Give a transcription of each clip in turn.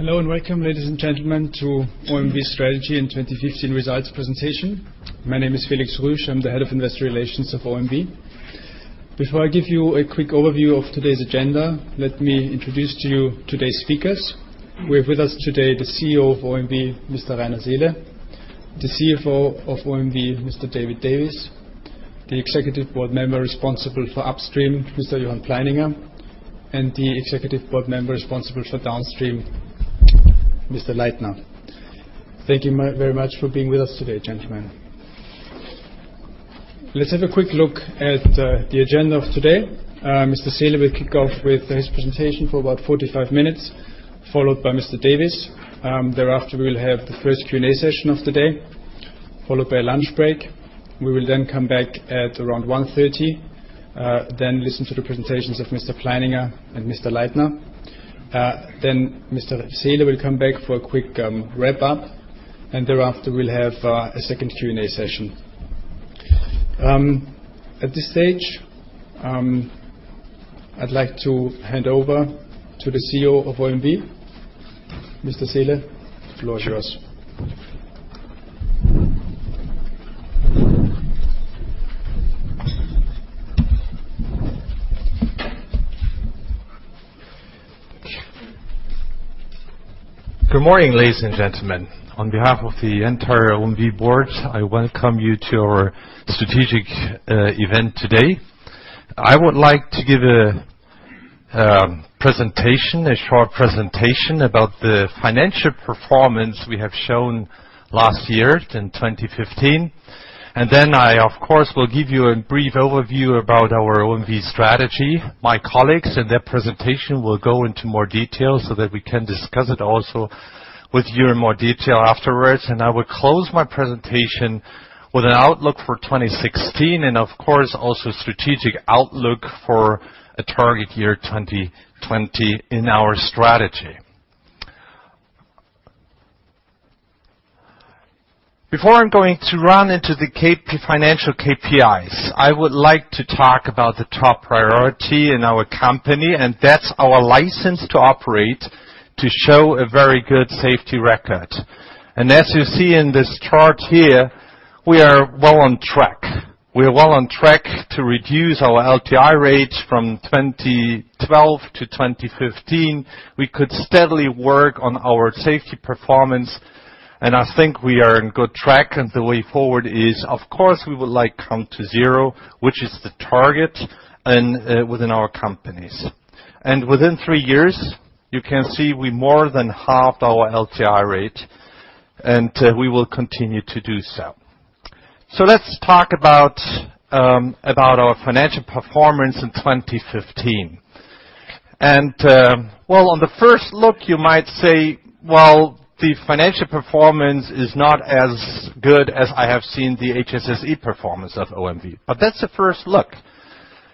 Hello and welcome, ladies and gentlemen, to OMV Strategy and 2015 Results Presentation. My name is Felix Rüsch. I'm the head of investor relations of OMV. Before I give you a quick overview of today's agenda, let me introduce to you today's speakers. We have with us today the CEO of OMV, Mr. Rainer Seele, the CFO of OMV, Mr. David Davies, the executive board member responsible for upstream, Mr. Johann Pleininger, and the executive board member responsible for downstream, Mr. Leitner. Thank you very much for being with us today, gentlemen. Let's have a quick look at the agenda of today. Mr. Seele will kick off with his presentation for about 45 minutes, followed by Mr. Davies. We will have the first Q&A session of the day, followed by a lunch break. We will come back at around 1:30, listen to the presentations of Mr. Pleininger and Mr. Leitner. Mr. Seele will come back for a quick wrap-up. Thereafter, we'll have a second Q&A session. At this stage, I'd like to hand over to the CEO of OMV. Mr. Seele, the floor is yours. Good morning, ladies and gentlemen. On behalf of the entire OMV board, I welcome you to our strategic event today. I would like to give a short presentation about the financial performance we have shown last year in 2015. I, of course, will give you a brief overview about our OMV strategy. My colleagues and their presentation will go into more details so that we can discuss it also with you in more detail afterwards. I will close my presentation with an outlook for 2016 and of course, also strategic outlook for a target year 2020 in our strategy. Before I'm going to run into the financial KPIs, I would like to talk about the top priority in our company, and that's our license to operate to show a very good safety record. As you see in this chart here, we are well on track. We are well on track to reduce our LTI rates from 2012 to 2015. We could steadily work on our safety performance, and I think we are on good track and the way forward is, of course, we would like count to zero, which is the target within our companies. Within three years, you can see we more than halved our LTI rate. We will continue to do so. Let's talk about our financial performance in 2015. Well, on the first look, you might say, well, the financial performance is not as good as I have seen the HSSE performance of OMV. That's the first look.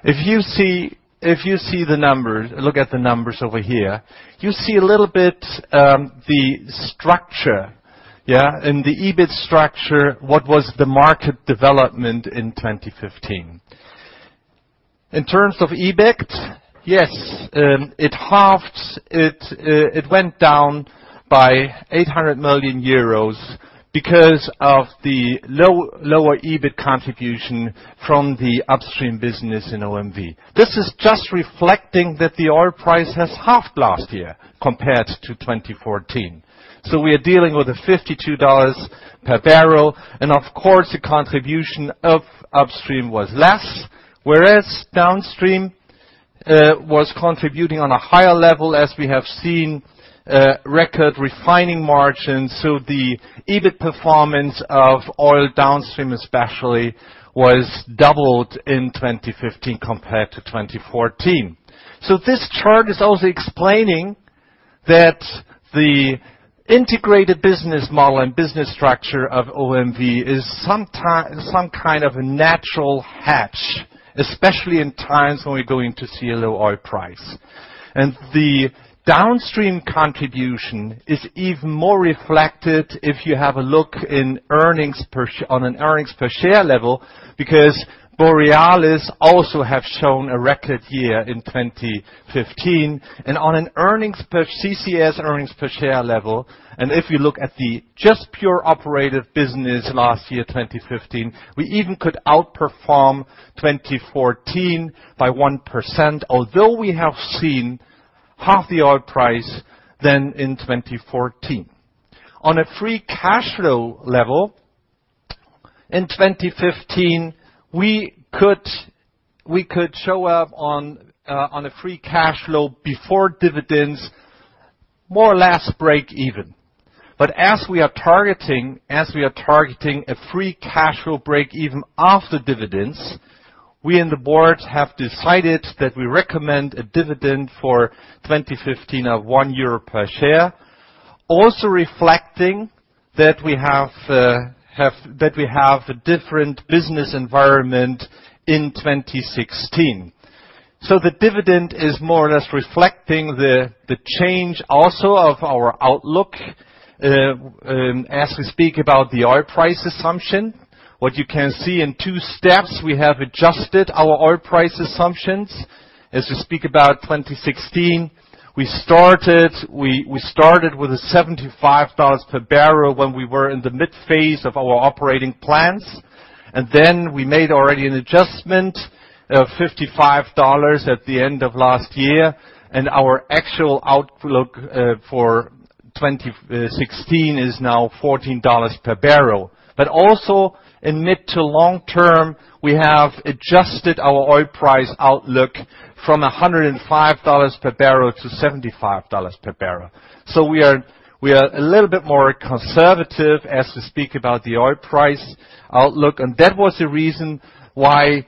If you look at the numbers over here, you see a little bit the structure. In the EBIT structure, what was the market development in 2015? In terms of EBIT, yes, it went down by 800 million euros because of the lower EBIT contribution from the Upstream business in OMV. This is just reflecting that the oil price has halved last year compared to 2014. We are dealing with a $52 per barrel. Of course, the contribution of Upstream was less, whereas Downstream was contributing on a higher level as we have seen record refining margins. The EBIT performance of Oil Downstream especially was doubled in 2015 compared to 2014. This chart is also explaining that the integrated business model and business structure of OMV is some kind of a natural hedge, especially in times when we're going to see a low oil price. The Downstream contribution is even more reflected if you have a look on an earnings per share level, because Borealis also have shown a record year in 2015. On a CCS earnings per share level, and if you look at the just pure operative business last year, 2015, we even could outperform 2014 by 1%, although we have seen half the oil price than in 2014. On a free cash flow level in 2015, we could show up on a free cash flow before dividends, more or less break even. As we are targeting a free cash flow break even after dividends, we in the board have decided that we recommend a dividend for 2015 of 1 euro per share, also reflecting that we have a different business environment in 2016. The dividend is more or less reflecting the change also of our outlook. As we speak about the oil price assumption, what you can see in two steps, we have adjusted our oil price assumptions. As we speak about 2016, we started with a $75 per barrel when we were in the mid-phase of our operating plans. Then we made already an adjustment of $55 at the end of last year. Our actual outlook for 2016 is now $40 per barrel. Also in mid to long term, we have adjusted our oil price outlook from $105 per barrel to $75 per barrel. We are a little bit more conservative as we speak about the oil price outlook, and that was the reason why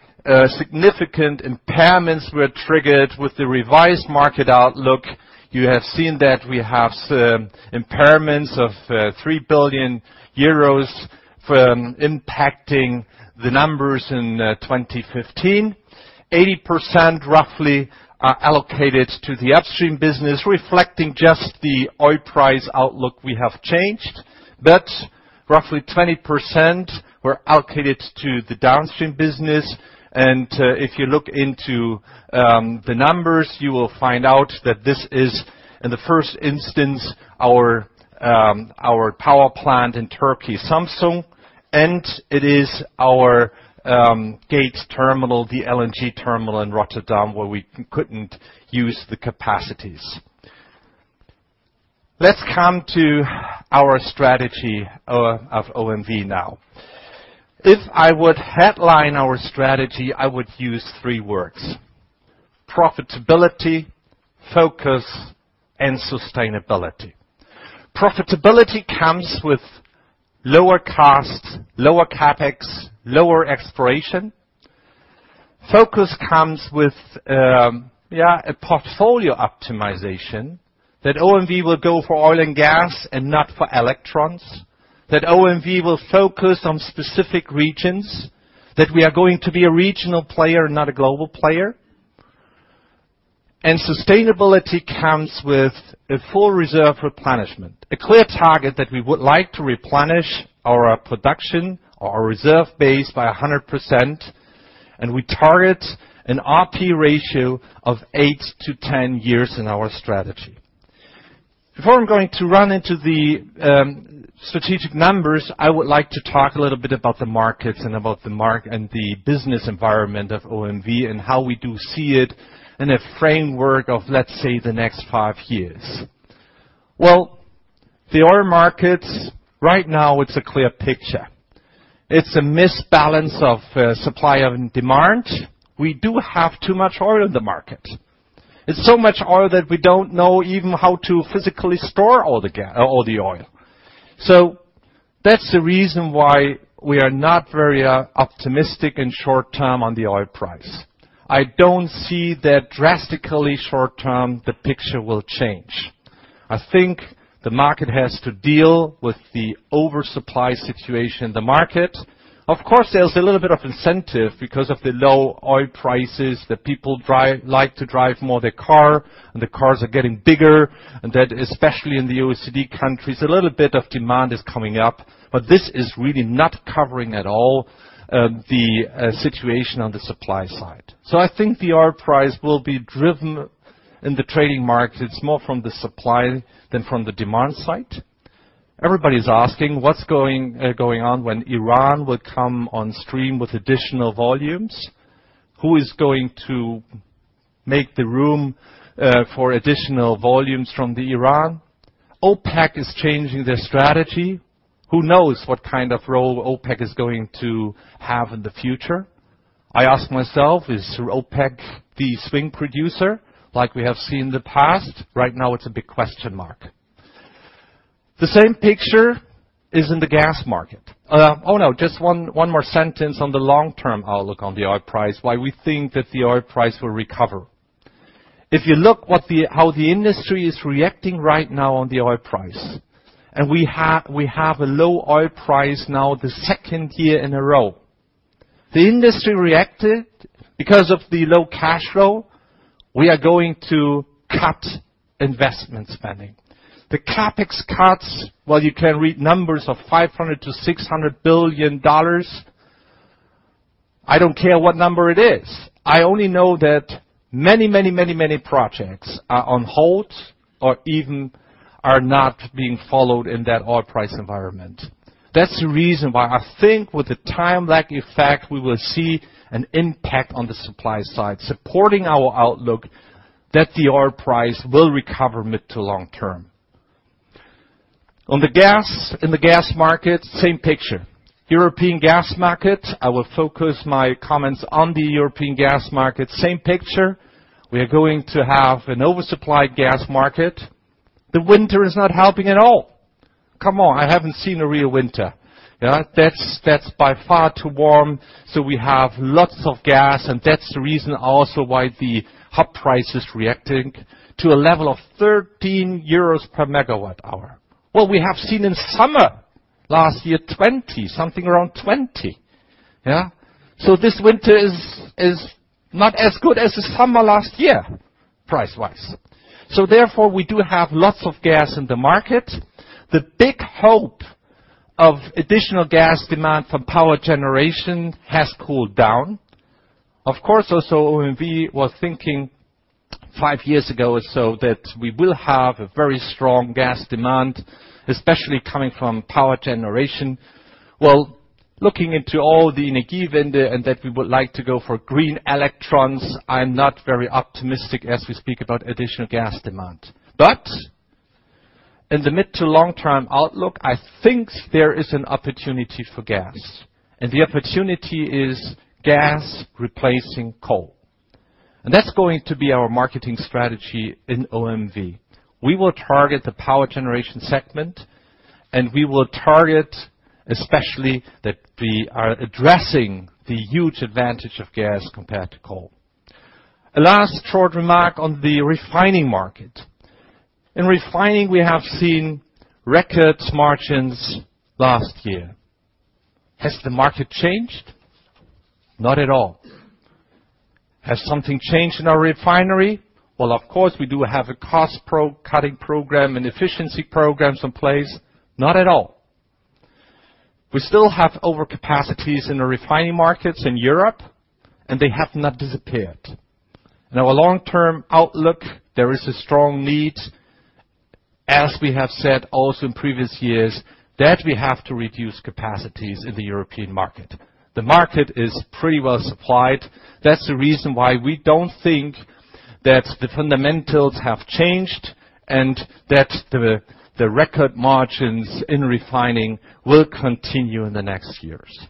significant impairments were triggered with the revised market outlook. You have seen that we have some impairments of 3 billion euros from impacting the numbers in 2015. 80% roughly are allocated to the Upstream business, reflecting just the oil price outlook we have changed. Roughly 20% were allocated to the Downstream business. If you look into the numbers, you will find out that this is, in the first instance, our power plant in Turkey, Samsun, and it is our Gate terminal, the LNG terminal in Rotterdam, where we couldn't use the capacities. Let's come to our strategy of OMV now. If I would headline our strategy, I would use three words: profitability, focus, and sustainability. Profitability comes with lower costs, lower CapEx, lower exploration. Focus comes with a portfolio optimization that OMV will go for oil and gas and not for electrons, that OMV will focus on specific regions, that we are going to be a regional player, not a global player. Sustainability comes with a full reserve replenishment. A clear target that we would like to replenish our production, our reserve base by 100%, and we target an R/P ratio of eight to 10 years in our strategy. Before I'm going to run into the strategic numbers, I would like to talk a little bit about the markets and about the business environment of OMV and how we do see it in a framework of, let's say, the next five years. The oil markets right now, it's a clear picture. It's an imbalance of supply and demand. We do have too much oil in the market. It's so much oil that we don't know even how to physically store all the oil. That's the reason why we are not very optimistic in short term on the oil price. I don't see that drastically short term, the picture will change. I think the market has to deal with the oversupply situation in the market. Of course, there's a little bit of incentive because of the low oil prices that people like to drive more their car and the cars are getting bigger, and that especially in the OECD countries, a little bit of demand is coming up, but this is really not covering at all the situation on the supply side. I think the oil price will be driven in the trading markets more from the supply than from the demand side. Everybody's asking, what's going on when Iran will come on stream with additional volumes? Who is going to make the room for additional volumes from Iran? OPEC is changing their strategy. Who knows what kind of role OPEC is going to have in the future? I ask myself, is OPEC the swing producer like we have seen in the past? Right now, it's a big question mark. The same picture is in the gas market. Just one more sentence on the long-term outlook on the oil price, why we think that the oil price will recover. If you look how the industry is reacting right now on the oil price, we have a low oil price now the second year in a row. The industry reacted because of the low cash flow. We are going to cut investment spending. The CapEx cuts, while you can read numbers of EUR 500 billion-EUR 600 billion, I don't care what number it is. I only know that many projects are on hold or even are not being followed in that oil price environment. That's the reason why I think with the time lag effect, we will see an impact on the supply side, supporting our outlook that the oil price will recover mid to long term. In the gas market, same picture. European gas market, I will focus my comments on the European gas market. Same picture. We are going to have an oversupply gas market. The winter is not helping at all. I haven't seen a real winter. That's by far too warm, so we have lots of gas, and that's the reason also why the hub price is reacting to a level of 13 euros per megawatt hour. Well, we have seen in summer last year 20, something around 20. Yeah. This winter is not as good as the summer last year. Price-wise. Therefore, we do have lots of gas in the market. The big hope of additional gas demand from power generation has cooled down. Of course, also OMV was thinking five years ago or so that we will have a very strong gas demand, especially coming from power generation. Well, looking into all the Energiewende and that we would like to go for green electrons, I am not very optimistic as we speak about additional gas demand. In the mid to long-term outlook, I think there is an opportunity for gas. The opportunity is gas replacing coal. That's going to be our marketing strategy in OMV. We will target the power generation segment, and we will target especially that we are addressing the huge advantage of gas compared to coal. A last short remark on the refining market. In refining, we have seen record margins last year. Has the market changed? Not at all. Has something changed in our refinery? Well, of course, we do have a cost-cutting program and efficiency programs in place. Not at all. We still have overcapacities in the refining markets in Europe, and they have not disappeared. In our long-term outlook, there is a strong need, as we have said also in previous years, that we have to reduce capacities in the European market. The market is pretty well supplied. That's the reason why we don't think that the fundamentals have changed and that the record margins in refining will continue in the next years.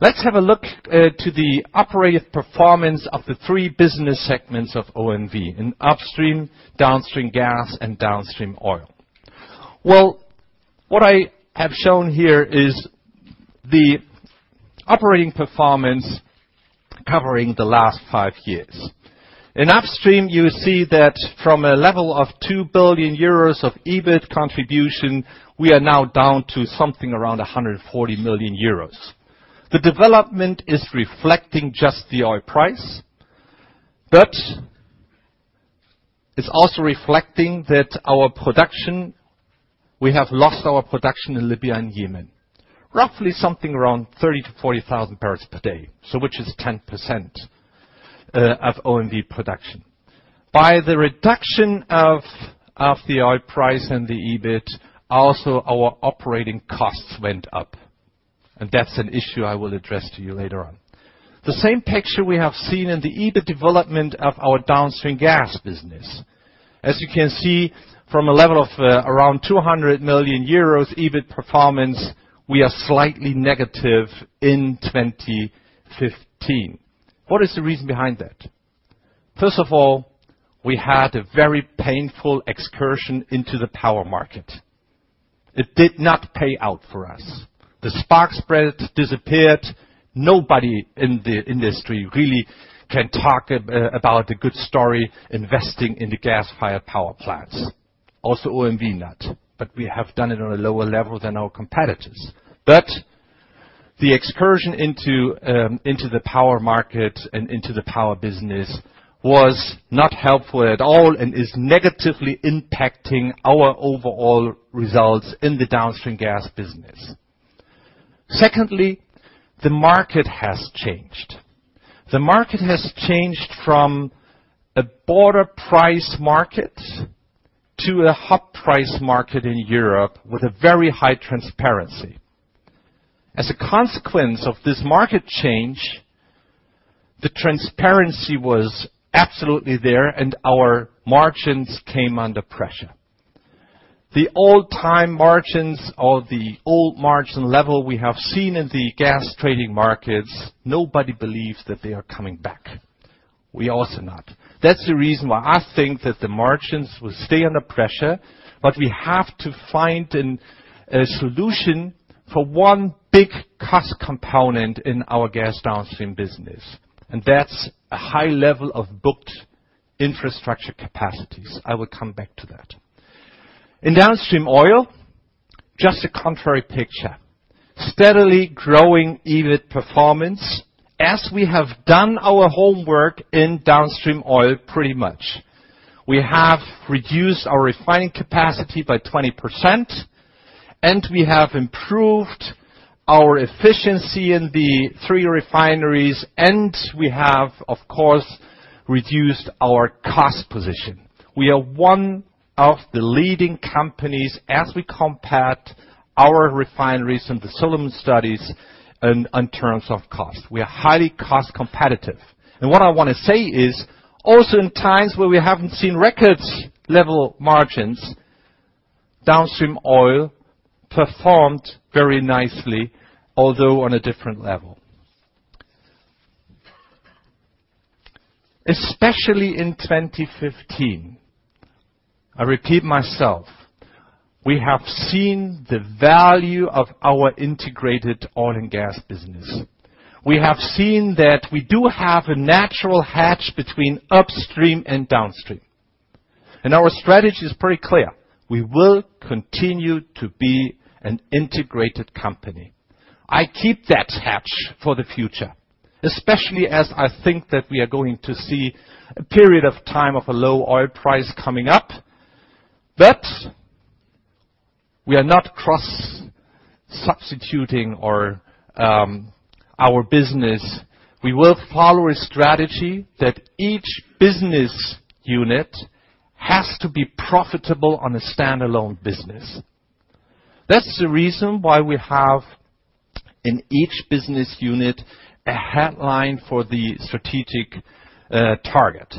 Let's have a look to the operative performance of the three business segments of OMV, in Upstream, Downstream Gas, and Downstream Oil. Well, what I have shown here is the operating performance covering the last five years. In Upstream, you see that from a level of 2 billion euros of EBIT contribution, we are now down to something around 140 million euros. The development is reflecting just the oil price, but it's also reflecting that our production, we have lost our production in Libya and Yemen. Roughly something around 30,000-40,000 barrels per day, so which is 10% of OMV production. By the reduction of the oil price and the EBIT, also our operating costs went up, and that's an issue I will address to you later on. The same picture we have seen in the EBIT development of our Downstream Gas business. As you can see, from a level of around 200 million euros EBIT performance, we are slightly negative in 2015. What is the reason behind that? First of all, we had a very painful excursion into the power market. It did not pay out for us. The spark spread disappeared. Nobody in the industry really can talk about a good story investing in the gas-fired power plants. Also OMV not, but we have done it on a lower level than our competitors. The excursion into the power market and into the power business was not helpful at all and is negatively impacting our overall results in the Downstream Gas business. Secondly, the market has changed from a border price market to a hub price market in Europe with a very high transparency. As a consequence of this market change, the transparency was absolutely there and our margins came under pressure. The all-time margins or the old margin level we have seen in the gas trading markets, nobody believes that they are coming back. We also not. That's the reason why I think that the margins will stay under pressure, but we have to find a solution for one big cost component in our gas Downstream business, that's a high level of booked infrastructure capacities. I will come back to that. In Downstream Oil, just a contrary picture. Steadily growing EBIT performance as we have done our homework in Downstream Oil pretty much. We have reduced our refining capacity by 20%. We have improved our efficiency in the three refineries. We have, of course, reduced our cost position. We are one of the leading companies as we compared our refineries in the Solomon Studies in terms of cost. We are highly cost competitive. What I want to say is, also in times where we haven't seen record-level margins, Downstream Oil performed very nicely, although on a different level. Especially in 2015, I repeat myself, we have seen the value of our integrated oil and gas business. We have seen that we do have a natural hedge between upstream and downstream. Our strategy is pretty clear. We will continue to be an integrated company. I keep that hedge for the future, especially as I think that we are going to see a period of time of a low oil price coming up, we are not cross-substituting our business. We will follow a strategy that each business unit has to be profitable on a standalone business. That's the reason why we have, in each business unit, a headline for the strategic target.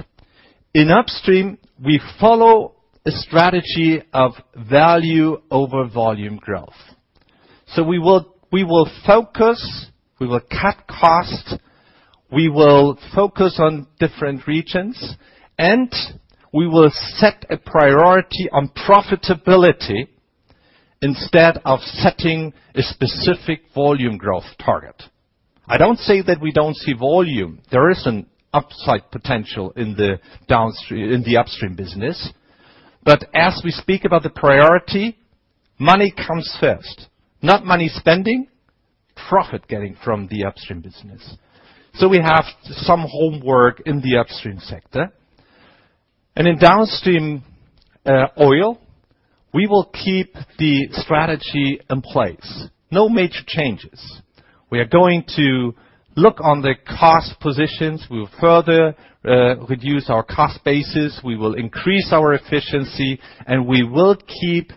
In upstream, we follow a strategy of value over volume growth. We will focus, we will cut costs, we will focus on different regions. We will set a priority on profitability instead of setting a specific volume growth target. I don't say that we don't see volume. There is an upside potential in the upstream business. As we speak about the priority, money comes first. Not money spending, profit getting from the upstream business. We have some homework in the upstream sector. In Downstream Oil, we will keep the strategy in place. No major changes. We are going to look on the cost positions. We will further reduce our cost basis. We will increase our efficiency. We will keep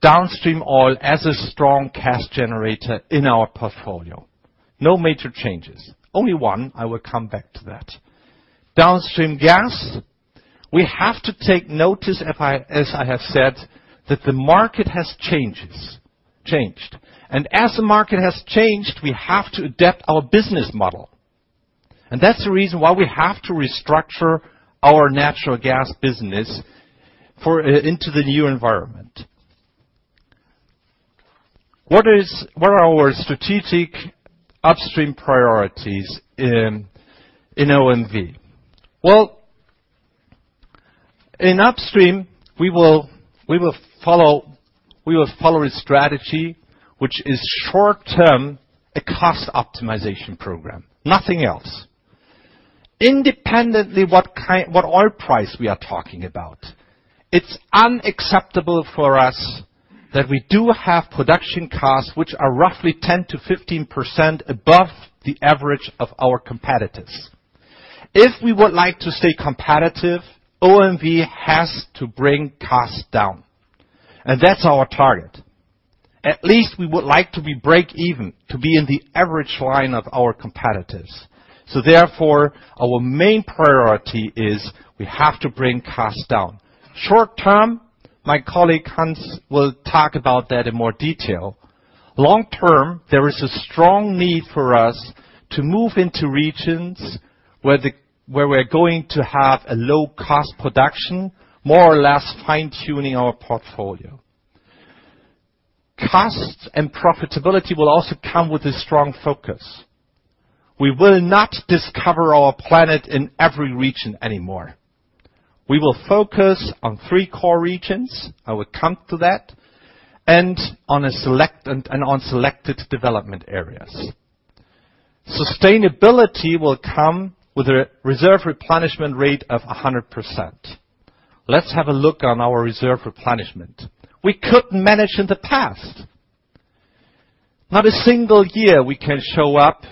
Downstream Oil as a strong cash generator in our portfolio. No major changes. Only one, I will come back to that. Downstream Gas, we have to take notice, as I have said, that the market has changed. As the market has changed, we have to adapt our business model. That's the reason why we have to restructure our natural gas business into the new environment. What are our strategic upstream priorities in OMV? In upstream, we will follow a strategy which is short-term, a cost optimization program, nothing else. Independently what oil price we are talking about, it's unacceptable for us that we do have production costs, which are roughly 10%-15% above the average of our competitors. If we would like to stay competitive, OMV has to bring costs down. That's our target. At least we would like to be break even, to be in the average line of our competitors. Therefore, our main priority is we have to bring costs down. Short-term, my colleague, Hans, will talk about that in more detail. Long-term, there is a strong need for us to move into regions where we're going to have a low-cost production, more or less fine-tuning our portfolio. Costs and profitability will also come with a strong focus. We will not discover our planet in every region anymore. We will focus on three core regions, I will come to that, and on selected development areas. Sustainability will come with a reserve replenishment rate of 100%. Let's have a look on our reserve replenishment. We couldn't manage in the past. Not a single year we can show up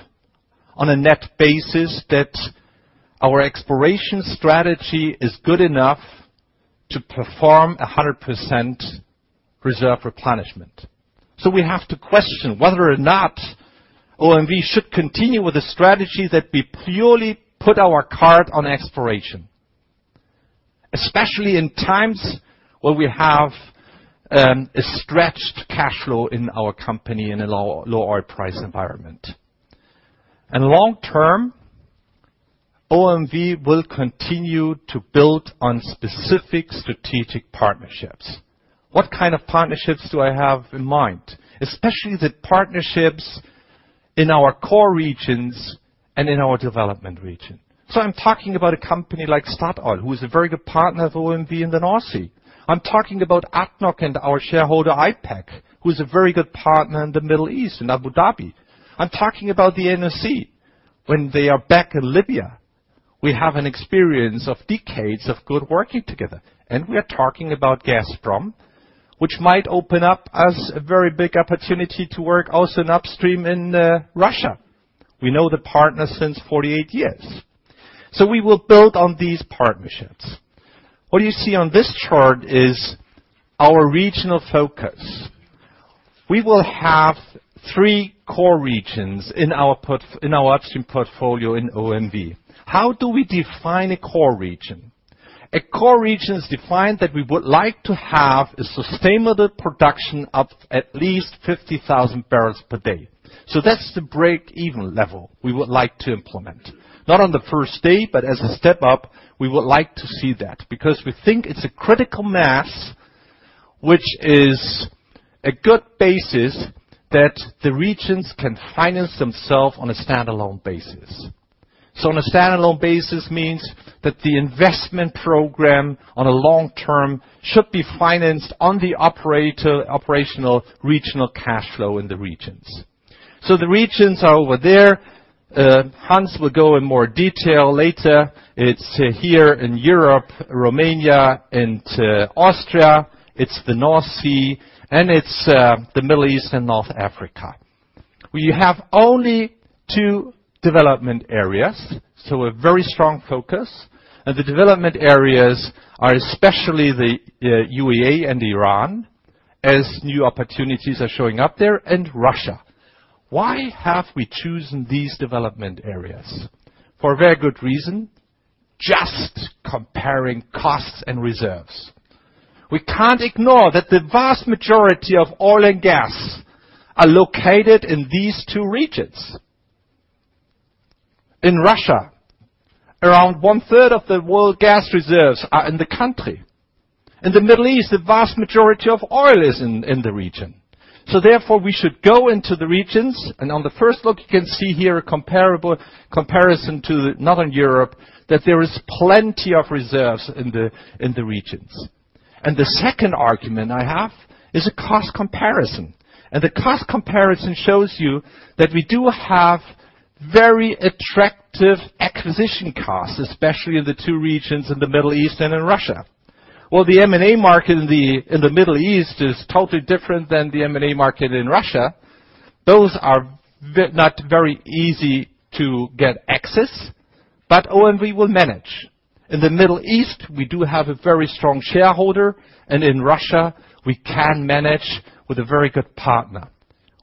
on a net basis that our exploration strategy is good enough to perform 100% reserve replenishment. We have to question whether or not OMV should continue with a strategy that we purely put our card on exploration, especially in times where we have a stretched cash flow in our company in a low oil price environment. Long-term, OMV will continue to build on specific strategic partnerships. What kind of partnerships do I have in mind? Especially the partnerships in our core regions and in our development region. I'm talking about a company like Statoil, who is a very good partner of OMV in the North Sea. I'm talking about ADNOC and our shareholder, IPIC, who's a very good partner in the Middle East, in Abu Dhabi. I'm talking about the NOC. When they are back in Libya, we have an experience of decades of good working together. We are talking about Gazprom, which might open up as a very big opportunity to work also in upstream in Russia. We know the partner since 48 years. We will build on these partnerships. What you see on this chart is our regional focus. We will have three core regions in our upstream portfolio in OMV. How do we define a core region? A core region is defined that we would like to have a sustainable production of at least 50,000 barrels per day. That's the break-even level we would like to implement. Not on the first day, but as a step up, we would like to see that because we think it's a critical mass which is a good basis that the regions can finance themselves on a standalone basis. On a standalone basis means that the investment program on a long term should be financed on the operational regional cash flow in the regions. The regions are over there. Hans will go in more detail later. It's here in Europe, Romania, and Austria. It's the North Sea, and it's the Middle East and North Africa. We have only two development areas, so a very strong focus. The development areas are especially the UAE and Iran, as new opportunities are showing up there, and Russia. Why have we chosen these development areas? For a very good reason. Just comparing costs and reserves. We can't ignore that the vast majority of oil and gas are located in these two regions. In Russia, around one-third of the world gas reserves are in the country. In the Middle East, the vast majority of oil is in the region. Therefore, we should go into the regions. On the first look, you can see here a comparison to Northern Europe, that there is plenty of reserves in the regions. The second argument I have is a cost comparison. The cost comparison shows you that we do have very attractive acquisition costs, especially in the two regions in the Middle East and in Russia. Well, the M&A market in the Middle East is totally different than the M&A market in Russia. Those are not very easy to get access, but OMV will manage. In the Middle East, we do have a very strong shareholder, and in Russia, we can manage with a very good partner.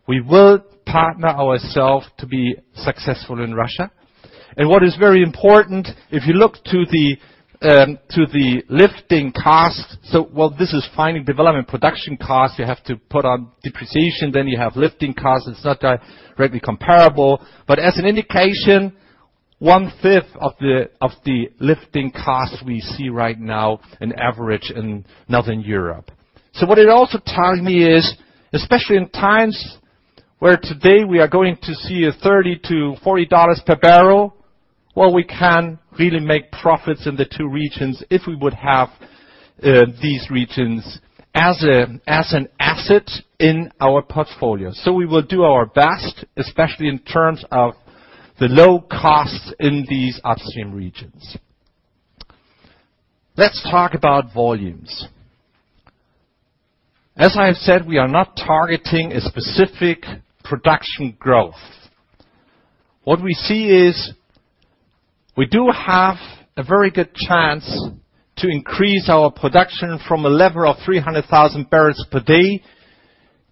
We will partner ourselves to be successful in Russia. What is very important, if you look to the lifting cost, while this is finding development production cost, you have to put on depreciation, then you have lifting costs, it's not directly comparable. As an indication, one-fifth of the lifting cost we see right now in average in Northern Europe. What it also tells me is, especially in times where today we are going to see a $30-$40 per barrel, well, we can really make profits in the two regions if we would have these regions as an asset in our portfolio. We will do our best, especially in terms of the low costs in these upstream regions. Let's talk about volumes. As I have said, we are not targeting a specific production growth. What we see is we do have a very good chance to increase our production from a level of 300,000 barrels per day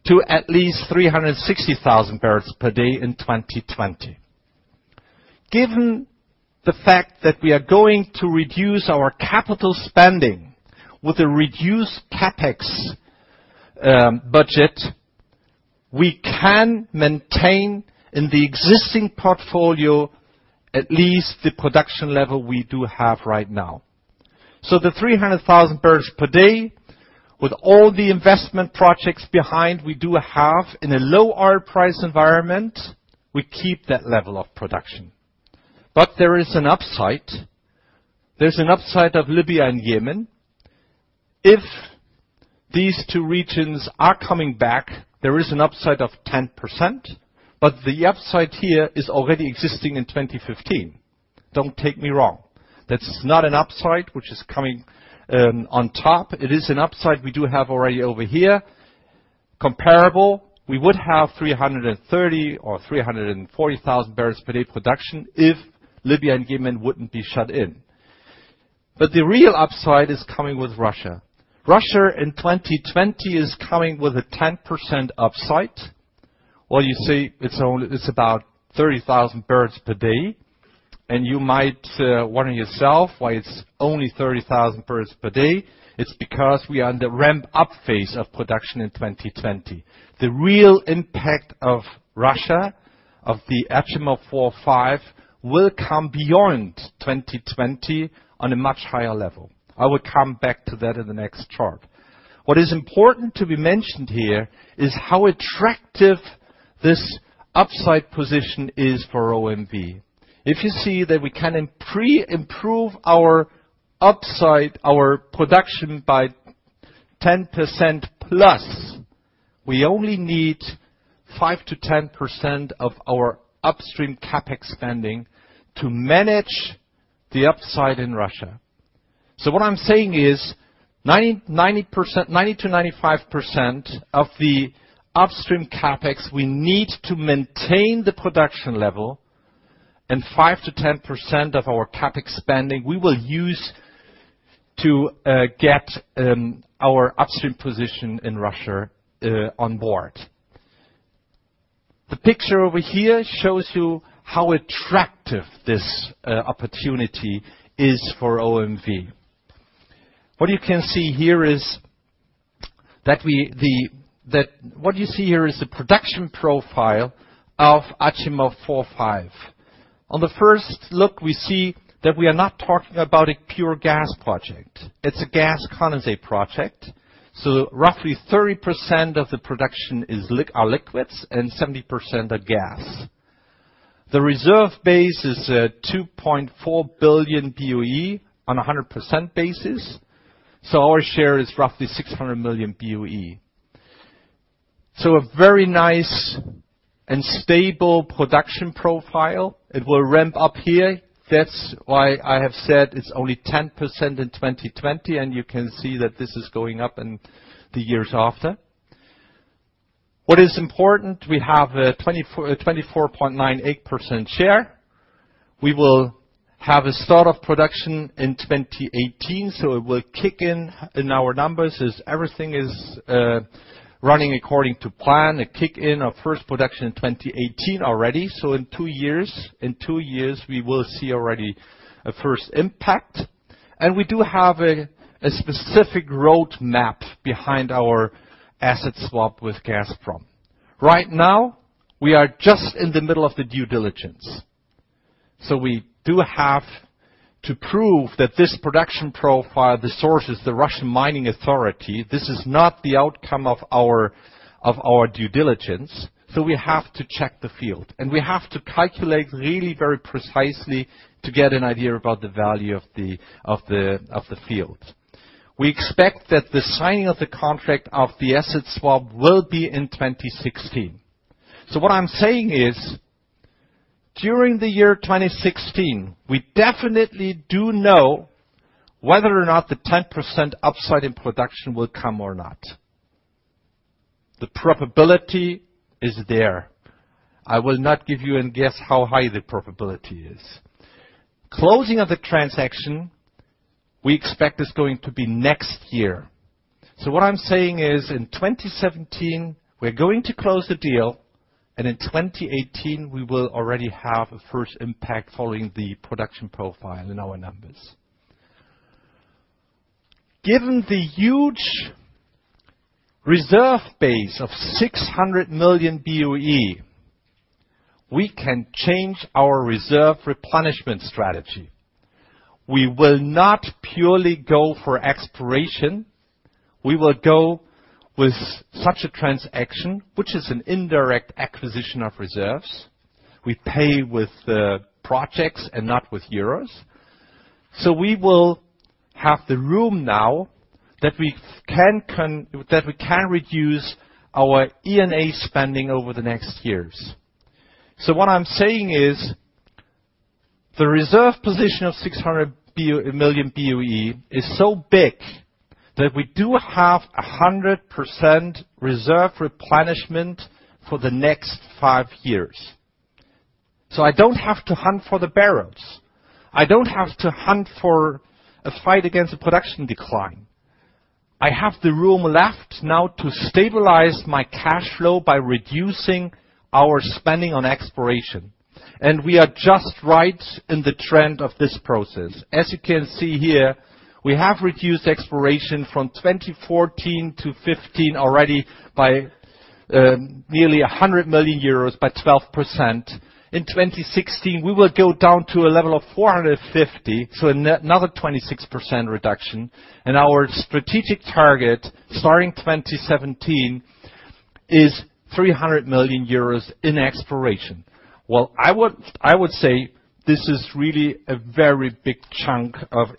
to at least 360,000 barrels per day in 2020. Given the fact that we are going to reduce our capital spending with a reduced CapEx budget, we can maintain in the existing portfolio at least the production level we do have right now. The 300,000 barrels per day, with all the investment projects behind we do have in a low oil price environment, we keep that level of production. There is an upside. There is an upside of Libya and Yemen. If these two regions are coming back, there is an upside of 10%, but the upside here is already existing in 2015. Don't take me wrong. That's not an upside which is coming on top. It is an upside we do have already over here. Comparable, we would have 330,000 or 340,000 barrels per day production if Libya and Yemen wouldn't be shut in. The real upside is coming with Russia. Russia in 2020 is coming with a 10% upside. You say it's about 30,000 barrels per day, and you might wonder yourself why it's only 30,000 barrels per day. It's because we are in the ramp-up phase of production in 2020. The real impact of Russia of the Achimov 4, 5 will come beyond 2020 on a much higher level. I will come back to that in the next chart. What is important to be mentioned here is how attractive this upside position is for OMV. If you see that we can improve our upside, our production by 10%+, we only need 5%-10% of our upstream CapEx spending to manage the upside in Russia. What I'm saying is 90%-95% of the upstream CapEx we need to maintain the production level, and 5%-10% of our CapEx spending we will use to get our upstream position in Russia on board. The picture over here shows you how attractive this opportunity is for OMV. What you see here is the production profile of Achimov 4/5. On the first look, we see that we are not talking about a pure gas project. It's a gas condensate project, so roughly 30% of the production are liquids and 70% are gas. The reserve base is 2.4 billion BOE on 100% basis, so our share is roughly 600 million BOE. A very nice and stable production profile. It will ramp up here. That's why I have said it's only 10% in 2020, and you can see that this is going up in the years after. What is important, we have a 24.98% share. We will have a start of production in 2018, so it will kick in our numbers as everything is running according to plan. A kick in of first production in 2018 already. In two years we will see already a first impact. We do have a specific roadmap behind our asset swap with Gazprom. Right now, we are just in the middle of the due diligence. We do have to prove that this production profile, the source is the Russian Mining Authority. This is not the outcome of our due diligence. We have to check the field, we have to calculate really very precisely to get an idea about the value of the field. We expect that the signing of the contract of the asset swap will be in 2016. What I'm saying is during the year 2016, we definitely do know whether or not the 10% upside in production will come or not. The probability is there. I will not give you a guess how high the probability is. Closing of the transaction we expect is going to be next year. What I'm saying is in 2017, we're going to close the deal, and in 2018, we will already have a first impact following the production profile in our numbers. Given the huge reserve base of 600 million BOE, we can change our reserve replenishment strategy. We will not purely go for exploration. We will go with such a transaction, which is an indirect acquisition of reserves. We pay with projects and not with EUR. We will have the room now that we can reduce our E&A spending over the next years. What I'm saying is the reserve position of 600 million BOE is so big that we do have 100% reserve replenishment for the next five years. I don't have to hunt for the barrels. I don't have to hunt for a fight against a production decline. I have the room left now to stabilize my cash flow by reducing our spending on exploration, and we are just right in the trend of this process. As you can see here, we have reduced exploration from 2014-2015 already by nearly 100 million euros, by 12%. In 2016, we will go down to a level of 450 million, so another 26% reduction. Our strategic target starting 2017 is 300 million euros in exploration. Well, I would say this is really a very big chunk of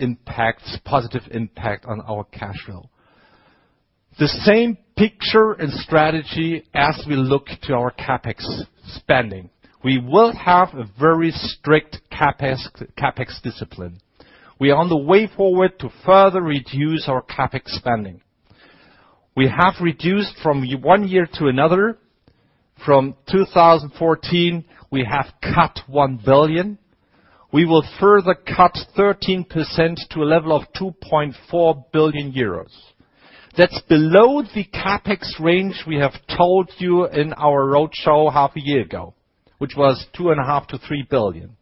positive impact on our cash flow. The same picture and strategy as we look to our CapEx spending. We will have a very strict CapEx discipline. We are on the way forward to further reduce our CapEx spending. We have reduced from one year to another. From 2014, we have cut 1 billion. We will further cut 13% to a level of 2.4 billion euros. That's below the CapEx range we have told you in our roadshow half a year ago, which was 2.5 billion-3 billion.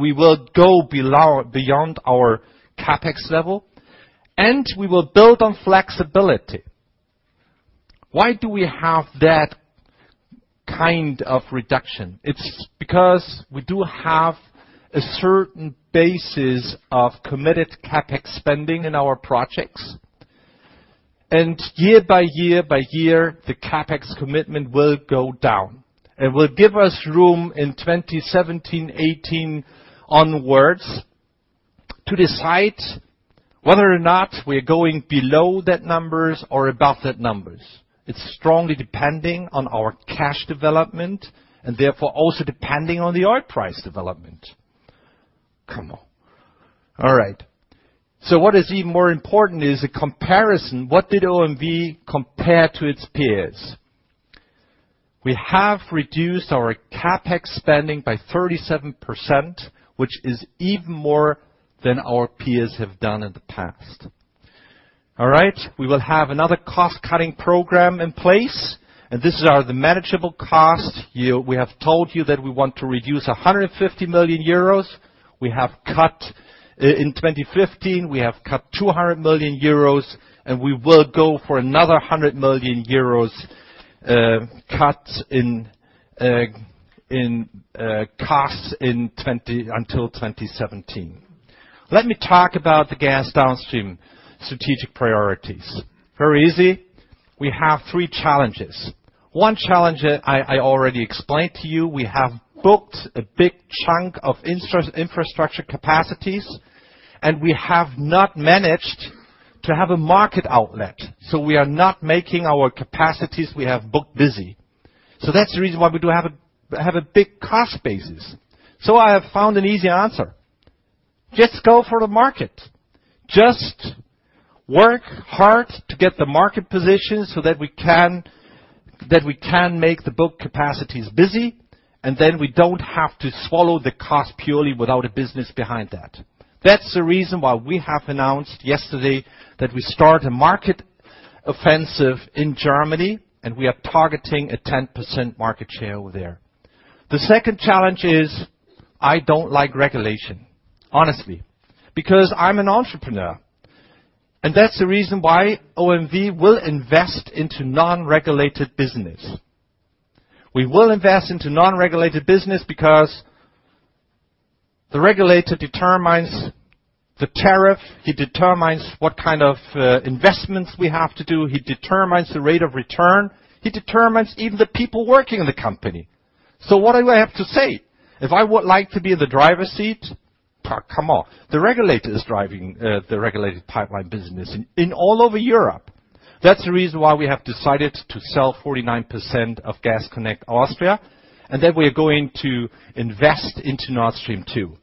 We will go beyond our CapEx level, and we will build on flexibility. Why do we have that kind of reduction? It's because we do have a certain basis of committed CapEx spending in our projects. Year by year by year, the CapEx commitment will go down and will give us room in 2017, 2018 onwards to decide whether or not we're going below that numbers or above that numbers. It's strongly depending on our cash development and therefore also depending on the oil price development. Come on. All right. What is even more important is a comparison. What did OMV compare to its peers? We have reduced our CapEx spending by 37%, which is even more than our peers have done in the past. All right? We will have another cost-cutting program in place, and this is the manageable cost. We have told you that we want to reduce 150 million euros. We have cut in 2015, we have cut 200 million euros, and we will go for another 100 million euros cuts in costs until 2017. Let me talk about the gas downstream strategic priorities. Very easy. We have three challenges. One challenge, I already explained to you. We have booked a big chunk of infrastructure capacities, and we have not managed to have a market outlet. We are not making our capacities we have booked busy. That's the reason why we do have a big cost basis. I have found an easy answer. Just go for the market. Just work hard to get the market position so that we can make the book capacities busy, and then we don't have to swallow the cost purely without a business behind that. That's the reason why we have announced yesterday that we start a market offensive in Germany, and we are targeting a 10% market share there. The second challenge is I don't like regulation, honestly, because I'm an entrepreneur. That's the reason why OMV will invest into non-regulated business. We will invest into non-regulated business because the regulator determines the tariff. He determines what kind of investments we have to do. He determines the rate of return. He determines even the people working in the company. What do I have to say? If I would like to be in the driver's seat, come on. The regulator is driving the regulated pipeline business in all over Europe. That's the reason why we have decided to sell 49% of Gas Connect Austria, and then we are going to invest into Nord Stream 2.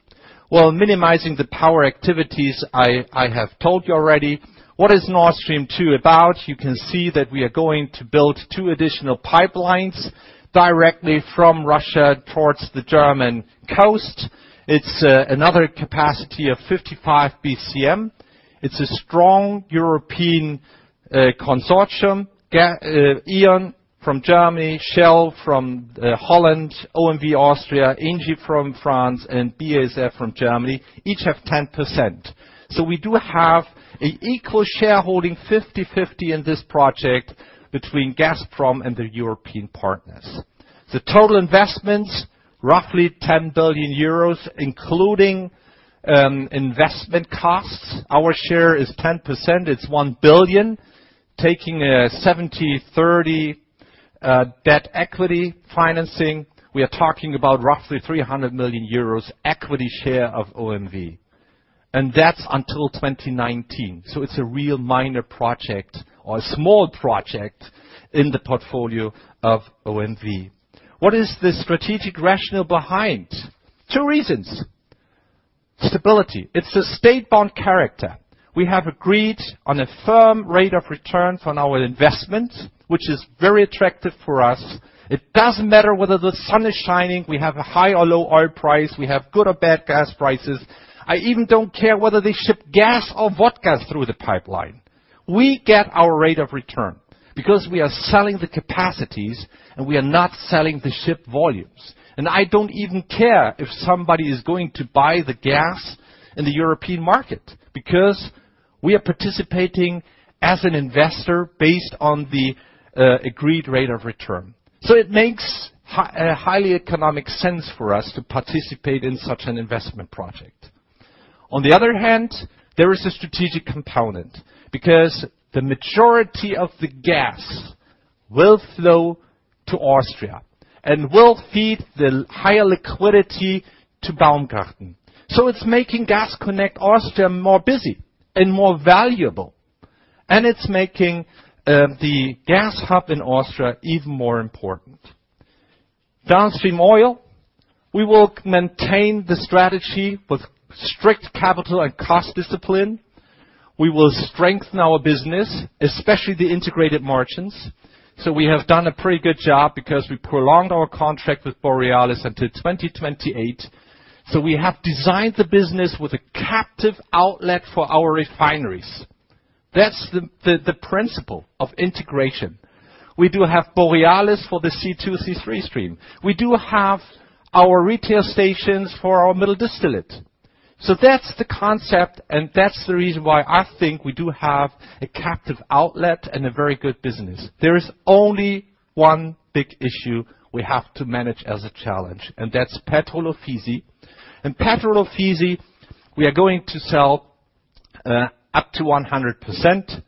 While minimizing the power activities, I have told you already. What is Nord Stream 2 about? You can see that we are going to build two additional pipelines directly from Russia towards the German coast. It's another capacity of 55 BCM. It's a strong European consortium. E.ON from Germany, Shell from Holland, OMV Austria, Engie from France, and BASF from Germany, each have 10%. We do have an equal shareholding, 50/50 in this project between Gazprom and the European partners. The total investment, roughly 10 billion euros, including investment costs. Our share is 10%. It's 1 billion. Taking a 70/30 debt equity financing, we are talking about roughly 300 million euros equity share of OMV. That's until 2019. It's a real minor project or a small project in the portfolio of OMV. What is the strategic rationale behind? Two reasons. Stability. It's a state-bond character. We have agreed on a firm rate of return on our investment, which is very attractive for us. It doesn't matter whether the sun is shining, we have a high or low oil price, we have good or bad gas prices. I even don't care whether they ship gas or vodka through the pipeline. We get our rate of return because we are selling the capacities and we are not selling the ship volumes. I don't even care if somebody is going to buy the gas in the European market because we are participating as an investor based on the agreed rate of return. It makes highly economic sense for us to participate in such an investment project. On the other hand, there is a strategic component because the majority of the gas will flow to Austria and will feed the higher liquidity to Baumgarten. It's making Gas Connect Austria more busy and more valuable. It's making the gas hub in Austria even more important. Downstream Oil, we will maintain the strategy with strict capital and cost discipline. We will strengthen our business, especially the integrated margins. We have done a pretty good job because we prolonged our contract with Borealis until 2028. We have designed the business with a captive outlet for our refineries. That's the principle of integration. We do have Borealis for the C2, C3 stream. We do have our retail stations for our middle distillate. That's the concept, and that's the reason why I think we do have a captive outlet and a very good business. There is only one big issue we have to manage as a challenge, and that's Petrol Ofisi. Petrol Ofisi, we are going to sell up to 100%.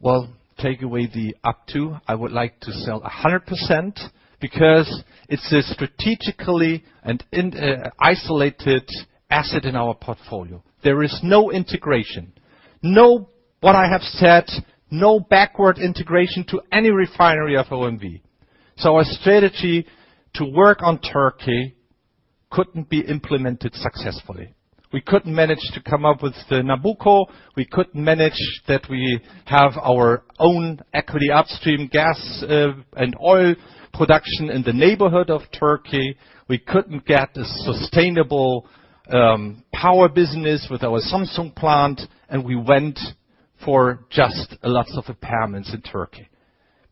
Well, take away the up to. I would like to sell 100% because it's a strategically and isolated asset in our portfolio. There is no integration. What I have said, no backward integration to any refinery of OMV. Our strategy to work on Turkey couldn't be implemented successfully. We couldn't manage to come up with the Nabucco. We couldn't manage that we have our own equity upstream gas and oil production in the neighborhood of Turkey. We couldn't get a sustainable power business with our Samsun plant, and we went for just lots of apartments in Turkey.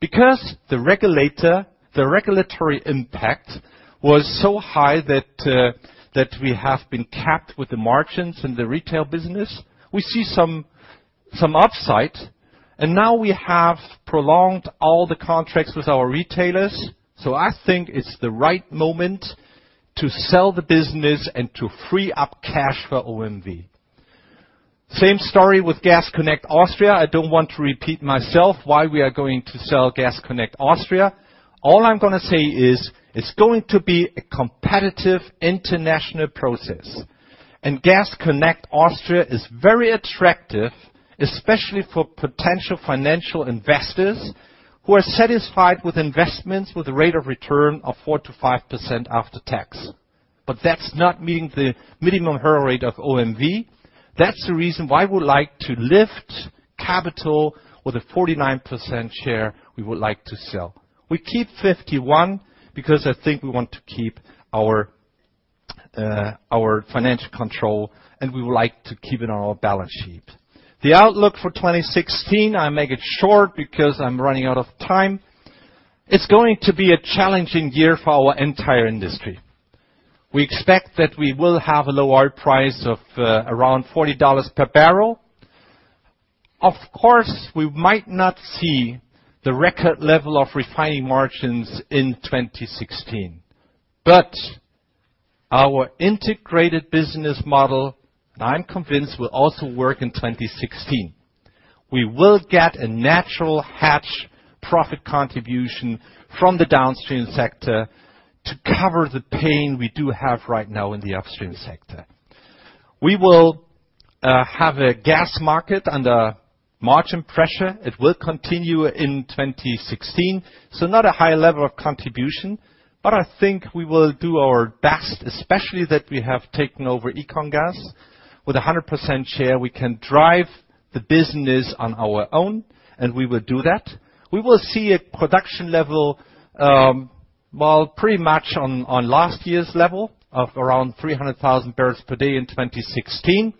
Because the regulator, the regulatory impact was so high that we have been capped with the margins in the retail business. We see some upside. Now we have prolonged all the contracts with our retailers. I think it's the right moment to sell the business and to free up cash for OMV. Same story with Gas Connect Austria. I don't want to repeat myself why we are going to sell Gas Connect Austria. All I'm going to say is, it's going to be a competitive international process. Gas Connect Austria is very attractive, especially for potential financial investors who are satisfied with investments with a rate of return of 4%-5% after tax. That's not meeting the minimum hurdle rate of OMV. That's the reason why we would like to lift capital with the 49% share we would like to sell. We keep 51 because I think we want to keep our financial control, and we would like to keep it on our balance sheet. The outlook for 2016, I make it short because I'm running out of time. It's going to be a challenging year for our entire industry. We expect that we will have a lower price of around EUR 40 per barrel. Of course, we might not see the record level of refining margins in 2016. Our integrated business model, and I'm convinced, will also work in 2016. We will get a natural hedge profit contribution from the downstream sector to cover the pain we do have right now in the upstream sector. We will have a gas market under margin pressure. It will continue in 2016, not a high level of contribution, but I think we will do our best, especially that we have taken over EconGas. With 100% share, we can drive the business on our own, and we will do that. We will see a production level, well, pretty much on last year's level of around 300,000 barrels per day in 2016.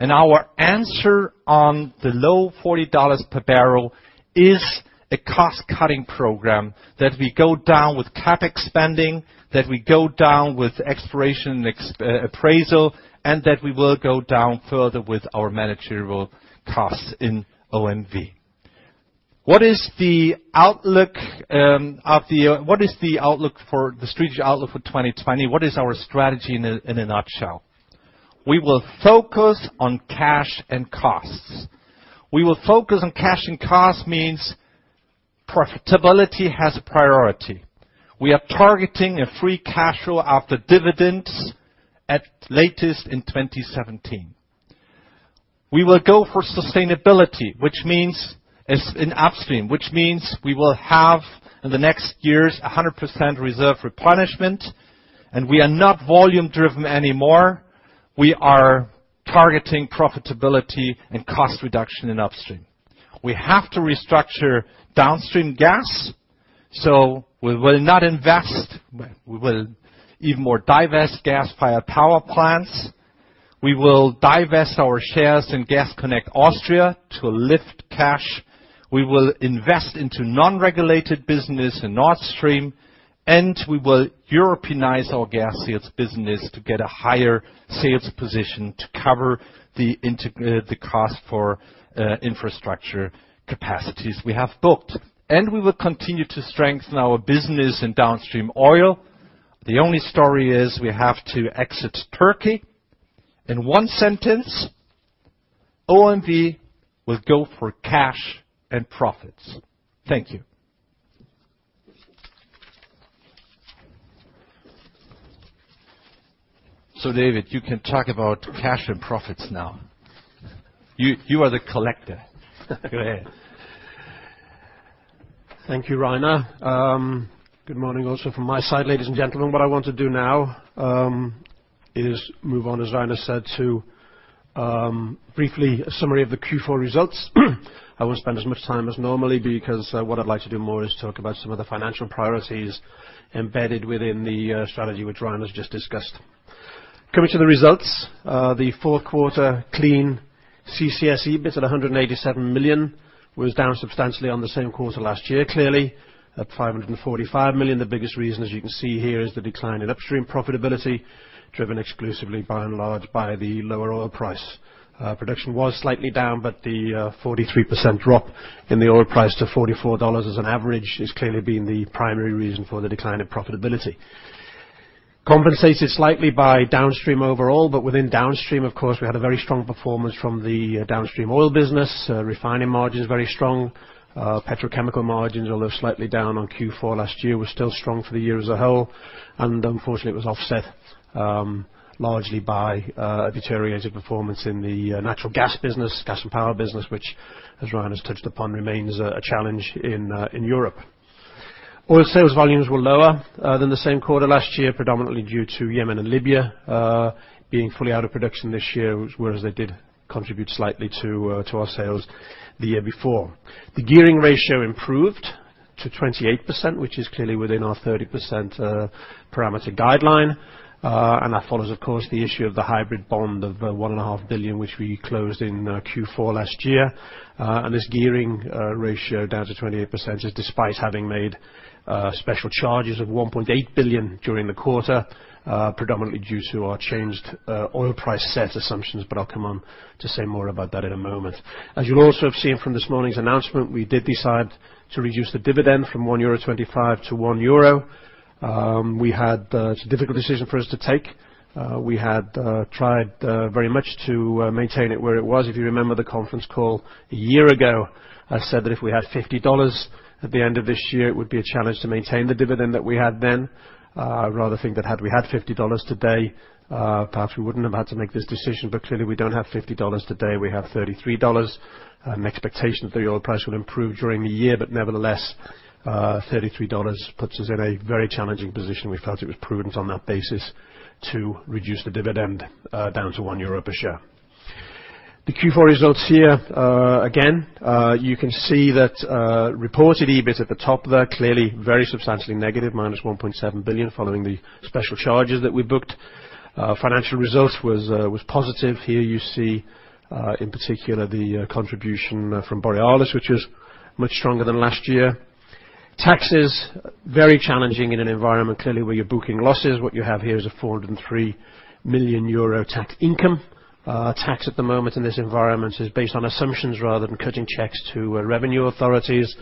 Our answer on the low EUR 40 per barrel is a cost-cutting program that we go down with CapEx spending, that we go down with exploration appraisal, and that we will go down further with our managerial costs in OMV. What is the strategic outlook for 2020? What is our strategy in a nutshell? We will focus on cash and costs. We will focus on cash and costs means profitability has priority. We are targeting a free cash flow after dividends at latest in 2017. We will go for sustainability, which means it's in upstream, which means we will have in the next years 100% reserve replenishment, and we are not volume-driven anymore. We are targeting profitability and cost reduction in upstream. We have to restructure Downstream Gas. We will not invest. We will even more divest gas via power plants. We will divest our shares in Gas Connect Austria to lift cash. We will invest into non-regulated business in Nord Stream. We will Europeanize our gas sales business to get a higher sales position to cover the cost for infrastructure capacities we have booked. We will continue to strengthen our business in Downstream Oil. The only story is we have to exit Turkey. In one sentence, OMV will go for cash and profits. Thank you. David, you can talk about cash and profits now. You are the collector. Go ahead. Thank you, Rainer. Good morning also from my side, ladies and gentlemen. What I want to do now is move on, as Rainer said, to briefly a summary of the Q4 results. I won't spend as much time as normally because what I'd like to do more is talk about some of the financial priorities embedded within the strategy which Rainer's just discussed. Coming to the results, the fourth quarter clean CCS EBITDA at 187 million was down substantially on the same quarter last year, clearly at 545 million. The biggest reason, as you can see here, is the decline in Upstream profitability, driven exclusively by and large by the lower oil price. Production was slightly down, but the 43% drop in the oil price to 44 dollars as an average has clearly been the primary reason for the decline of profitability. Compensated slightly by Downstream overall, but within Downstream, of course, we had a very strong performance from the Downstream Oil business. Refining margin is very strong. Petrochemical margins, although slightly down on Q4 last year, were still strong for the year as a whole. Unfortunately, it was offset largely by a deteriorated performance in the Downstream Gas business, which as Rainer has touched upon, remains a challenge in Europe. Oil sales volumes were lower than the same quarter last year, predominantly due to Yemen and Libya being fully out of production this year, whereas they did contribute slightly to our sales the year before. The gearing ratio improved to 28%, which is clearly within our 30% parameter guideline. That follows, of course, the issue of the hybrid bond of 1.5 billion, which we closed in Q4 last year. This gearing ratio down to 28% is despite having made special charges of 1.8 billion during the quarter predominantly due to our changed oil price set assumptions, but I'll come on to say more about that in a moment. As you'll also have seen from this morning's announcement, we did decide to reduce the dividend from 1.25 euro to 1 euro. It's a difficult decision for us to take. We had tried very much to maintain it where it was. If you remember the conference call a year ago, I said that if we had 50 dollars at the end of this year, it would be a challenge to maintain the dividend that we had then. I'd rather think that had we had 50 dollars today, perhaps we wouldn't have had to make this decision. Clearly we don't have 50 dollars today. We have 33 dollars. An expectation that the oil price would improve during the year, but nevertheless, 33 dollars puts us in a very challenging position. We felt it was prudent on that basis to reduce the dividend down to 1 euro a share. The Q4 results here. Again, you can see that reported EBIT at the top there, clearly very substantially negative, minus 1.7 billion following the special charges that we booked. Financial results was positive. Here you see, in particular, the contribution from Borealis, which was much stronger than last year. Taxes, very challenging in an environment, clearly, where you're booking losses. What you have here is a 403 million euro tax income. Tax at the moment in this environment is based on assumptions rather than cutting checks to revenue authorities.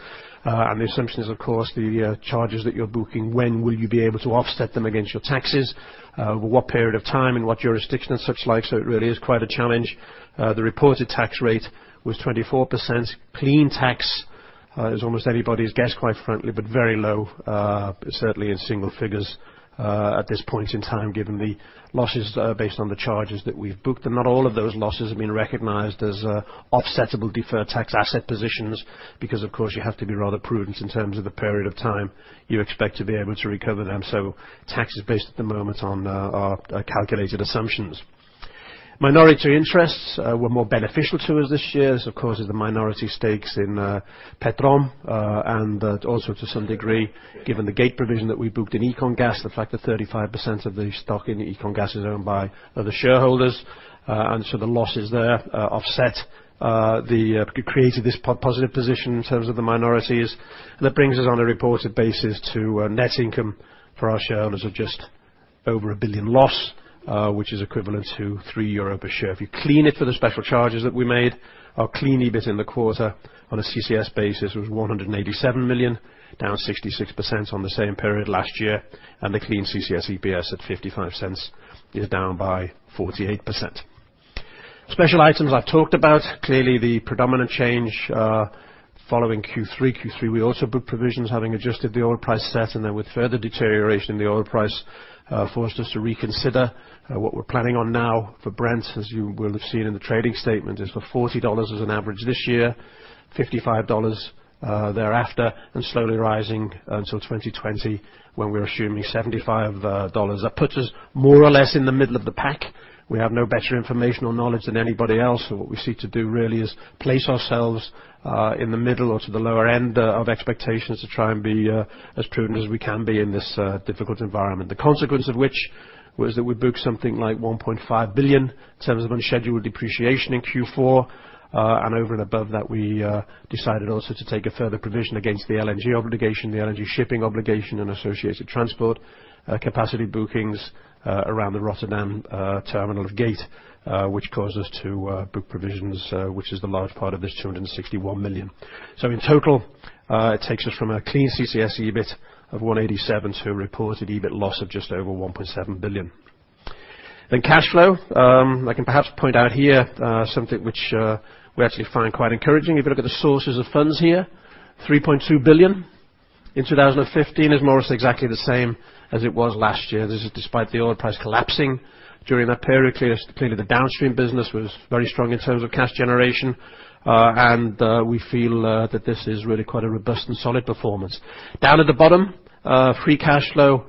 The assumption is, of course, the charges that you're booking, when will you be able to offset them against your taxes? Over what period of time? In what jurisdiction, and such like. It really is quite a challenge. The reported tax rate was 24%. Clean tax is almost anybody's guess, quite frankly, but very low. Certainly in single figures at this point in time, given the losses that are based on the charges that we've booked. Not all of those losses have been recognized as offsetable deferred tax asset positions because, of course, you have to be rather prudent in terms of the period of time you expect to be able to recover them. Tax is based at the moment on our calculated assumptions. Minority interests were more beneficial to us this year. This, of course, is the minority stakes in Petrom. Also, to some degree, given the Gate provision that we booked in EconGas, the fact that 35% of the stock in EconGas is owned by other shareholders. The losses there offset created this positive position in terms of the minorities. That brings us on a reported basis to net income for our shareholders of just over a billion loss, which is equivalent to 3 euro a share. If you clean it for the special charges that we made, our clean EBIT in the quarter on a CCS basis was 187 million, down 66% on the same period last year, and the clean CCS EPS at 0.55 is down by 48%. Special items, I've talked about. Clearly the predominant change following Q3. Q3, we also booked provisions having adjusted the oil price set, with further deterioration in the oil price, forced us to reconsider what we're planning on now for Brent, as you will have seen in the trading statement, is for $40 as an average this year, $55 thereafter, and slowly rising until 2020, when we're assuming $75. That puts us more or less in the middle of the pack. We have no better information or knowledge than anybody else. What we seek to do really is place ourselves in the middle or to the lower end of expectations to try and be as prudent as we can be in this difficult environment. The consequence of which was that we booked something like 1.5 billion in terms of unscheduled depreciation in Q4. Over and above that, we decided also to take a further provision against the LNG obligation, the LNG shipping obligation, and associated transport capacity bookings around the Rotterdam terminal of Gate, which caused us to book provisions, which is the large part of this 261 million. In total, it takes us from a clean CCS EBIT of 187 million to a reported EBIT loss of just over 1.7 billion. Cash flow. I can perhaps point out here something which we actually find quite encouraging. If you look at the sources of funds here, 3.2 billion in 2015 is more or less exactly the same as it was last year. This is despite the oil price collapsing during that period. Clearly the Downstream business was very strong in terms of cash generation. We feel that this is really quite a robust and solid performance. Down at the bottom, free cash flow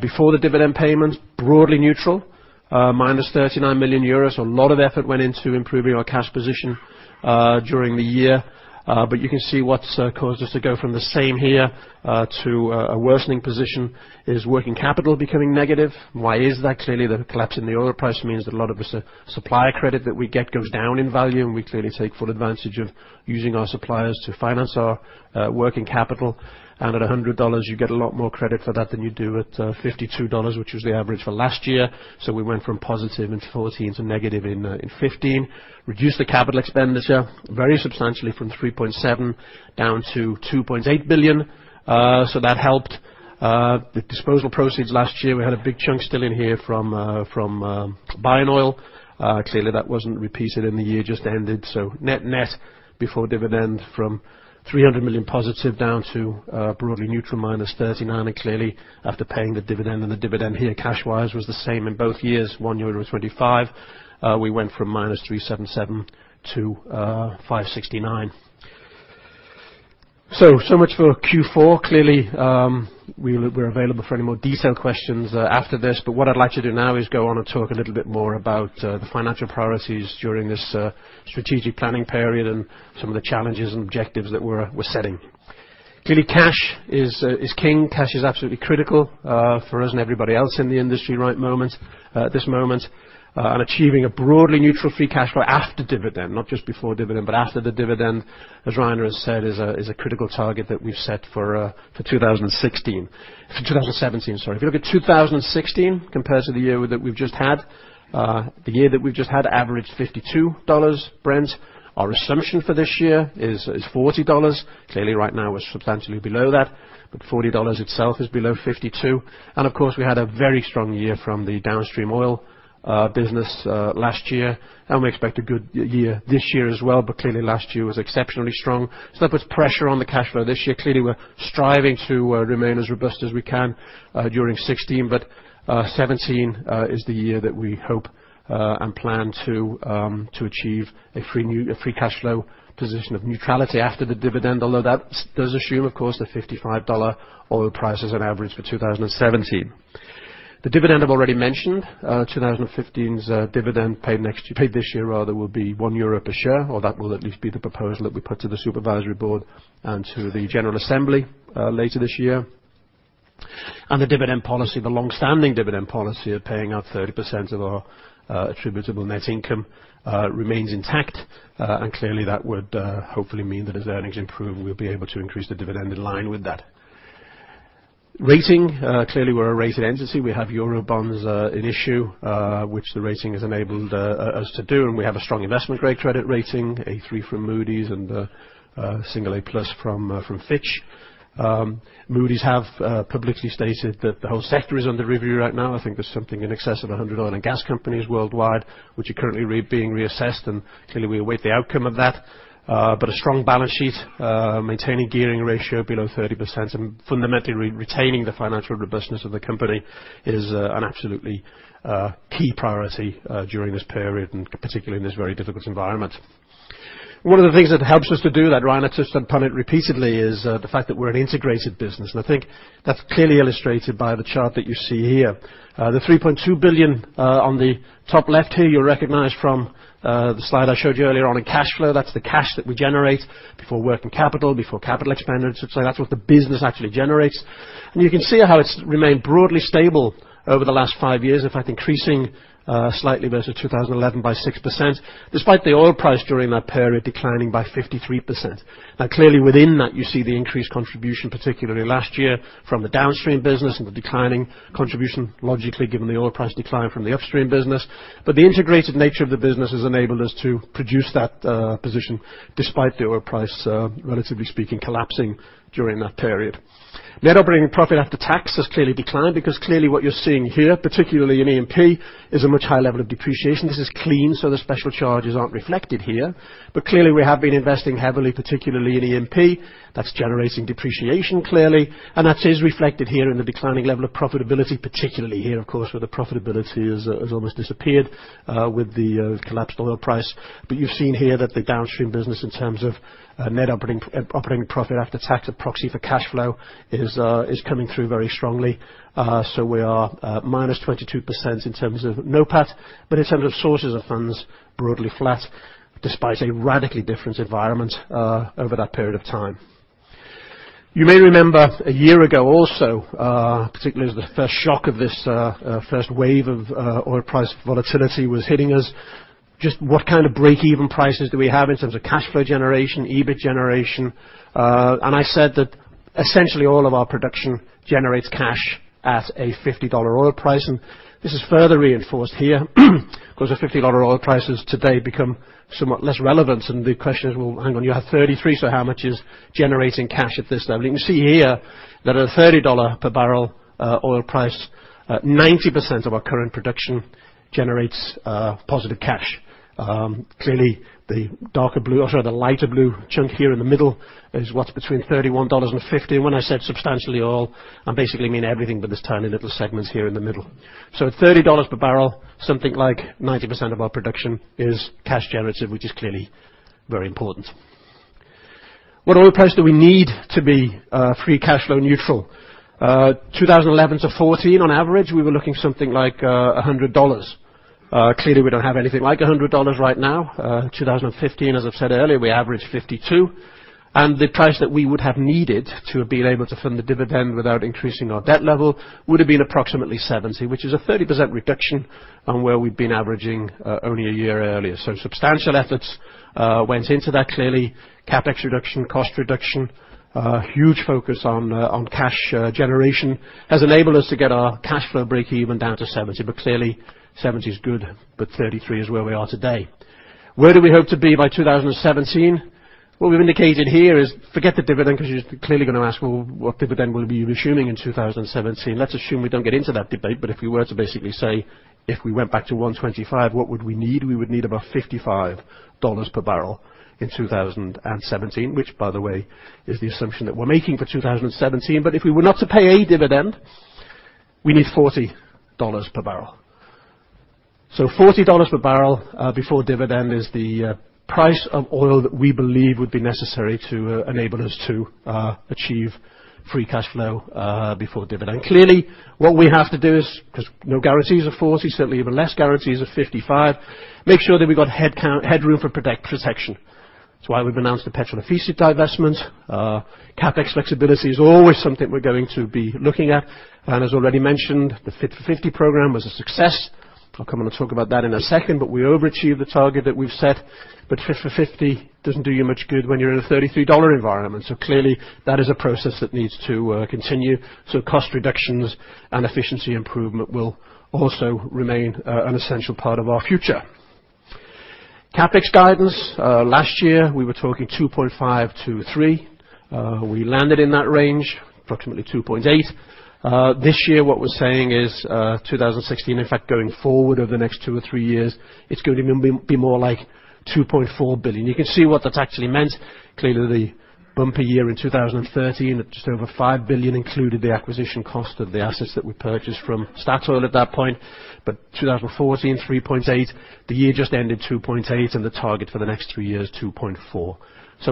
before the dividend payments, broadly neutral, minus 39 million euros. A lot of effort went into improving our cash position during the year. You can see what's caused us to go from the same here to a worsening position is working capital becoming negative. Why is that? Clearly, the collapse in the oil price means that a lot of the supplier credit that we get goes down in value, and we clearly take full advantage of using our suppliers to finance our working capital. At $100, you get a lot more credit for that than you do at $52, which was the average for last year. We went from positive in 2014 to negative in 2015. Reduced the capital expenditure very substantially from 3.7 billion down to 2.8 billion. That helped. The disposal proceeds last year, we had a big chunk still in here from Bayernoil. Clearly that wasn't repeated in the year just ended. Net net before dividend from 300 million positive down to broadly neutral minus 39. Clearly after paying the dividend, and the dividend here cash-wise was the same in both years, 1.25 euro. We went from -377 to -569. So much for Q4. Clearly, we're available for any more detailed questions after this. What I'd like to do now is go on and talk a little bit more about the financial priorities during this strategic planning period and some of the challenges and objectives that we're setting. Clearly, cash is king. Cash is absolutely critical for us and everybody else in the industry at this moment. Achieving a broadly neutral free cash flow after dividend, not just before dividend, but after the dividend, as Rainer has said, is a critical target that we've set for 2016. For 2017, sorry. If you look at 2016 compared to the year that we've just had, the year that we've just had averaged $52 Brent. Our assumption for this year is $40. Clearly, right now, we're substantially below that, but $40 itself is below $52. Of course, we had a very strong year from the Downstream Oil business last year, and we expect a good year this year as well, but clearly last year was exceptionally strong. That puts pressure on the cash flow this year. Clearly, we're striving to remain as robust as we can during 2016, but 2017 is the year that we hope and plan to achieve a free cash flow position of neutrality after the dividend, although that does assume, of course, the $55 oil price as an average for 2017. The dividend, I've already mentioned. 2015's dividend paid this year rather will be 1 euro a share, or that will at least be the proposal that we put to the supervisory board and to the general assembly later this year. The dividend policy, the long-standing dividend policy of paying out 30% of our attributable net income remains intact. Clearly, that would hopefully mean that as earnings improve, we'll be able to increase the dividend in line with that. Rating. Clearly, we're a rated entity. We have Eurobonds in issue, which the rating has enabled us to do, and we have a strong investment-grade credit rating, A3 from Moody's and single A+ from Fitch. Moody's have publicly stated that the whole sector is under review right now. I think there is something in excess of 100 oil and gas companies worldwide, which are currently being reassessed, and clearly, we await the outcome of that. But a strong balance sheet, maintaining gearing ratio below 30% and fundamentally retaining the financial robustness of the company is an absolutely key priority during this period, and particularly in this very difficult environment. One of the things that helps us to do that, Rainer touched upon it repeatedly, is the fact that we are an integrated business. I think that is clearly illustrated by the chart that you see here. The 3.2 billion on the top left here, you will recognize from the slide I showed you earlier on in cash flow. That is the cash that we generate before working capital, before capital expenditure. That is what the business actually generates. You can see how it has remained broadly stable over the last five years, in fact, increasing slightly versus 2011 by 6%, despite the oil price during that period declining by 53%. Clearly within that, you see the increased contribution, particularly last year from the Downstream business and the declining contribution, logically, given the oil price decline from the Upstream business. But the integrated nature of the business has enabled us to produce that position despite the oil price, relatively speaking, collapsing during that period. Net Operating Profit After Tax has clearly declined because clearly what you are seeing here, particularly in E&P, is a much higher level of depreciation. This is clean, so the special charges are not reflected here. But clearly, we have been investing heavily, particularly in E&P. That is generating depreciation clearly. That is reflected here in the declining level of profitability, particularly here, of course, where the profitability has almost disappeared with the collapsed oil price. But you have seen here that the Downstream business in terms of Net Operating Profit After Tax, a proxy for cash flow, is coming through very strongly. So we are -22% in terms of NOPAT, but in terms of sources of funds, broadly flat, despite a radically different environment over that period of time. You may remember a year ago also, particularly as the first shock of this first wave of oil price volatility was hitting us, just what kind of break-even prices do we have in terms of cash flow generation, EBIT generation. I said that essentially all of our production generates cash at a EUR 50 oil price. This is further reinforced here because the EUR 50 oil prices today become somewhat less relevant. The question is, "Well, hang on, you have 33, so how much is generating cash at this level?" You can see here that a EUR 30 per barrel oil price, 90% of our current production generates positive cash. Clearly, the darker blue, or the lighter blue chunk here in the middle is what is between 31 and 50. When I said substantially all, I basically mean everything but this tiny little segment here in the middle. So at EUR 30 per barrel, something like 90% of our production is cash generative, which is clearly very important. What oil price do we need to be free cash flow neutral? 2011 to 2014, on average, we were looking something like EUR 100. Clearly, we don't have anything like $100 right now. 2015, as I've said earlier, we averaged $52, and the price that we would have needed to have been able to fund the dividend without increasing our debt level would have been approximately $70, which is a 30% reduction on where we've been averaging only a year earlier. Substantial efforts went into that. Clearly, CapEx reduction, cost reduction, huge focus on cash generation has enabled us to get our cash flow breakeven down to $70. Clearly $70 is good, but $33 is where we are today. Where do we hope to be by 2017? What we've indicated here is forget the dividend because you're clearly going to ask, "Well, what dividend will you be assuming in 2017?" Let's assume we don't get into that debate. If we were to basically say, if we went back to $125, what would we need? We would need about $55 per barrel in 2017, which, by the way, is the assumption that we're making for 2017. If we were not to pay a dividend, we need $40 per barrel. $40 per barrel before dividend is the price of oil that we believe would be necessary to enable us to achieve Free cash flow before dividend. Clearly, what we have to do is, because no guarantees at $40, certainly even less guarantees at $55, make sure that we've got headroom for protection. That's why we've announced the Petrol Ofisi divestment. CapEx flexibility is always something we're going to be looking at. As already mentioned, the Fit for 50 program was a success. I'll come on and talk about that in a second, we overachieved the target that we've set. Fit for 50 doesn't do you much good when you're in a $33 environment. Clearly that is a process that needs to continue. Cost reductions and efficiency improvement will also remain an essential part of our future. CapEx guidance. Last year we were talking 2.5 billion to 3 billion. We landed in that range, approximately 2.8 billion. This year what we're saying is, 2016, in fact, going forward over the next two or three years, it's going to be more like 2.4 billion. You can see what that actually meant. Clearly the bumper year in 2013 at just over 5 billion included the acquisition cost of the assets that we purchased from Statoil at that point. 2014, 3.8 billion. The year just ended 2.8 billion and the target for the next three years, 2.4 billion.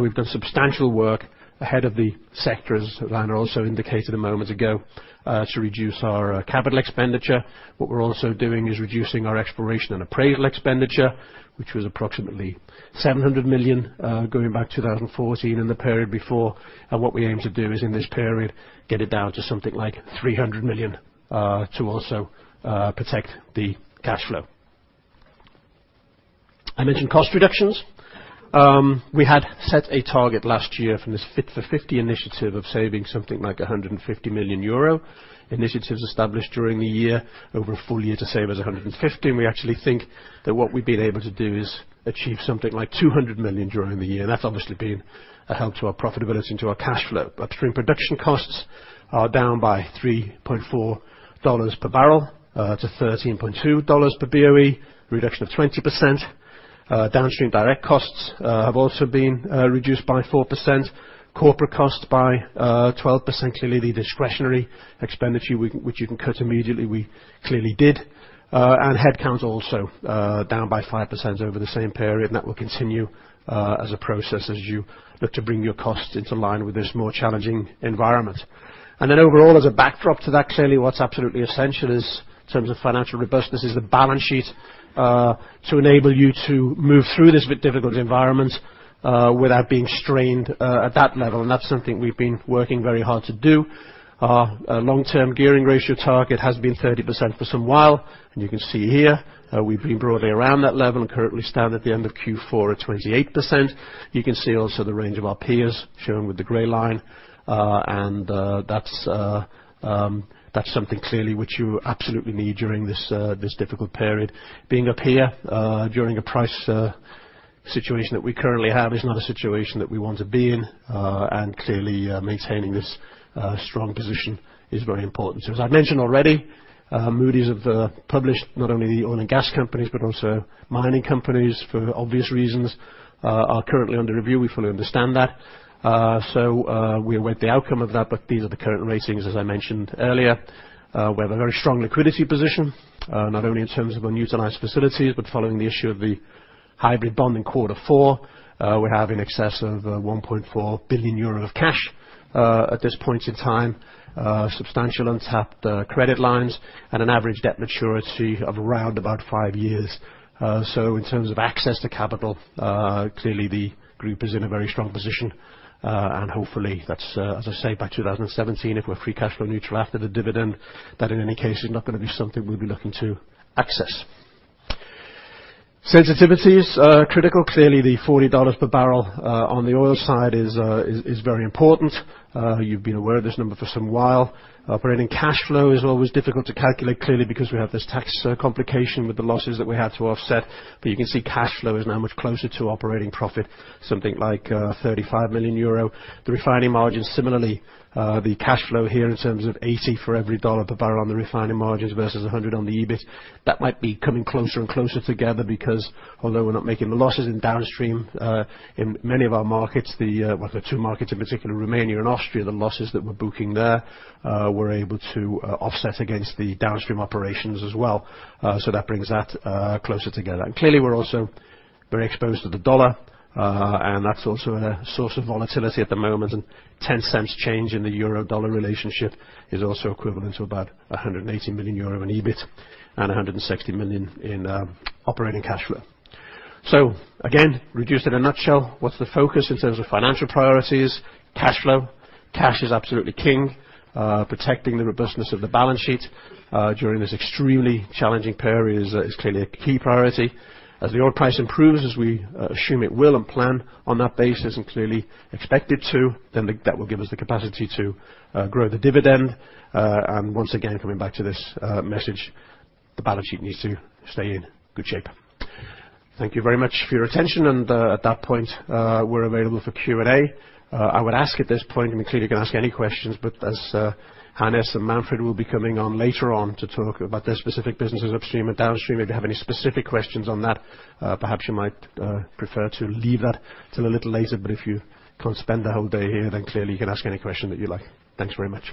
We've done substantial work ahead of the sector, as Rainer also indicated a moment ago, to reduce our capital expenditure. What we're also doing is reducing our exploration and appraisal expenditure, which was approximately 700 million, going back 2014 and the period before. What we aim to do is in this period, get it down to something like 300 million, to also protect the cash flow. I mentioned cost reductions. We had set a target last year from this Fit for 50 initiative of saving something like 150 million euro. Initiatives established during the year over a full year to save us 150, and we actually think that what we've been able to do is achieve something like 200 million during the year. That's obviously been a help to our profitability and to our cash flow. Upstream production costs are down by $3.40 per barrel, to $13.20 per BOE, reduction of 20%. Downstream direct costs have also been reduced by 4%, corporate costs by 12%. Clearly, the discretionary expenditure which you can cut immediately, we clearly did. Headcount also, down by 5% over the same period. That will continue as a process as you look to bring your costs into line with this more challenging environment. Overall, as a backdrop to that, clearly what's absolutely essential is, in terms of financial robustness, is the balance sheet, to enable you to move through this bit difficult environment, without being strained at that level. That's something we've been working very hard to do. Our long-term gearing ratio target has been 30% for some while. You can see here, we've been broadly around that level and currently stand at the end of Q4 at 28%. You can see also the range of our peers shown with the gray line. That's something clearly which you absolutely need during this difficult period. Being up here, during a price situation that we currently have is not a situation that we want to be in. Clearly, maintaining this strong position is very important to us. As I mentioned already, Moody's have published not only the oil and gas companies, but also mining companies, for obvious reasons, are currently under review. We fully understand that. We await the outcome of that, but these are the current ratings, as I mentioned earlier. We have a very strong liquidity position, not only in terms of unutilized facilities, but following the issue of the hybrid bond in quarter four. We have in excess of 1.4 billion euro of cash at this point in time, substantial untapped credit lines and an average debt maturity of around about five years. In terms of access to capital, clearly the group is in a very strong position. Hopefully that's, as I say, by 2017, if we're free cash flow neutral after the dividend, that in any case is not going to be something we'll be looking to access. Sensitivities are critical. Clearly the $40 per barrel on the oil side is very important. You've been aware of this number for some while. Operating cash flow is always difficult to calculate clearly because we have this tax complication with the losses that we have to offset. You can see cash flow is now much closer to operating profit, something like 35 million euro. The refining margins similarly, the cash flow here in terms of 80 for every $1 per barrel on the refining margins versus $100 on the EBIT, that might be coming closer and closer together because although we're not making the losses in downstream, in many of our markets, well, there are two markets in particular, Romania and Austria, the losses that we're booking there, we're able to offset against the downstream operations as well. That brings that closer together. Clearly we're also very exposed to the dollar. That's also a source of volatility at the moment. $0.10 change in the euro-dollar relationship is also equivalent to about 180 million euro in EBIT and 160 million in operating cash flow. Again, reduced in a nutshell, what's the focus in terms of financial priorities? Cash flow. Cash is absolutely king. Protecting the robustness of the balance sheet during this extremely challenging period is clearly a key priority. As the oil price improves, as we assume it will and plan on that basis and clearly expect it to, then that will give us the capacity to grow the dividend. Once again, coming back to this message, the balance sheet needs to stay in good shape. Thank you very much for your attention and at that point, we're available for Q&A. I would ask at this point, I mean, clearly you can ask any questions, but as Hannes and Manfred will be coming on later on to talk about their specific businesses, Upstream and Downstream, if you have any specific questions on that, perhaps you might prefer to leave that till a little later. If you can't spend the whole day here, then clearly you can ask any question that you like. Thanks very much.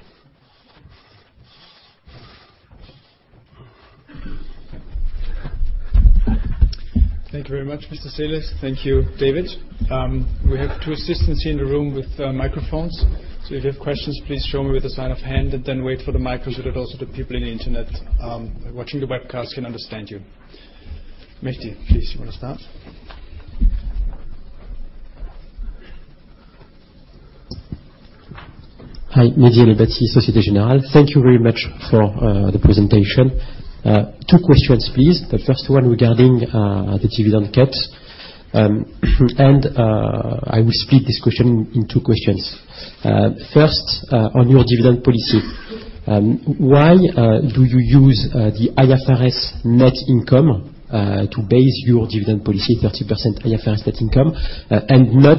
Thank you very much, Mr. Seele. Thank you, David. We have two assistants here in the room with microphones, so if you have questions, please show me with a sign of hand, and then wait for the mic so that also the people in the internet watching the webcast can understand you. Mehdi, please, you want to start? Hi. Mehdi El Anbari, Société Générale. Thank you very much for the presentation. Two questions, please. The first one regarding the dividend caps. I will split this question in two questions. First, on your dividend policy, why do you use the IFRS net income to base your dividend policy 30% IFRS net income and not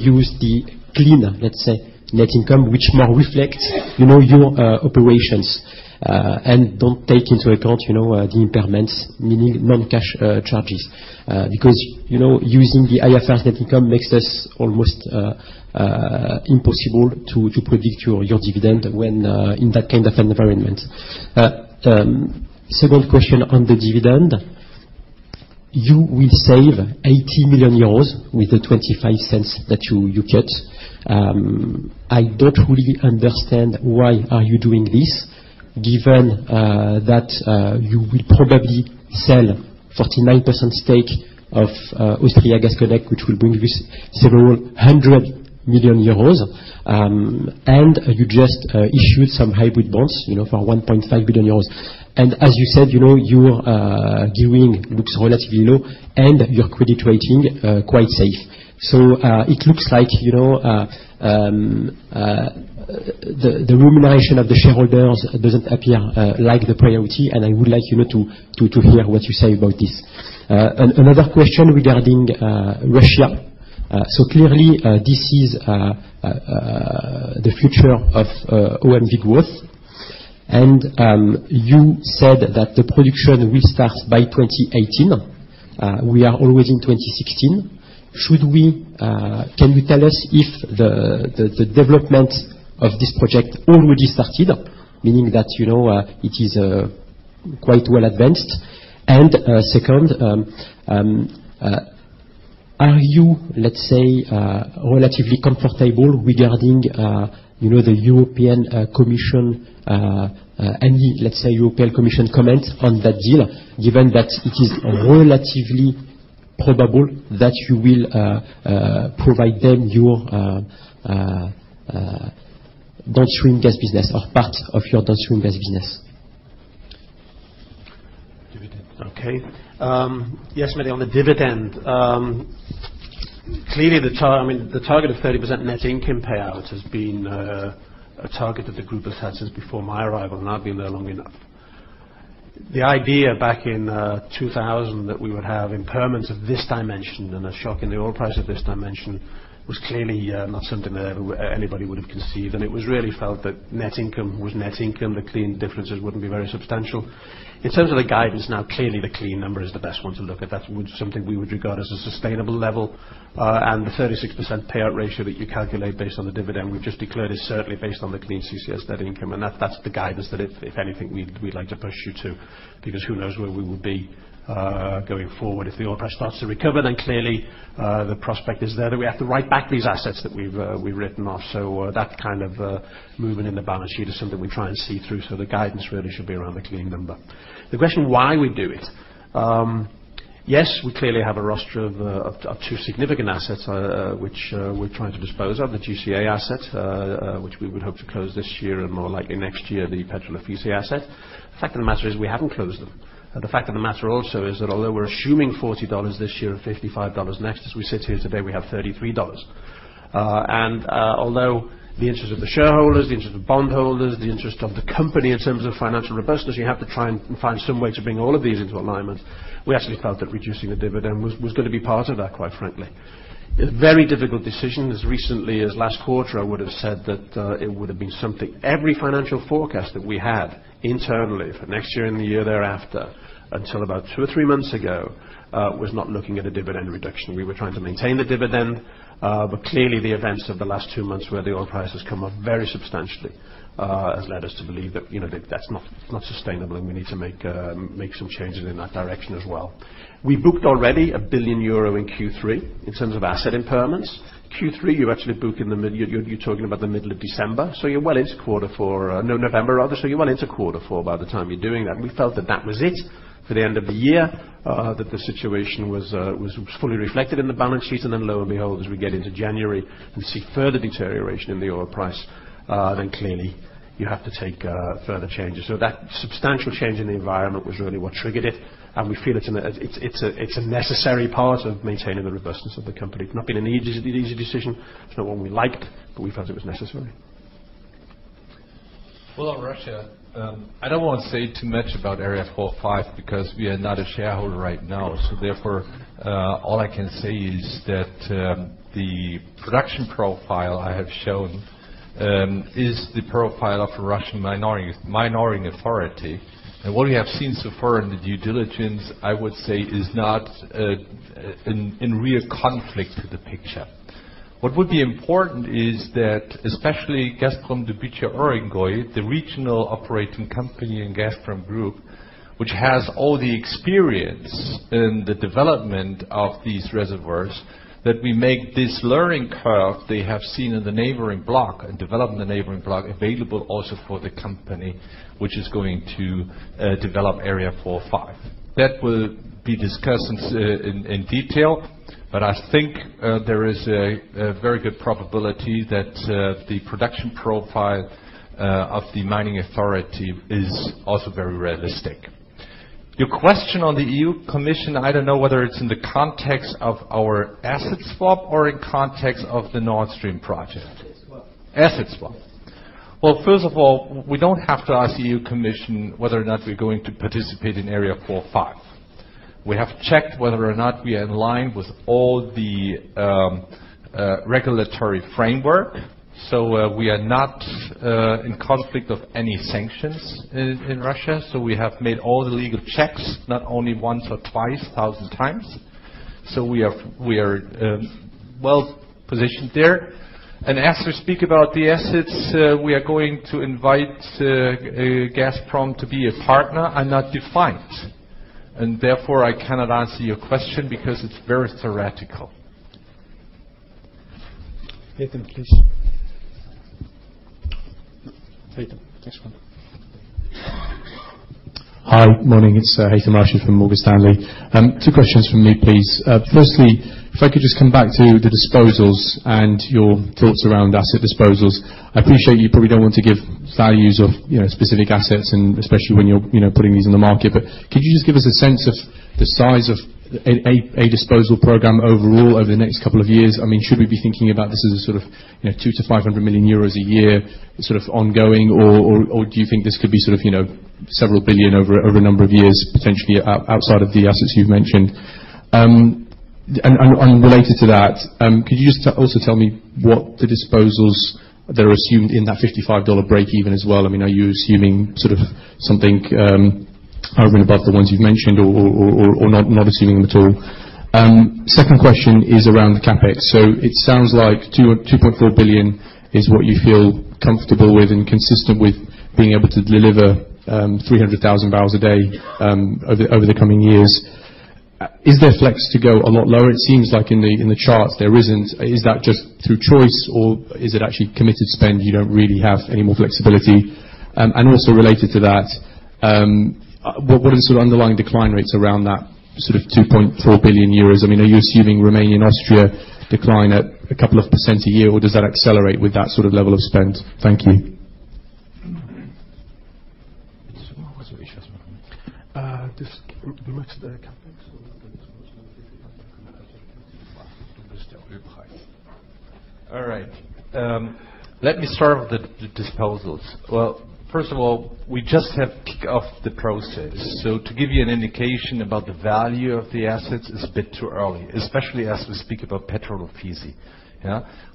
use the clean, let's say, net income, which more reflects your operations and don't take into account the impairments, meaning non-cash charges? Because using the IFRS net income makes this almost impossible to predict your dividend when in that kind of environment. Second question on the dividend. You will save 80 million euros with the 0.25 that you cut. I don't really understand why are you doing this given that you will probably sell 49% stake of Gas Connect Austria, which will bring you several hundred million EUR, and you just issued some hybrid bonds for 1.5 billion euros. As you said, your gearing looks relatively low and your credit rating quite safe. It looks like the remuneration of the shareholders doesn't appear like the priority, and I would like to hear what you say about this. Another question regarding Russia. Clearly, this is the future of OMV growth. You said that the production will start by 2018. We are always in 2016. Can you tell us if the development of this project already started, meaning that it is quite well advanced? Second, are you, let's say, relatively comfortable regarding any European Commission comments on that deal, given that it is relatively probable that you will provide them your Downstream Gas business or part of your Downstream Gas business? Dividend. Okay. Yes, Mehdi, on the dividend. Clearly, the target of 30% net income payout has been a target that the group has had since before my arrival, and I've been there long enough. The idea back in 2000 that we would have impairments of this dimension and a shock in the oil price of this dimension was clearly not something that anybody would have conceived. It was really felt that net income was net income. The clean differences wouldn't be very substantial. In terms of the guidance now, clearly the clean number is the best one to look at. That's something we would regard as a sustainable level. The 36% payout ratio that you calculate based on the dividend we've just declared is certainly based on the clean CCS net income. That's the guidance that if anything, we'd like to push you to because who knows where we will be going forward. If the oil price starts to recover, then clearly the prospect is there that we have to write back these assets that we've written off. That kind of movement in the balance sheet is something we try and see through. The guidance really should be around the clean number. The question why we do it. Yes, we clearly have a roster of two significant assets which we're trying to dispose of. The GCA asset, which we would hope to close this year and more likely next year, the Petrol Ofisi asset. The fact of the matter is we haven't closed them. The fact of the matter also is that although we're assuming EUR 40 this year and EUR 55 next, as we sit here today, we have EUR 33. Although the interest of the shareholders, the interest of bondholders, the interest of the company in terms of financial robustness, you have to try and find some way to bring all of these into alignment. We actually felt that reducing the dividend was going to be part of that, quite frankly. A very difficult decision. As recently as last quarter, I would have said that it would have been something every financial forecast that we had internally for next year and the year thereafter, until about two or three months ago, was not looking at a dividend reduction. We were trying to maintain the dividend. Clearly, the events of the last two months where the oil price has come up very substantially has led us to believe that that's not sustainable, and we need to make some changes in that direction as well. We booked already 1 billion euro in Q3 in terms of asset impairments. Q3, you're talking about the middle of December. You're well into quarter four. No, November rather. You're well into quarter four by the time you're doing that. We felt that that was it for the end of the year, that the situation was fully reflected in the balance sheet. Lo and behold, as we get into January and see further deterioration in the oil price, clearly you have to take further changes. That substantial change in the environment was really what triggered it, and we feel it's a necessary part of maintaining the robustness of the company. Not been an easy decision. It's not one we liked, but we felt it was necessary. On Russia, I don't want to say too much about Achimov 4/5 because we are not a shareholder right now. Therefore, all I can say is that the production profile I have shown is the profile of a Russian minority authority. What we have seen so far in the due diligence, I would say is not in real conflict with the picture. What would be important is that, especially Gazprom Dobycha Urengoy, the regional operating company in Gazprom Group, which has all the experience in the development of these reservoirs, that we make this learning curve they have seen in the neighboring block and develop the neighboring block available also for the company, which is going to develop Achimov 4/5. That will be discussed in detail, but I think there is a very good probability that the production profile of the mining authority is also very realistic. Your question on the European Commission, I don't know whether it's in the context of our asset swap or in context of the Nord Stream project. Asset swap. Asset swap. Yes. First of all, we don't have to ask European Commission whether or not we're going to participate in Achimov 4/5. We have checked whether or not we are in line with all the regulatory framework. We are not in conflict of any sanctions in Russia. We have made all the legal checks, not only once or twice, 1,000 times. We are well-positioned there. As we speak about the assets, we are going to invite Gazprom to be a partner and not defined. I cannot answer your question because it's very theoretical. Haytham, please. Haytham, next one. Hi, morning. It's Haytham El-Rashidi from Morgan Stanley. Two questions from me, please. Firstly, if I could just come back to the disposals and your thoughts around asset disposals. I appreciate you probably don't want to give values of specific assets, especially when you're putting these on the market. Could you just give us a sense of the size of a disposal program overall over the next couple of years? Should we be thinking about this as a sort of 200 million-500 million euros a year sort of ongoing, or do you think this could be several billion over a number of years, potentially outside of the assets you've mentioned? Related to that, could you just also tell me what the disposals that are assumed in that $55 breakeven as well? Are you assuming sort of something over and above the ones you've mentioned or not assuming them at all? Second question is around the CapEx. It sounds like 2.4 billion is what you feel comfortable with and consistent with being able to deliver 300,000 barrels a day over the coming years. Is there flex to go a lot lower? It seems like in the charts there isn't. Is that just through choice or is it actually committed spend, you don't really have any more flexibility? Also related to that, what is the underlying decline rates around that sort of 2.4 billion euros? Are you assuming Romania and Austria decline at a couple of % a year or does that accelerate with that sort of level of spend? Thank you. All right. Let me start with the disposals. Well, first of all, we just have kicked off the process. To give you an indication about the value of the assets is a bit too early, especially as we speak about Petrol Ofisi.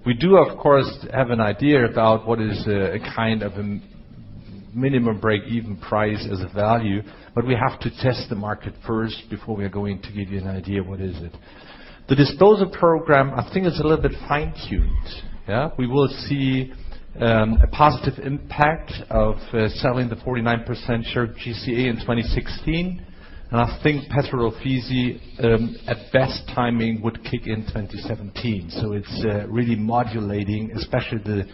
We do, of course, have an idea about what is a kind of a minimum breakeven price as a value, but we have to test the market first before we are going to give you an idea what is it. The disposal program, I think it's a little bit fine-tuned. We will see a positive impact of selling the 49% share of GCA in 2016. I think Petrol Ofisi, at best timing, would kick in 2017. It's really modulating, especially the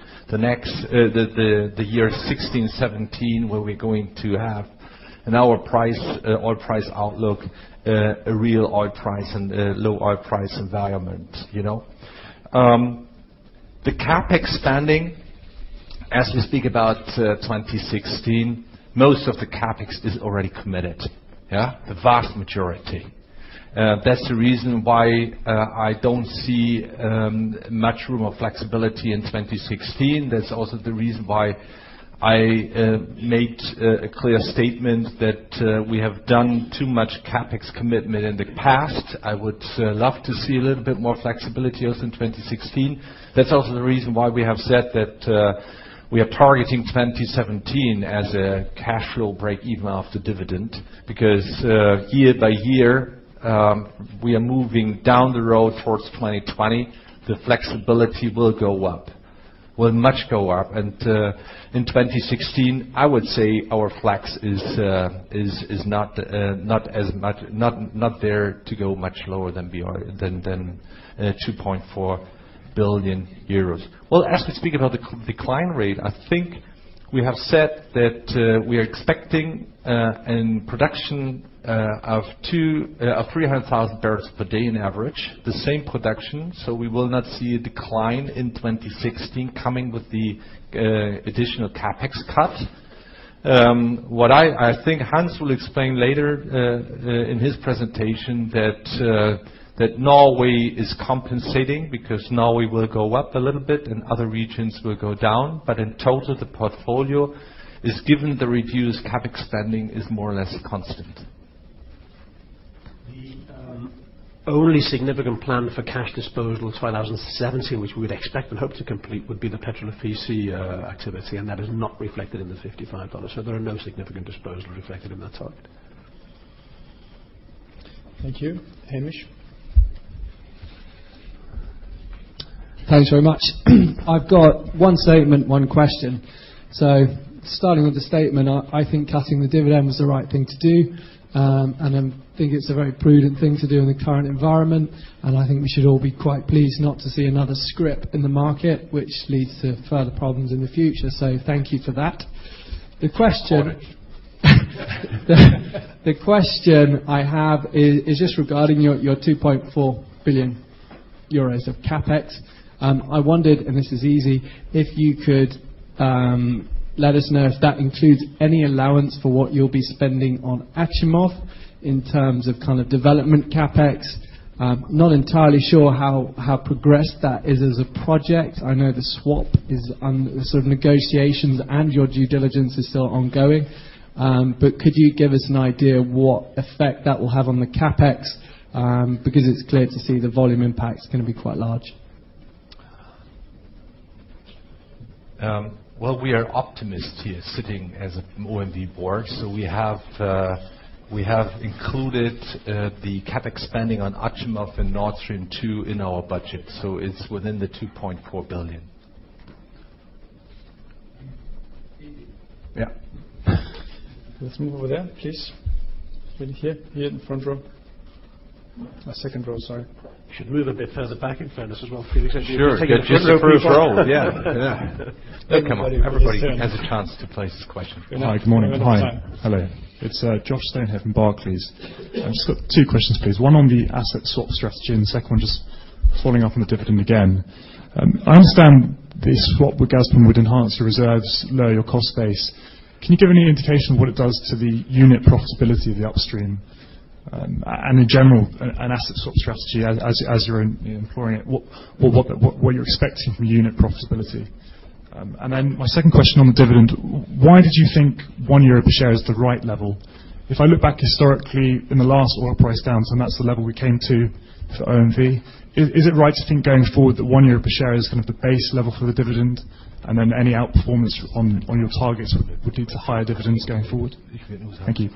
year 2016, 2017, where we're going to have in our oil price outlook, a real oil price and low oil price environment. The CapEx standing, as we speak about 2016, most of the CapEx is already committed. The vast majority. That's the reason why I don't see much room of flexibility in 2016. That's also the reason why I made a clear statement that we have done too much CapEx commitment in the past. I would love to see a little bit more flexibility also in 2016. That's also the reason why we have said that we are targeting 2017 as a cash flow breakeven after dividend, because year by year, we are moving down the road towards 2020. The flexibility will go up. Will much go up. In 2016, I would say our flex is not there to go much lower than 2.4 billion euros. Well, as we speak about the decline rate, I think we have said that we are expecting a production of 300,000 barrels per day on average. The same production. We will not see a decline in 2016 coming with the additional CapEx cut. What I think Hans will explain later in his presentation that Norway is compensating because Norway will go up a little bit and other regions will go down. In total, the portfolio is given the reduced CapEx spending is more or less constant. The only significant plan for cash disposal in 2017, which we would expect and hope to complete, would be the Petrol Ofisi activity, that is not reflected in the $55. There are no significant disposals reflected in that target. Thank you. Hamish? Thanks very much. I've got one statement, one question. Starting with the statement, I think cutting the dividend was the right thing to do, and I think it's a very prudent thing to do in the current environment. I think we should all be quite pleased not to see another scrip in the market, which leads to further problems in the future. Thank you for that. The question- Got it. The question I have is just regarding your 2.4 billion euros of CapEx. I wondered, and this is easy, if you could let us know if that includes any allowance for what you'll be spending on Achimov in terms of development CapEx. I'm not entirely sure how progressed that is as a project. I know the swap is on sort of negotiations and your due diligence is still ongoing. Could you give us an idea what effect that will have on the CapEx? It's clear to see the volume impact is going to be quite large. Well, we are optimists here, sitting as an OMV board. We have included the CapEx spending on Achimov and Nord Stream 2 in our budget. It's within the 2.4 billion. Easy. Yeah. Let's move over there, please. In here. Here in the front row. Second row, sorry. You should move a bit further back in fairness as well, Felix, because. Sure. Get a drink. You've been taking. approved role. Yeah. Yeah. They come up. Everybody has a chance to place his question. Hi. Good morning. Hi. Hello. It's Joshua Stone from Barclays. I've just got two questions, please. One on the asset swap strategy, the second one just following up on the dividend again. I understand this swap with Gazprom would enhance your reserves, lower your cost base. Can you give any indication of what it does to the unit profitability of the upstream? In general, an asset swap strategy as you're employing it, what are you expecting from unit profitability? My second question on the dividend, why did you think one euro per share is the right level? If I look back historically, in the last oil price downs, that's the level we came to for OMV. Is it right to think going forward that one euro per share is going to be the base level for the dividend, any outperformance on your targets would lead to higher dividends going forward? Thank you.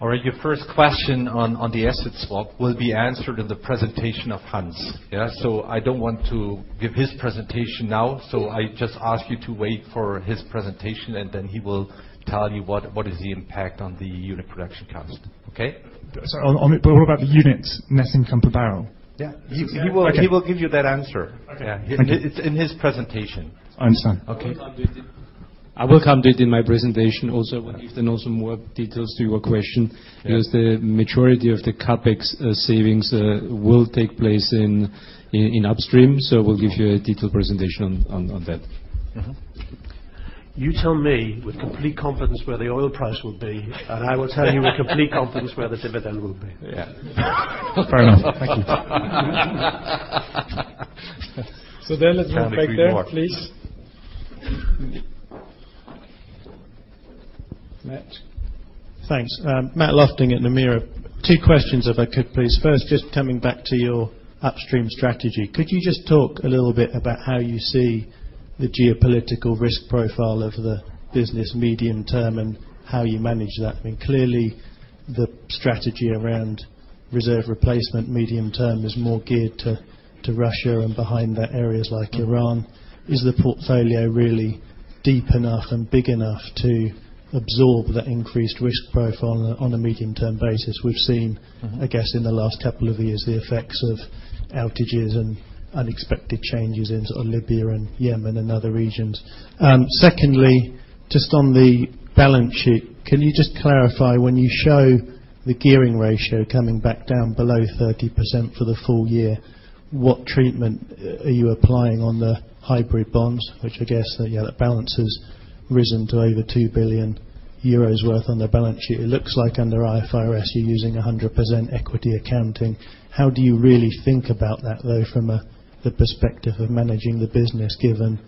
All right. Your first question on the asset swap will be answered in the presentation of Hans. Yeah. I don't want to give his presentation now, I just ask you to wait for his presentation, and then he will tell you what is the impact on the unit production cost. Okay? Sorry. What about the unit net income per barrel? Yeah. He will Okay give you that answer. Okay. Thank you. It's in his presentation. I understand. Okay. I will come to it in my presentation also, if there are some more details to your question. Yeah. The majority of the CapEx savings will take place in upstream. We'll give you a detailed presentation on that. You tell me with complete confidence where the oil price will be. I will tell you with complete confidence where the dividend will be. Yeah. Fair enough. Thank you. Let's move back there, please. Matt. Thanks. Matthew Lofting at Nomura. Two questions if I could please. First, just coming back to your upstream strategy. Could you just talk a little bit about how you see the geopolitical risk profile of the business medium term, and how you manage that? I mean, clearly, the strategy around reserve replacement medium term is more geared to Russia and behind there, areas like Iran. Is the portfolio really deep enough and big enough to absorb that increased risk profile on a medium-term basis? We've seen. I guess, in the last couple of years, the effects of outages and unexpected changes in Libya and Yemen and other regions. Secondly, just on the balance sheet, can you just clarify when you show the gearing ratio coming back down below 30% for the full year, what treatment are you applying on the hybrid bonds? Which I guess, yeah, that balance has risen to over 2 billion euros worth on the balance sheet. It looks like under IFRS, you're using 100% equity accounting. How do you really think about that, though, from the perspective of managing the business, given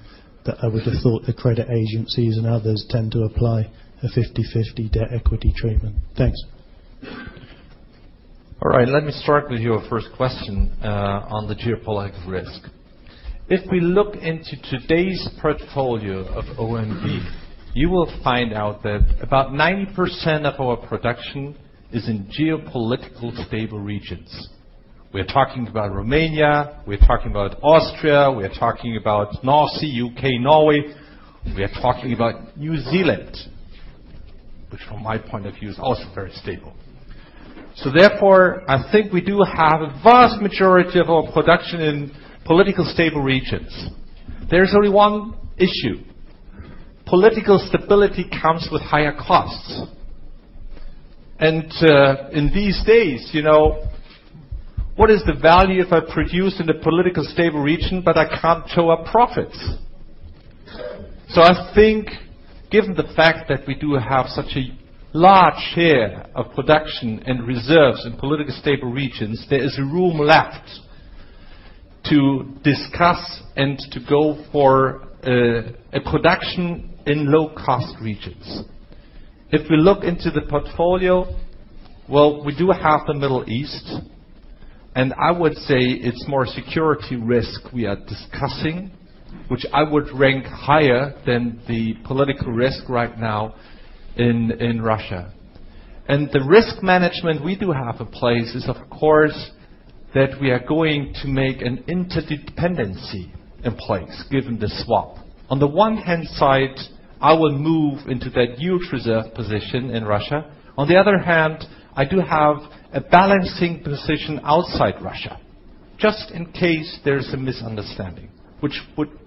that I would have thought the credit agencies and others tend to apply a 50/50 debt equity treatment? Thanks. All right. Let me start with your first question on the geopolitical risk. If we look into today's portfolio of OMV, you will find out that about 90% of our production is in geopolitical stable regions. We're talking about Romania, we're talking about Austria, we are talking about North Sea, U.K., Norway. We are talking about New Zealand, which from my point of view is also very stable. Therefore, I think we do have a vast majority of our production in politically stable regions. There's only one issue. Political stability comes with higher costs. In these days, what is the value if I produce in a politically stable region but I can't show a profit? I think given the fact that we do have such a large share of production and reserves in politically stable regions, there is room left to discuss and to go for production in low-cost regions. If we look into the portfolio, well, we do have the Middle East. I would say it's more security risk we are discussing, which I would rank higher than the political risk right now in Russia. The risk management we do have in place is, of course, that we are going to make an interdependency in place given the swap. On the one-hand side, I will move into that huge reserve position in Russia. On the other hand, I do have a balancing position outside Russia, just in case there's a misunderstanding, which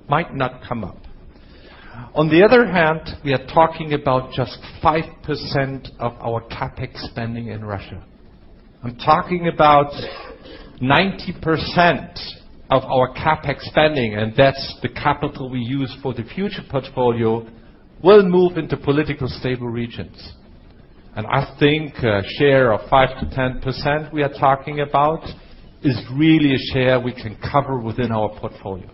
might not come up. On the other hand, we are talking about just 5% of our CapEx spending in Russia. I'm talking about 90% of our CapEx spending, and that's the capital we use for the future portfolio, will move into politically stable regions. I think a share of 5%-10% we are talking about is really a share we can cover within our portfolio.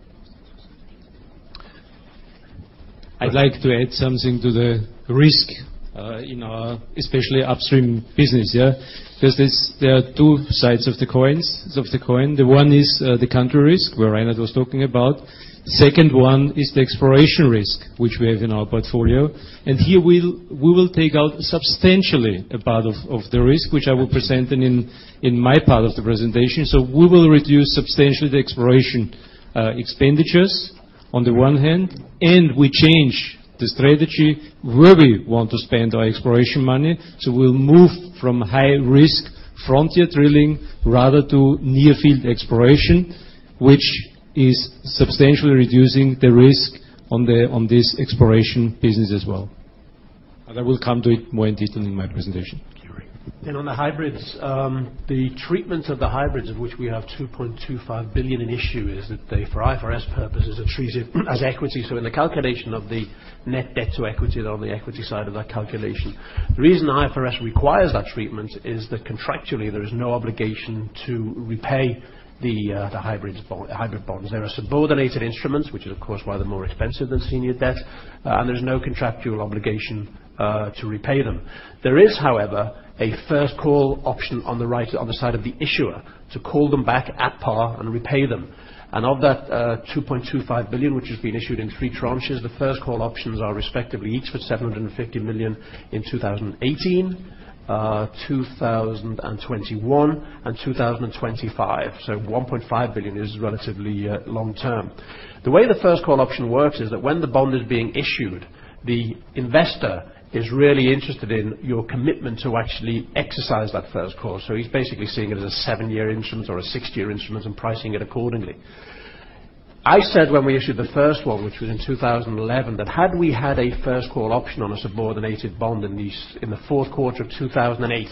I'd like to add something to the risk in our especially upstream business, yeah? Because there are two sides of the coin. The one is the country risk, where Rainer was talking about. Second one is the exploration risk, which we have in our portfolio. Here we will take out substantially a part of the risk, which I will present in my part of the presentation. We will reduce substantially the exploration expenditures on the one hand, and we change the strategy where we want to spend our exploration money. We'll move from high-risk frontier drilling rather to near-field exploration, which is substantially reducing the risk on this exploration business as well. I will come to it more in detail in my presentation. Thank you, Rainer. On the hybrids, the treatment of the hybrids, of which we have 2.25 billion in issue, is that they, for IFRS purposes, are treated as equity. So in the calculation of the net debt to equity, they're on the equity side of that calculation. The reason IFRS requires that treatment is that contractually there is no obligation to repay the hybrid bonds. They are subordinated instruments, which is of course why they're more expensive than senior debt, and there is no contractual obligation to repay them. There is, however, a first call option on the side of the issuer to call them back at par and repay them. Of that 2.25 billion, which has been issued in 3 tranches, the first call options are respectively each for 750 million in 2018, 2021, and 2025. So 1.5 billion is relatively long-term. The way the first call option works is that when the bond is being issued, the investor is really interested in your commitment to actually exercise that first call. So he's basically seeing it as a 7-year instrument or a 6-year instrument and pricing it accordingly. I said when we issued the first one, which was in 2011, that had we had a first call option on a subordinated bond in the fourth quarter of 2008,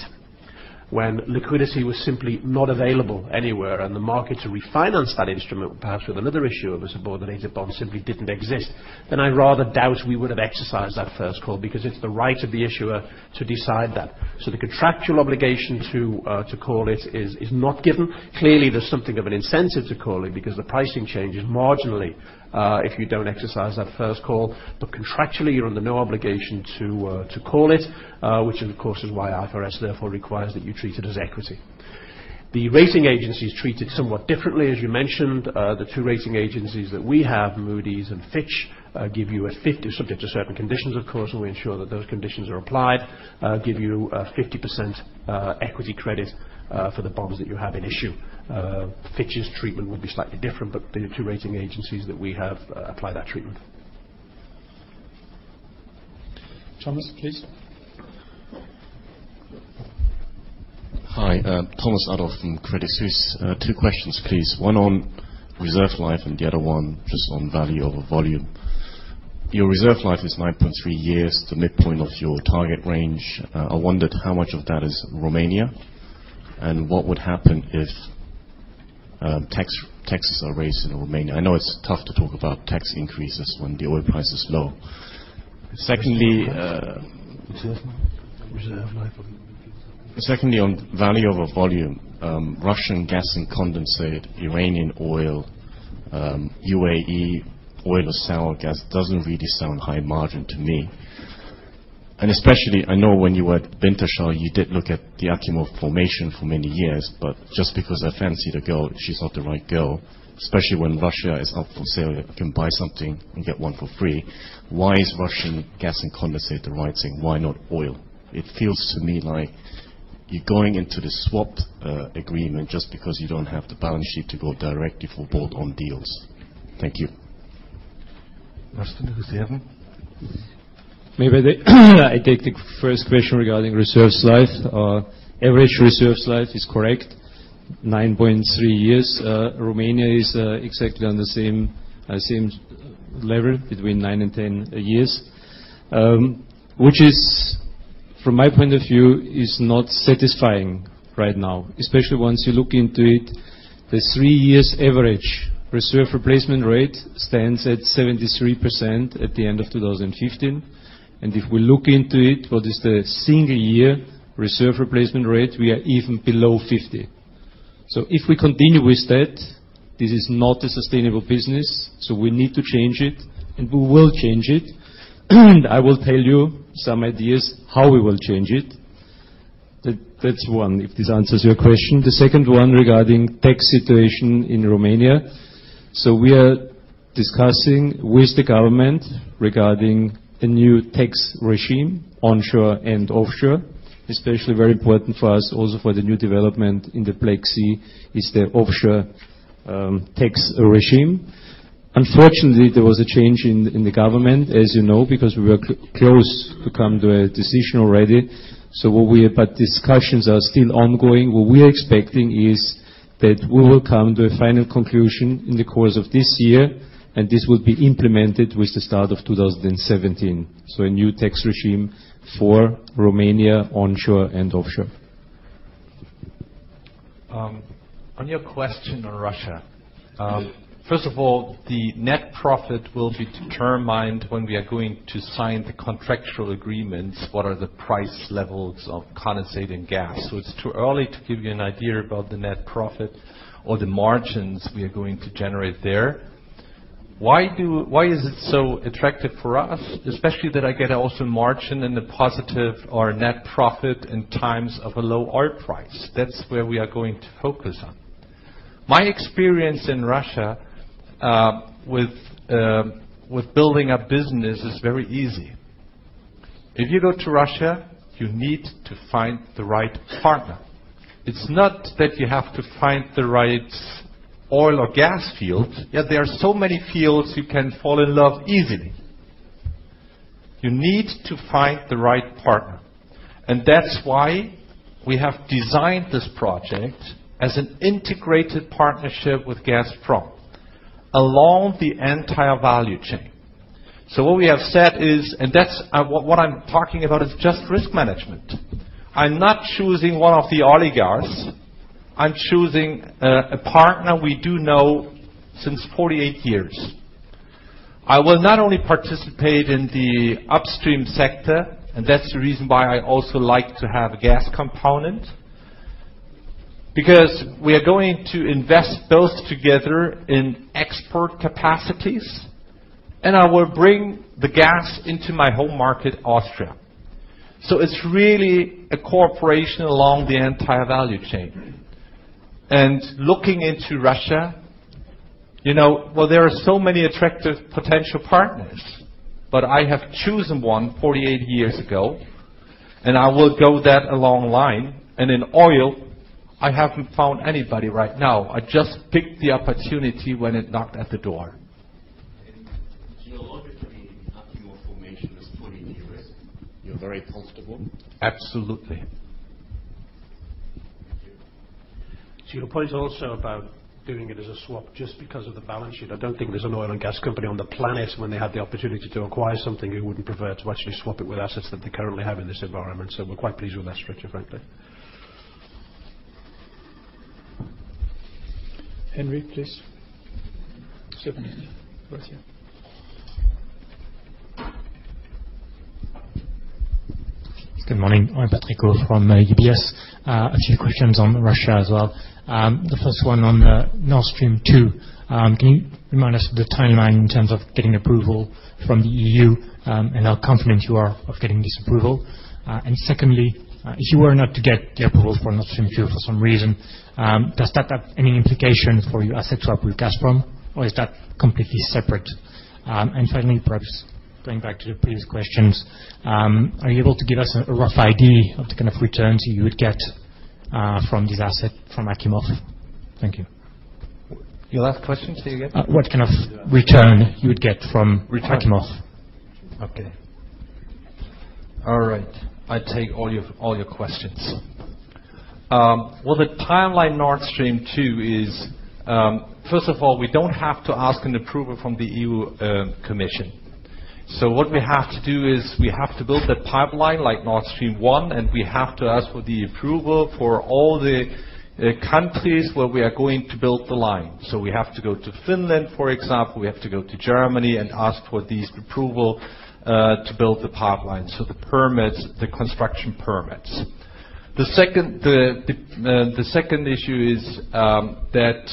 when liquidity was simply not available anywhere and the market to refinance that instrument, perhaps with another issue of a subordinated bond, simply didn't exist, then I rather doubt we would have exercised that first call because it's the right of the issuer to decide that. The contractual obligation to call it is not given. Clearly, there's something of an incentive to call it because the pricing changes marginally if you don't exercise that first call. Contractually, you're under no obligation to call it, which of course is why IFRS therefore requires that you treat it as equity. The rating agencies treat it somewhat differently. As you mentioned, the two rating agencies that we have, Moody's and Fitch, give you a 50%, subject to certain conditions, of course, and we ensure that those conditions are applied, give you a 50% equity credit for the bonds that you have in issue. Fitch's treatment would be slightly different, but the two rating agencies that we have apply that treatment. Thomas, please. Hi, Thomas Adolff from Credit Suisse. Two questions, please. One on reserve life and the other one just on value over volume. Your reserve life is 9.3 years, the midpoint of your target range. I wondered how much of that is Romania, and what would happen if taxes are raised in Romania. I know it's tough to talk about tax increases when the oil price is low. Secondly. Reserve life. Reserve life. On value over volume, Russian gas and condensate, Iranian oil, UAE oil or sour gas doesn't really sound high margin to me. Especially, I know when you were at Wintershall, you did look at the Achimov formation for many years, but just because I fancy the girl, she's not the right girl. Especially when Russia is up for sale. You can buy something and get one for free. Why is Russian gas and condensate the right thing? Why not oil? It feels to me like you're going into the swap agreement just because you don't have the balance sheet to go directly for bolt-on deals. Thank you. Rastin, did you have one? Maybe I take the first question regarding reserve life. Average reserve life is correct, 9.3 years. Romania is exactly on the same level, between nine and 10 years. Which from my point of view is not satisfying right now, especially once you look into it. The three years average reserve replacement rate stands at 73% at the end of 2015. If we look into it, what is the single year reserve replacement rate? We are even below 50. If we continue with that. This is not a sustainable business, we need to change it, and we will change it. I will tell you some ideas how we will change it. That's one, if this answers your question. The second one regarding tax situation in Romania. We are discussing with the government regarding a new tax regime, onshore and offshore. Especially very important for us also for the new development in the Black Sea, is the offshore tax regime. Unfortunately, there was a change in the government, as you know, because we were close to come to a decision already. Discussions are still ongoing. What we're expecting is that we will come to a final conclusion in the course of this year. This will be implemented with the start of 2017. A new tax regime for Romania, onshore and offshore. On your question on Russia. First of all, the net profit will be determined when we are going to sign the contractual agreements. What are the price levels of condensate and gas? It's too early to give you an idea about the net profit or the margins we are going to generate there. Why is it so attractive for us? Especially that I get also margin in the positive or net profit in times of a low oil price. That's where we are going to focus on. My experience in Russia, with building a business is very easy. If you go to Russia, you need to find the right partner. It's not that you have to find the right oil or gas field, yet there are so many fields you can fall in love easily. You need to find the right partner. That's why we have designed this project as an integrated partnership with Gazprom along the entire value chain. What we have said is What I'm talking about is just risk management. I'm not choosing one of the oligarchs. I'm choosing a partner we do know since 48 years. I will not only participate in the upstream sector. That's the reason why I also like to have a gas component, because we are going to invest both together in expert capacities. I will bring the gas into my home market, Austria. It's really a cooperation along the entire value chain. Looking into Russia, well, there are so many attractive potential partners, but I have chosen one 48 years ago, and I will go that a long line. In oil, I haven't found anybody right now. I just picked the opportunity when it knocked at the door. Geologically, Achimov formation is fully de-risked. You're very comfortable? Absolutely. Thank you. To your point also about doing it as a swap just because of the balance sheet. I don't think there's an oil and gas company on the planet when they had the opportunity to acquire something and wouldn't prefer to actually swap it with assets that they currently have in this environment. We're quite pleased with that structure, frankly. Henry, please. Sure. Oh, it's you. Good morning. I'm Patrick from UBS. A few questions on Russia as well. The first one on the Nord Stream 2. Can you remind us of the timeline in terms of getting approval from the EU, and how confident you are of getting this approval? Secondly, if you were not to get the approval for Nord Stream 2 for some reason, does that have any implication for your asset swap with Gazprom or is that completely separate? Finally, perhaps going back to the previous questions, are you able to give us a rough idea of the kind of returns you would get from this asset from Achimov? Thank you. Your last question, say again. What kind of return you would get from Achimov? Return. Okay. All right. I take all your questions. The timeline Nord Stream 2 is, first of all, we don't have to ask an approval from the European Commission. What we have to do is we have to build a pipeline like Nord Stream 1, and we have to ask for the approval for all the countries where we are going to build the line. We have to go to Finland, for example, we have to go to Germany and ask for these approval to build the pipeline. The permits, the construction permits. The second issue is that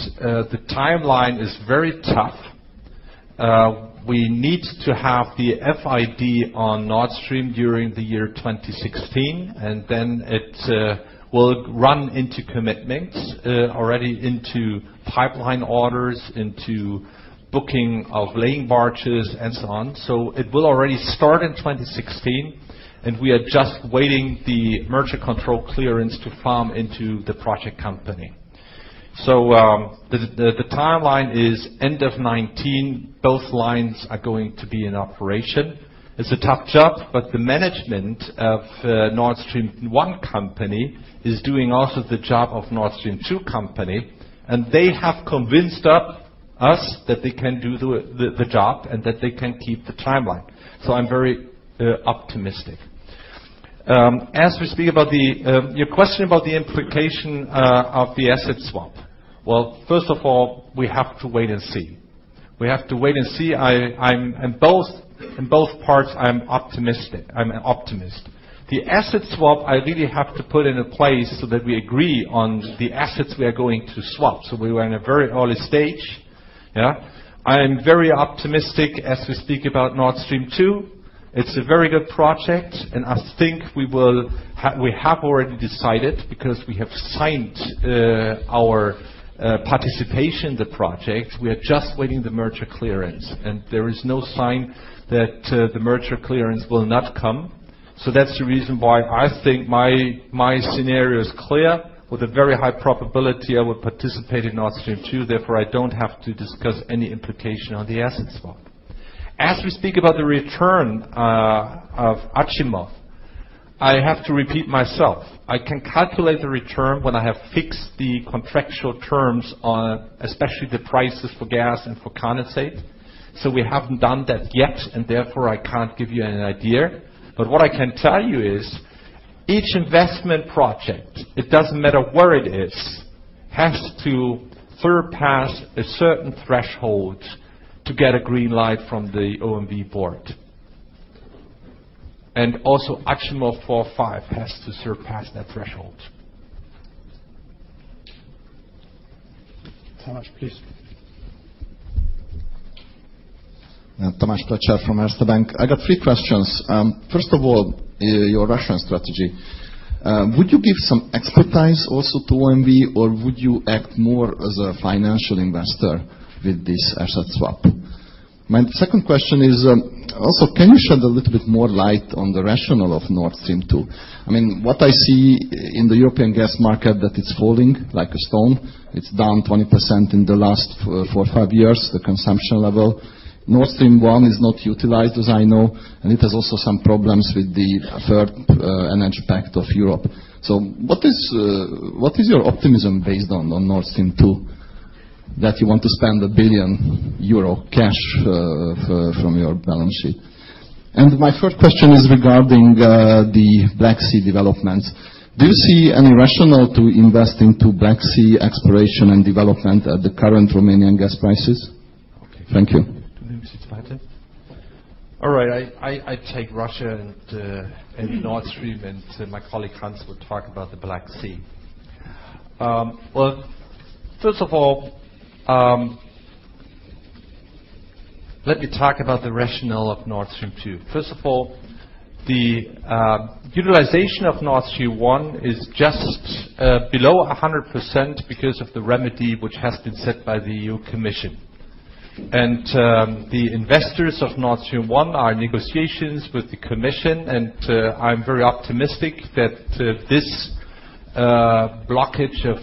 the timeline is very tough. We need to have the FID on Nord Stream during the year 2016, and then it will run into commitments already into pipeline orders, into booking of laying barges and so on. It will already start in 2016, and we are just waiting the merger control clearance to farm into the project company. The timeline is end of 2019, both lines are going to be in operation. It's a tough job, but the management of Nord Stream 1 company is doing also the job of Nord Stream 2 company, and they have convinced us that they can do the job and that they can keep the timeline. I'm very optimistic. Your question about the implication of the asset swap. Well, first of all, we have to wait and see. We have to wait and see. In both parts, I am optimistic. I'm an optimist. The asset swap, I really have to put into place so that we agree on the assets we are going to swap. We were in a very early stage. I am very optimistic as we speak about Nord Stream 2. It's a very good project, and I think we have already decided because we have signed our participation in the project. We are just waiting the merger clearance, and there is no sign that the merger clearance will not come. That's the reason why I think my scenario is clear. With a very high probability, I will participate in Nord Stream 2, therefore, I don't have to discuss any implication on the asset swap. As we speak about the return of Achimov, I have to repeat myself. I can calculate the return when I have fixed the contractual terms on especially the prices for gas and for condensate. We haven't done that yet, and therefore, I can't give you an idea. What I can tell you is, each investment project, it doesn't matter where it is, has to surpass a certain threshold to get a green light from the OMV board. Also Achimov 4/5 has to surpass that threshold. Tamás, please. Tamás Pletser from Erste Bank. I got three questions. First of all, your Russian strategy. Would you give some expertise also to OMV, or would you act more as a financial investor with this asset swap? My second question is, also, can you shed a little bit more light on the rationale of Nord Stream 2? What I see in the European gas market that it's falling like a stone. It's down 20% in the last four, five years, the consumption level. Nord Stream 1 is not utilized, as I know, and it has also some problems with the Third Energy Package of Europe. What is your optimism based on Nord Stream 2 that you want to spend 1 billion euro cash from your balance sheet? My third question is regarding the Black Sea developments. Do you see any rationale to invest into Black Sea exploration and development at the current Romanian gas prices? Thank you. All right. I take Russia and Nord Stream, and my colleague, Hans, will talk about the Black Sea. Well, first of all, let me talk about the rationale of Nord Stream 2. First of all, the utilization of Nord Stream 1 is just below 100% because of the remedy which has been set by the European Commission. The investors of Nord Stream 1 are in negotiations with the commission, I'm very optimistic that this blockage of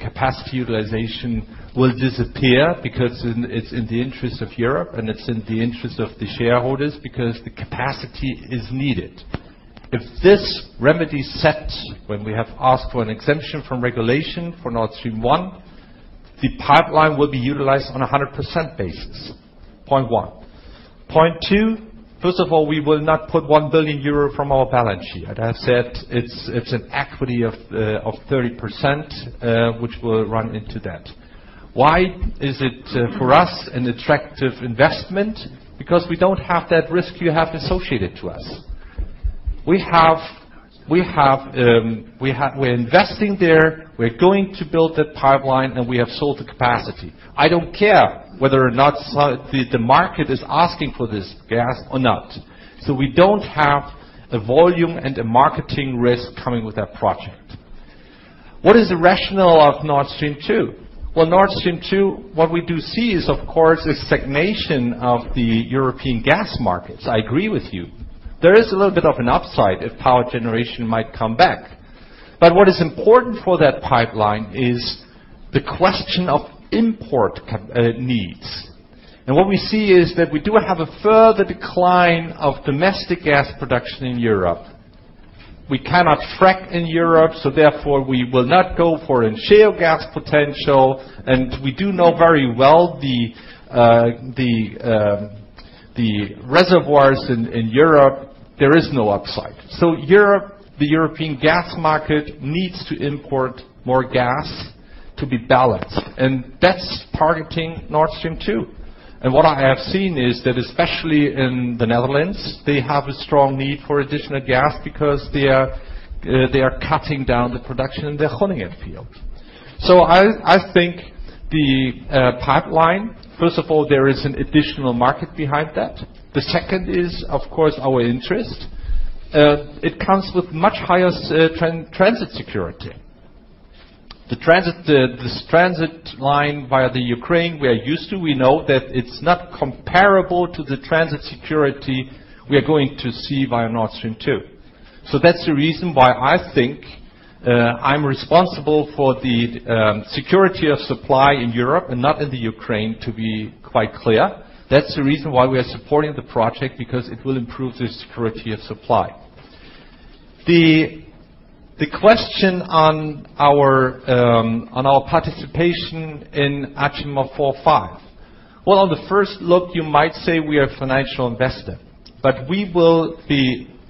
capacity utilization will disappear because it's in the interest of Europe and it's in the interest of the shareholders because the capacity is needed. If this remedy sets, when we have asked for an exemption from regulation for Nord Stream 1, the pipeline will be utilized on 100% basis. Point 1. Point 2, first of all, we will not put 1 billion euro from our balance sheet. As I said, it's an equity of 30%, which will run into that. Why is it, for us, an attractive investment? Because we don't have that risk you have associated to us. We're investing there, we're going to build that pipeline, and we have sold the capacity. I don't care whether or not the market is asking for this gas or not. We don't have a volume and a marketing risk coming with that project. What is the rationale of Nord Stream 2? Nord Stream 2, what we do see is, of course, a stagnation of the European gas markets. I agree with you. There is a little bit of an upside if power generation might come back. What is important for that pipeline is the question of import needs. What we see is that we do have a further decline of domestic gas production in Europe. We cannot frack in Europe, therefore, we will not go for a shale gas potential, and we do know very well the reservoirs in Europe. There is no upside. Europe, the European gas market, needs to import more gas to be balanced. That's targeting Nord Stream 2. What I have seen is that especially in the Netherlands, they have a strong need for additional gas because they are cutting down the production in the Groningen field. I think the pipeline, first of all, there is an additional market behind that. The second is, of course, our interest. It comes with much higher transit security. This transit line via the Ukraine, we are used to. We know that it's not comparable to the transit security we are going to see via Nord Stream 2. That's the reason why I think I'm responsible for the security of supply in Europe and not in the Ukraine, to be quite clear. That's the reason why we are supporting the project, because it will improve the security of supply. The question on our participation in Achimov 4/5. On the first look, you might say we are a financial investor.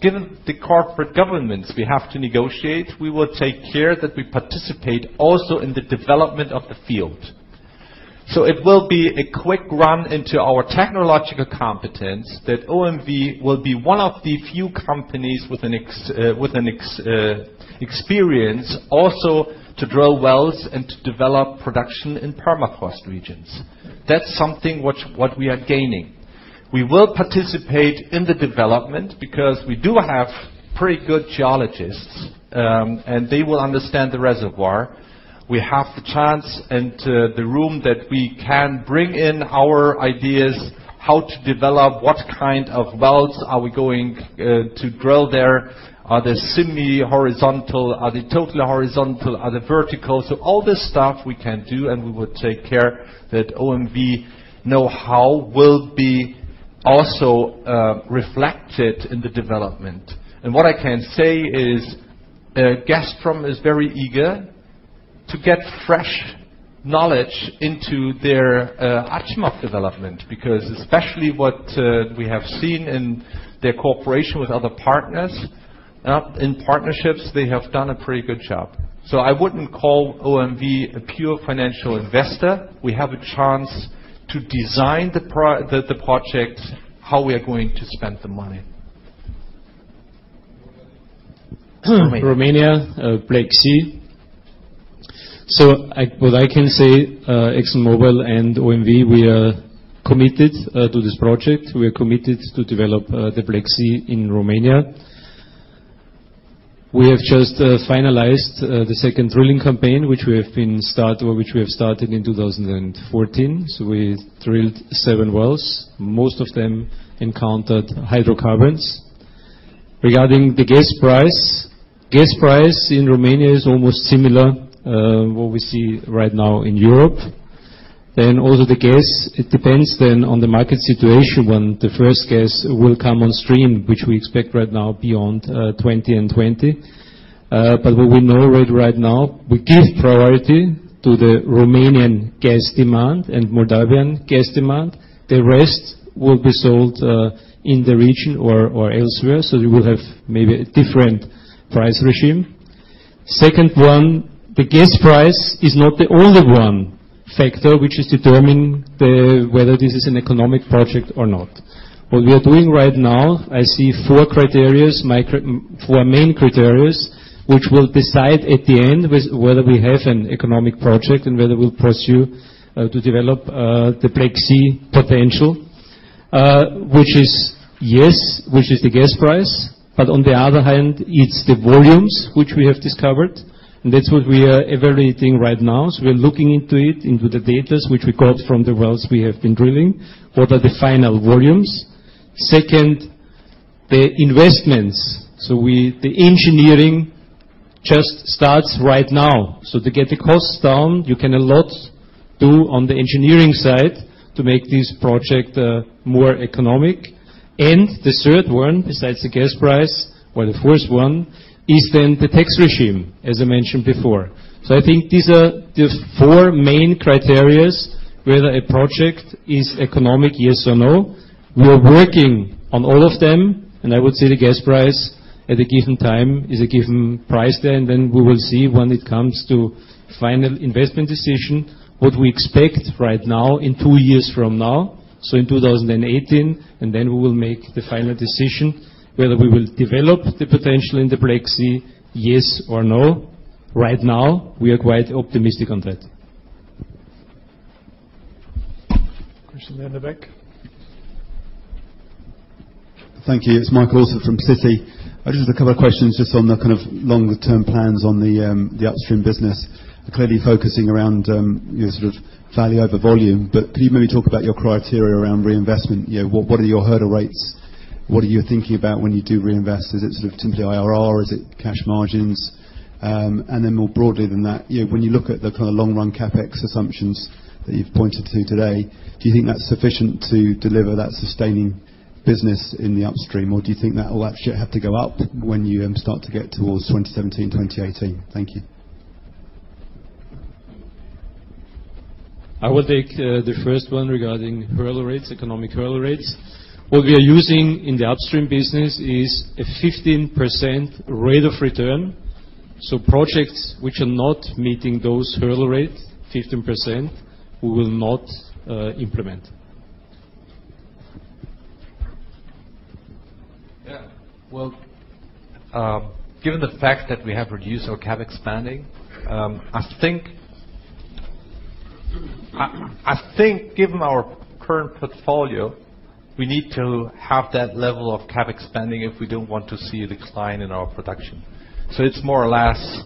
Given the corporate governments we have to negotiate, we will take care that we participate also in the development of the field. It will be a quick run into our technological competence that OMV will be one of the few companies with an experience also to drill wells and to develop production in permafrost regions. That's something what we are gaining. We will participate in the development because we do have pretty good geologists, and they will understand the reservoir. We have the chance and the room that we can bring in our ideas how to develop what kind of wells are we going to drill there. Are they semi-horizontal? Are they totally horizontal? Are they vertical? All this stuff we can do, and we will take care that OMV know how will be also reflected in the development. What I can say is, Gazprom is very eager to get fresh knowledge into their Achimov development, because especially what we have seen in their cooperation with other partners, in partnerships, they have done a pretty good job. I wouldn't call OMV a pure financial investor. We have a chance to design the project, how we are going to spend the money. What I can say, ExxonMobil and OMV, we are committed to this project. We are committed to develop the Black Sea in Romania. We have just finalized the second drilling campaign, which we have started in 2014. We drilled seven wells. Most of them encountered hydrocarbons. Regarding the gas price, gas price in Romania is almost similar, what we see right now in Europe. Also the gas, it depends then on the market situation, when the first gas will come on stream, which we expect right now beyond 2020. What we know right now, we give priority to the Romanian gas demand and Moldavian gas demand. The rest will be sold in the region or elsewhere. We will have maybe a different price regime. Second one, the gas price is not the only factor which is determining whether this is an economic project or not. What we are doing right now, I see four main criteria which will decide at the end whether we have an economic project and whether we will pursue to develop the Black Sea potential, which is yes, which is the gas price. On the other hand, it's the volumes which we have discovered, and that's what we are evaluating right now. We are looking into it, into the data which we got from the wells we have been drilling. What are the final volumes? Second, the investments. The engineering just starts right now. To get the costs down, you can a lot do on the engineering side to make this project more economic. The third one, besides the gas price or the first one, is the tax regime, as I mentioned before. I think these are the four main criteria whether a project is economic, yes or no. We are working on all of them, I would say the gas price at a given time is a given price there, we will see when it comes to final investment decision what we expect right now in two years from now, so in 2018. We will make the final decision whether we will develop the potential in the Black Sea, yes or no. Right now, we are quite optimistic on that. Christian, in the back. Thank you. It is Michael Alsford from Citi. I have a couple of questions on the kind of longer-term plans on the upstream business. You are clearly focusing around value over volume. Can you maybe talk about your criteria around reinvestment? What are your hurdle rates? What are you thinking about when you do reinvest? Is it typically IRR? Is it cash margins? More broadly than that, when you look at the kind of long run CapEx assumptions that you have pointed to today, do you think that is sufficient to deliver that sustaining business in the upstream, or do you think that will actually have to go up when you start to get towards 2017, 2018? Thank you. I will take the first one regarding hurdle rates, economic hurdle rates. What we are using in the upstream business is a 15% rate of return. Projects which are not meeting those hurdle rates, 15%, we will not implement. Given the fact that we have reduced our CapEx spending, I think given our current portfolio, we need to have that level of CapEx spending if we do not want to see a decline in our production. It is more or less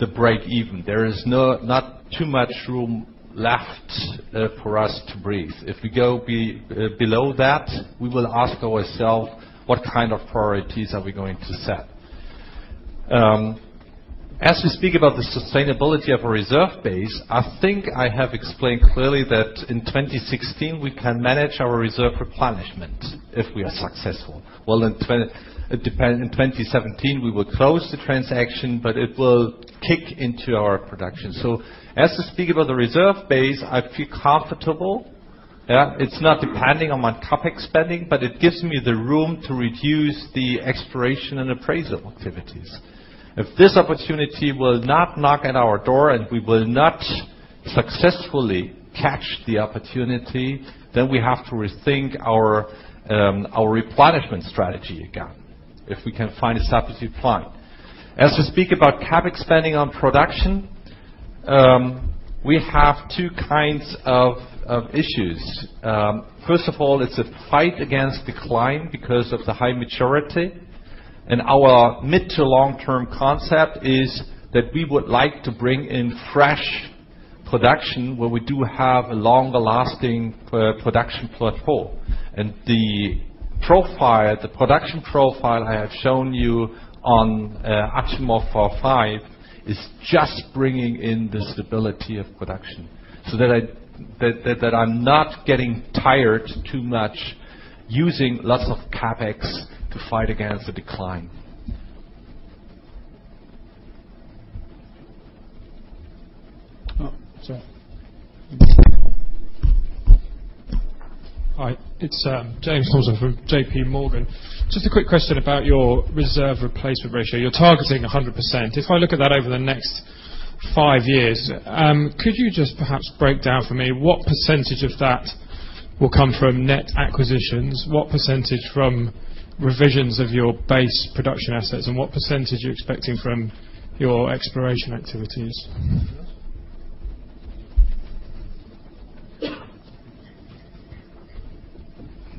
the break-even. There is not too much room left for us to breathe. If we go below that, we will ask ourselves, what kind of priorities are we going to set? As we speak about the sustainability of a reserve base, I think I have explained clearly that in 2016, we can manage our reserve replenishment if we are successful. It depends. In 2017, we will close the transaction. It will kick into our production. As to speak about the reserve base, I feel comfortable. It is not depending on my CapEx spending. It gives me the room to reduce the exploration and appraisal activities. If this opportunity will not knock at our door, we will not successfully catch the opportunity. We have to rethink our replenishment strategy again, if we can find a satisfactory plan. As we speak about CapEx spending on production, we have two kinds of issues. First of all, it is a fight against decline because of the high maturity. Our mid to long-term concept is that we would like to bring in fresh production, where we do have a longer lasting production platform. The production profile I have shown you on Achimov-4, 5 is just bringing in the stability of production, so that I am not getting tired too much using lots of CapEx to fight against the decline. Oh, sorry. Hi, it's James Thompson from J.P. Morgan. Just a quick question about your reserve replacement ratio. You're targeting 100%. If I look at that over the next five years, could you just perhaps break down for me what percentage of that will come from net acquisitions, what percentage from revisions of your base production assets, and what percentage are you expecting from your exploration activities?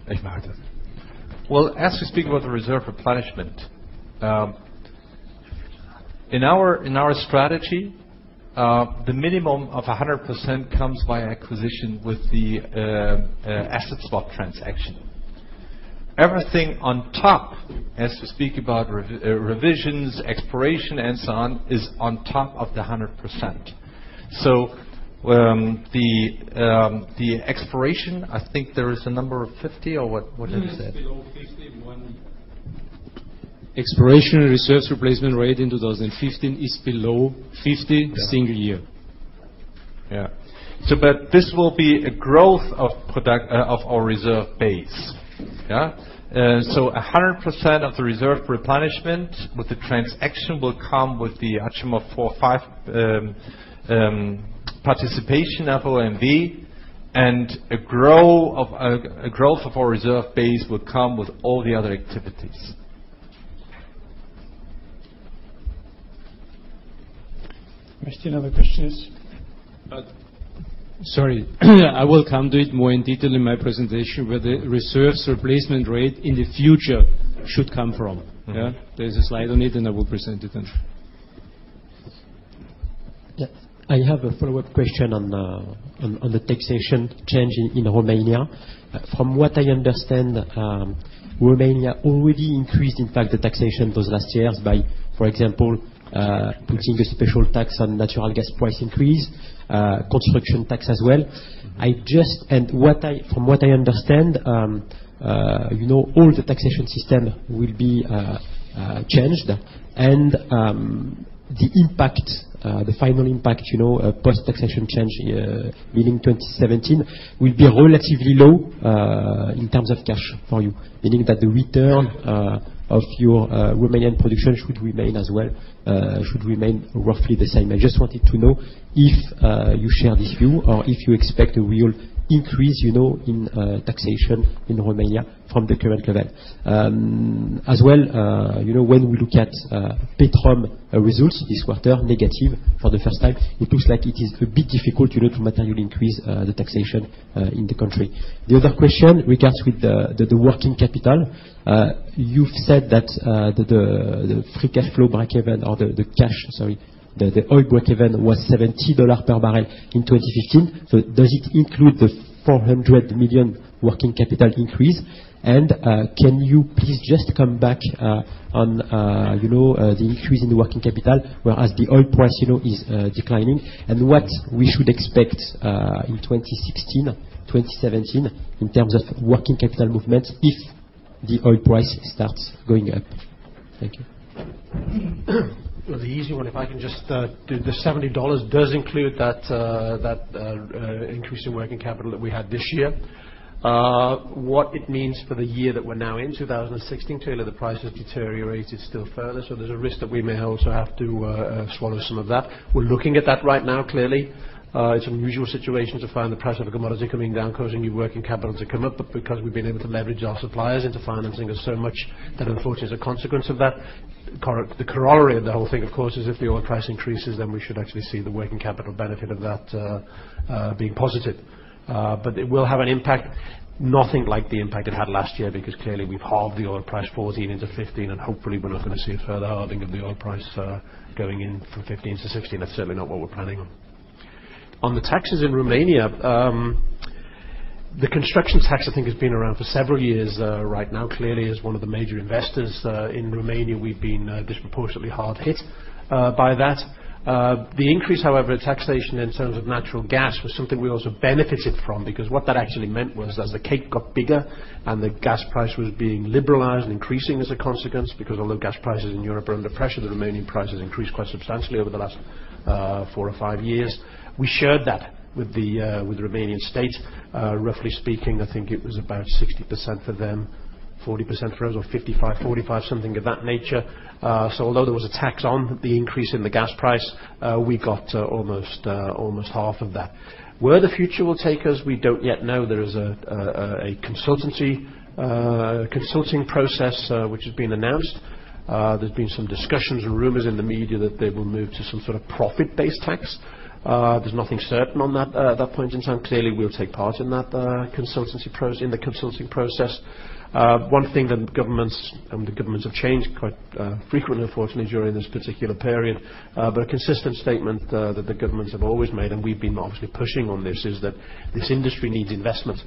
Thanks, Marcus. Well, as we speak about the reserve replenishment, in our strategy, the minimum of 100% comes by acquisition with the asset swap transaction. Everything on top, as we speak about revisions, exploration, and so on, is on top of the 100%. The exploration, I think there is a number of 50, or what have you said? It was below 50 in one year. Exploration reserves replacement rate in 2015 is below 50. Yeah single year. Yeah. This will be a growth of our reserve base. Yeah? 100% of the reserve replenishment with the transaction will come with the Achimov 4/5 participation of OMV, and a growth of our reserve base will come with all the other activities. Any other questions? Sorry. I will come to it more in detail in my presentation, where the reserves replacement rate in the future should come from. Yeah? There's a slide on it, and I will present it then. Yeah. I have a follow-up question on the taxation change in Romania. From what I understand, Romania already increased, in fact, the taxation those last years by, for example, putting a special tax on natural gas price increase, construction tax as well. From what I understand, all the taxation system will be changed and the final impact, post taxation change beginning 2017, will be relatively low, in terms of cash for you, meaning that the return of your Romanian production should remain roughly the same. I just wanted to know if you share this view or if you expect a real increase in taxation in Romania from the current level. As well, when we look at Petrom results this quarter, negative for the first time, it looks like it is a bit difficult to materially increase the taxation in the country. The other question regards with the working capital. You've said that the free cash flow breakeven or the cash, sorry, the oil breakeven was $70 per barrel in 2015. Does it include the $400 million working capital increase? Can you please just come back on the increase in the working capital, whereas the oil price is declining? What we should expect in 2016, 2017, in terms of working capital movements, if the oil price starts going up? Thank you. The $70 does include that increase in working capital that we had this year. What it means for the year that we're now in, 2016, clearly the price has deteriorated still further, there's a risk that we may also have to swallow some of that. We're looking at that right now, clearly. It's an unusual situation to find the price of a commodity coming down, causing your working capital to come up. Because we've been able to leverage our suppliers into financing us so much that unfortunately as a consequence of that, the corollary of the whole thing, of course, is if the oil price increases, we should actually see the working capital benefit of that being positive. It will have an impact. Nothing like the impact it had last year, because clearly we've halved the oil price 2014 into 2015, hopefully we're not going to see a further halving of the oil price going in from 2015 to 2016. That's certainly not what we're planning on. On the taxes in Romania, the construction tax, I think, has been around for several years right now. Clearly, as one of the major investors in Romania, we've been disproportionately hard hit by that. The increase, however, in taxation in terms of natural gas was something we also benefited from, because what that actually meant was as the cake got bigger and the gas price was being liberalized and increasing as a consequence, because although gas prices in Europe are under pressure, the Romanian prices increased quite substantially over the last four or five years. We shared that with the Romanian state. Roughly speaking, I think it was about 60% for them, 40% for us, or 55/45, something of that nature. Although there was a tax on the increase in the gas price, we got almost half of that. Where the future will take us, we don't yet know. There is a consulting process which has been announced. There's been some discussions and rumors in the media that they will move to some sort of profit-based tax. There's nothing certain on that at that point in time. Clearly, we'll take part in the consulting process. One thing that governments, and the governments have changed quite frequently, unfortunately, during this particular period, but a consistent statement that the governments have always made, and we've been obviously pushing on this, is that this industry needs investment,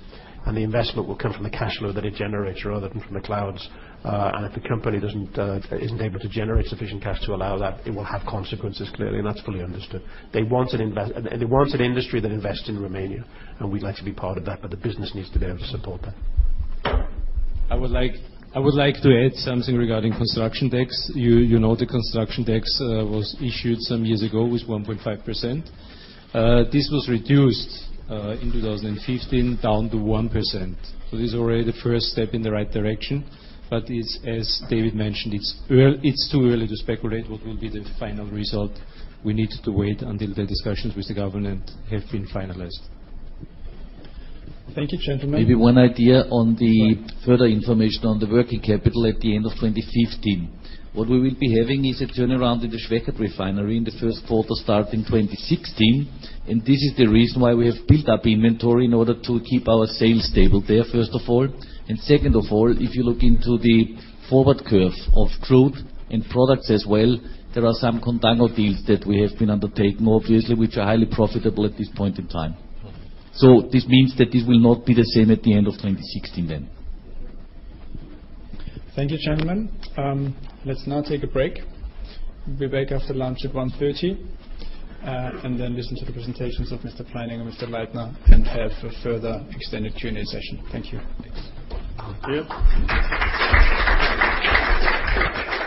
and the investment will come from the cash flow that it generates rather than from the clouds. If the company isn't able to generate sufficient cash to allow that, it will have consequences, clearly, and that's fully understood. They want an industry that invests in Romania, and we'd like to be part of that, but the business needs to be able to support that. I would like to add something regarding construction tax. You know the construction tax was issued some years ago with 1.5%. This was reduced in 2015 down to 1%. This is already the first step in the right direction. As David mentioned, it's too early to speculate what will be the final result. We need to wait until the discussions with the government have been finalized. Thank you, gentlemen. Maybe one idea on the further information on the working capital at the end of 2015. We will be having is a turnaround in the Schwechat refinery in the first quarter starting 2016, and this is the reason why we have built up inventory in order to keep our sales stable there, first of all. Second of all, if you look into the forward curve of crude and products as well, there are some contango deals that we have been undertaking, obviously, which are highly profitable at this point in time. This means that this will not be the same at the end of 2016 then. Thank you, gentlemen. Let's now take a break. We'll be back after lunch at 1:30. Then listen to the presentations of Mr. Pleininger and Mr. Leitner and have a further extended Q&A session. Thank you. Thanks. Thank you.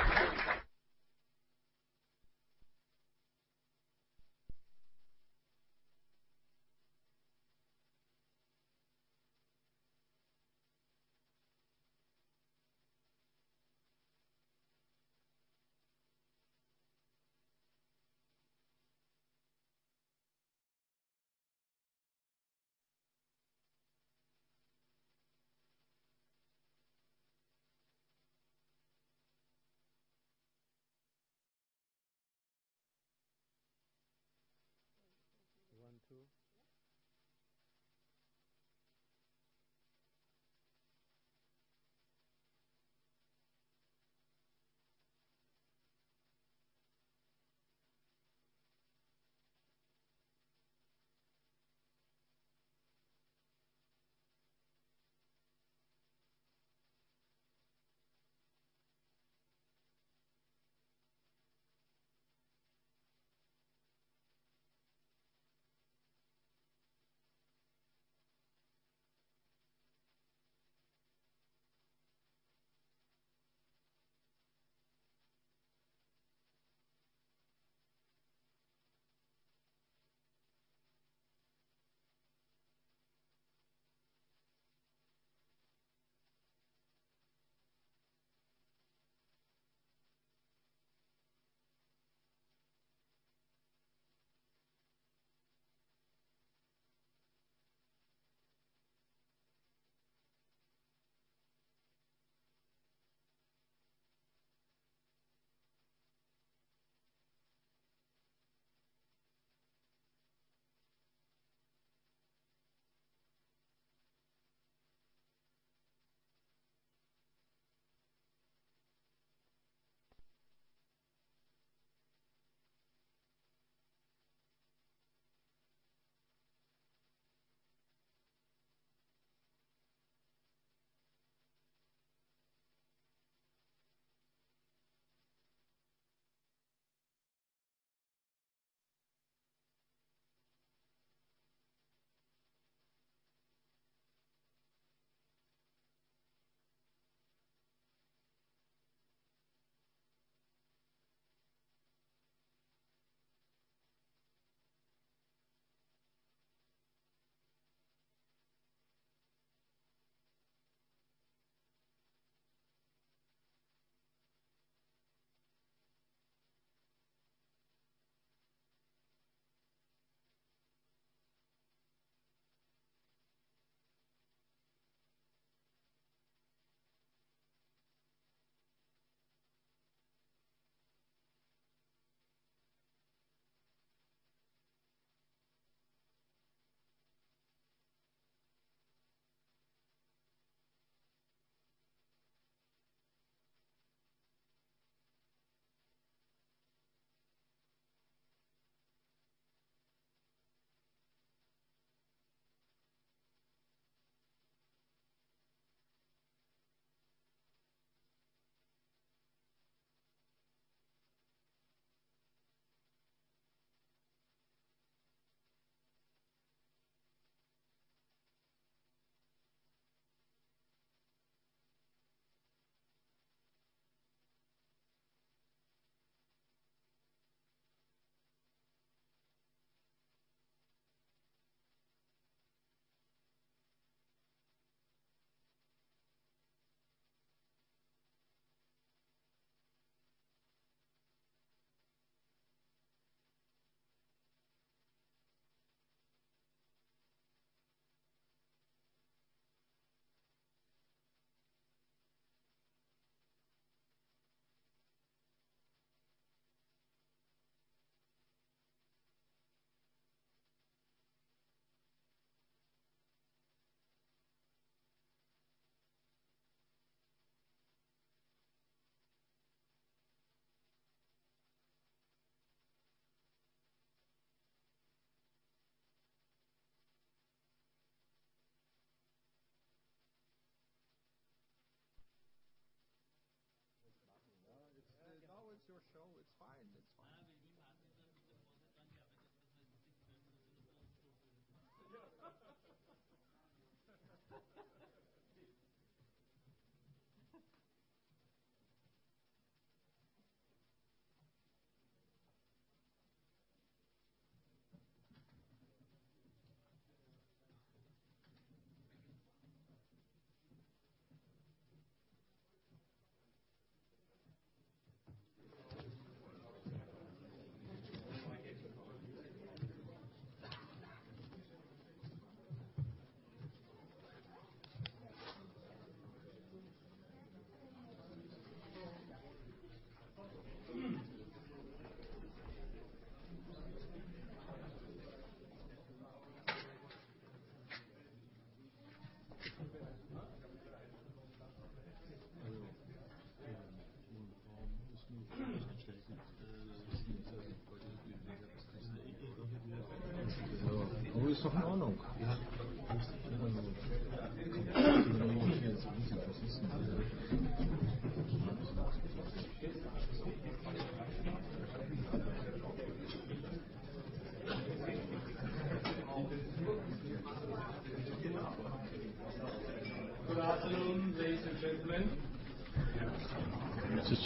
One, two. Yes. No, it's your show. It's fine. Good afternoon, ladies and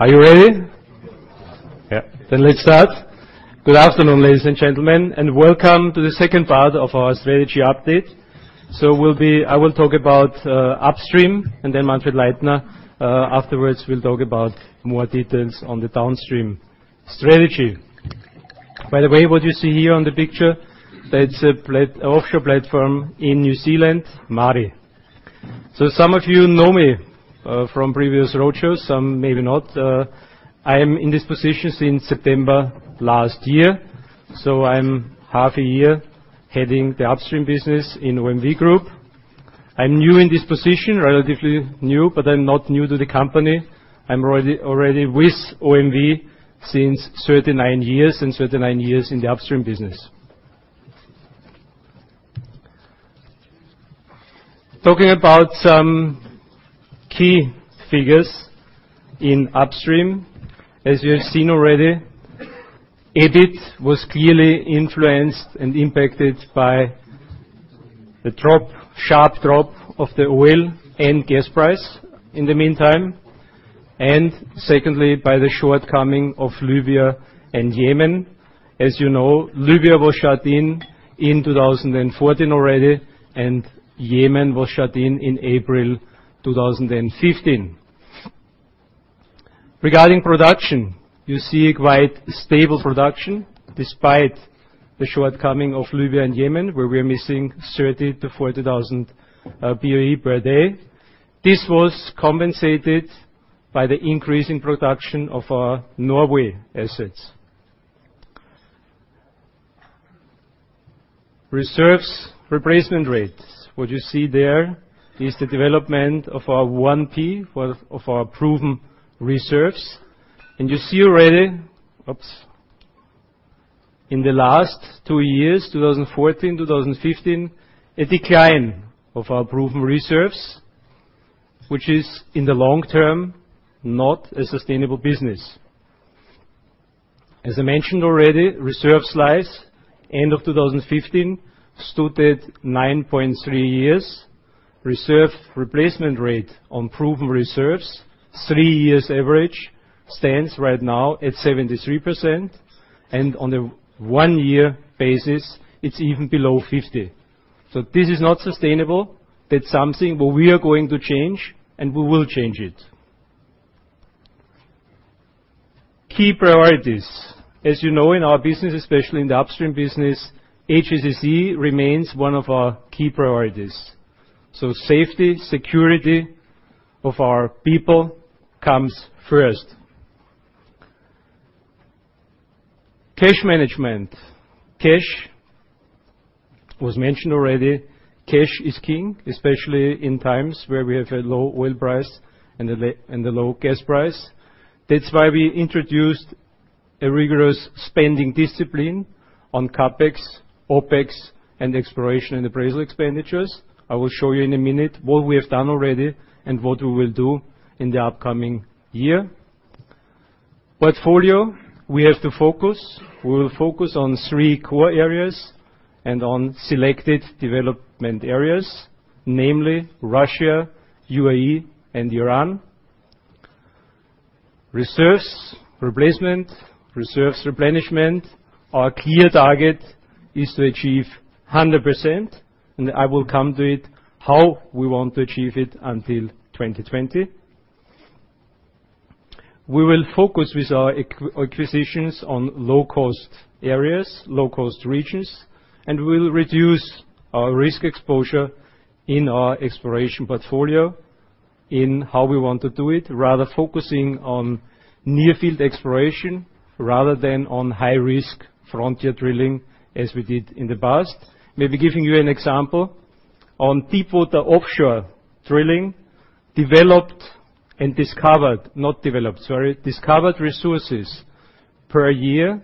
gentlemen. Are you ready? Yeah. Let's start. Good afternoon, ladies and gentlemen, welcome to the second part of our strategy update. I will talk about upstream. Then Manfred Leitner afterwards will talk about more details on the downstream strategy. By the way, what you see here on the picture, that's a offshore platform in New Zealand, Maari. Some of you know me from previous roadshows, some maybe not. I am in this position since September last year. I'm half a year heading the upstream business in OMV Group. I'm new in this position, relatively new, I'm not new to the company. I'm already with OMV since 39 years, 39 years in the upstream business. Talking about some key figures in upstream. As you have seen already, EBIT was clearly influenced and impacted by the sharp drop of the oil and gas price in the meantime, and secondly, by the shortcoming of Libya and Yemen. As you know, Libya was shut in in 2014 already, and Yemen was shut in in April 2015. Regarding production, you see quite stable production despite the shortcoming of Libya and Yemen, where we are missing 30,000-40,000 BOE per day. This was compensated by the increase in production of our Norway assets. Reserves replacement rates. What you see there is the development of our 1P, of our proven reserves. You see already Oops. In the last two years, 2014, 2015, a decline of our proven reserves, which is in the long term, not a sustainable business. As I mentioned already, reserve life end of 2015 stood at 9.3 years. Reserve replacement rate on proven reserves, three years average, stands right now at 73%, and on a one-year basis, it is even below 50. This is not sustainable. That is something we are going to change, and we will change it. Key priorities. As you know, in our business, especially in the Upstream business, HSSE remains one of our key priorities. Safety, security of our people comes first. Cash management. Cash was mentioned already. Cash is king, especially in times where we have a low oil price and the low gas price. That is why we introduced a rigorous spending discipline on CapEx, OpEx, and exploration and appraisal expenditures. I will show you in a minute what we have done already and what we will do in the upcoming year. Portfolio, we have to focus. We will focus on three core areas and on selected development areas, namely Russia, UAE, and Iran. Reserves replacement, reserves replenishment. Our clear target is to achieve 100%, and I will come to it, how we want to achieve it until 2020. We will focus with our acquisitions on low-cost areas, low-cost regions, and we will reduce our risk exposure in our exploration portfolio in how we want to do it, rather focusing on near-field exploration rather than on high-risk frontier drilling as we did in the past. Maybe giving you an example, on deepwater offshore drilling, developed and discovered-- Not developed, sorry. Discovered resources per year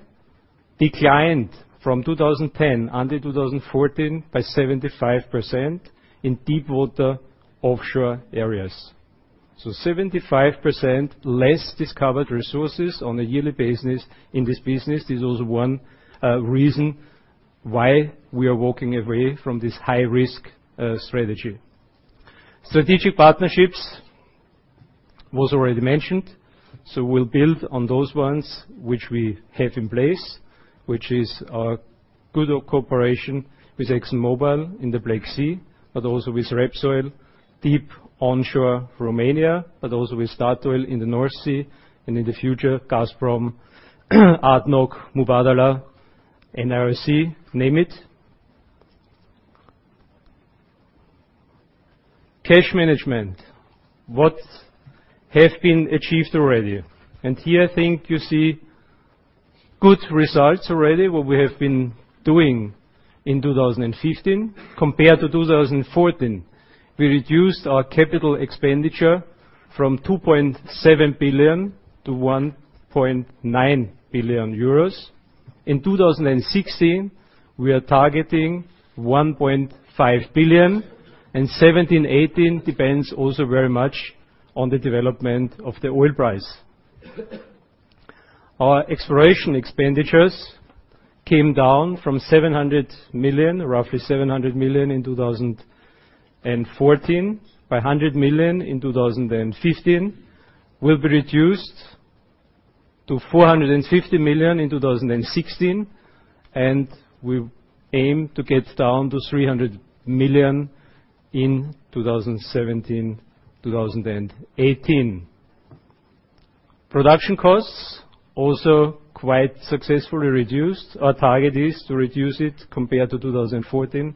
declined from 2010 until 2014 by 75% in deepwater offshore areas. 75% less discovered resources on a yearly basis in this business is also one reason why we are walking away from this high-risk strategy. Strategic partnerships was already mentioned. We will build on those ones which we have in place, which is a good cooperation with ExxonMobil in the Black Sea, but also with Repsol, deep onshore Romania, but also with Statoil in the North Sea and in the future, Gazprom, ADNOC, Mubadala, NOC, name it. Cash management. What have been achieved already. Here I think you see good results already, what we have been doing in 2015 compared to 2014. We reduced our capital expenditure from 2.7 billion to 1.9 billion euros. In 2016, we are targeting 1.5 billion, and 2017, 2018 depends also very much on the development of the oil price. Our exploration expenditures came down from 700 million, roughly 700 million in 2014 by 100 million in 2015, will be reduced to 450 million in 2016, and we aim to get down to 300 million in 2017-2018. Production costs also quite successfully reduced. Our target is to reduce it compared to 2014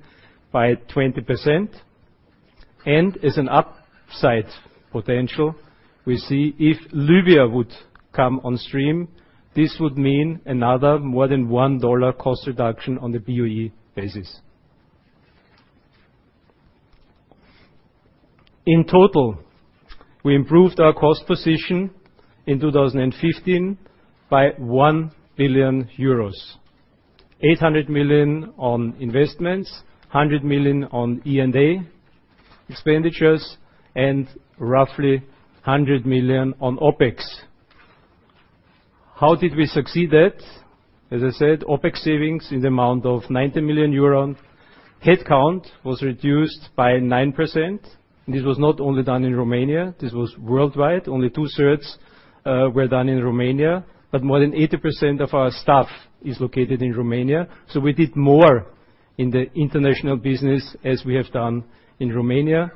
by 20%. As an upside potential, we see if Libya would come on stream, this would mean another more than EUR 1 cost reduction on a BOE basis. In total, we improved our cost position in 2015 by 1 billion euros, 800 million on investments, 100 million on E&A expenditures, and roughly 100 million on OpEx. How did we succeed that? As I said, OpEx savings in the amount of 90 million euros. Headcount was reduced by 9%. This was not only done in Romania, this was worldwide. Only two-thirds were done in Romania, but more than 80% of our staff is located in Romania. We did more in the international business as we have done in Romania.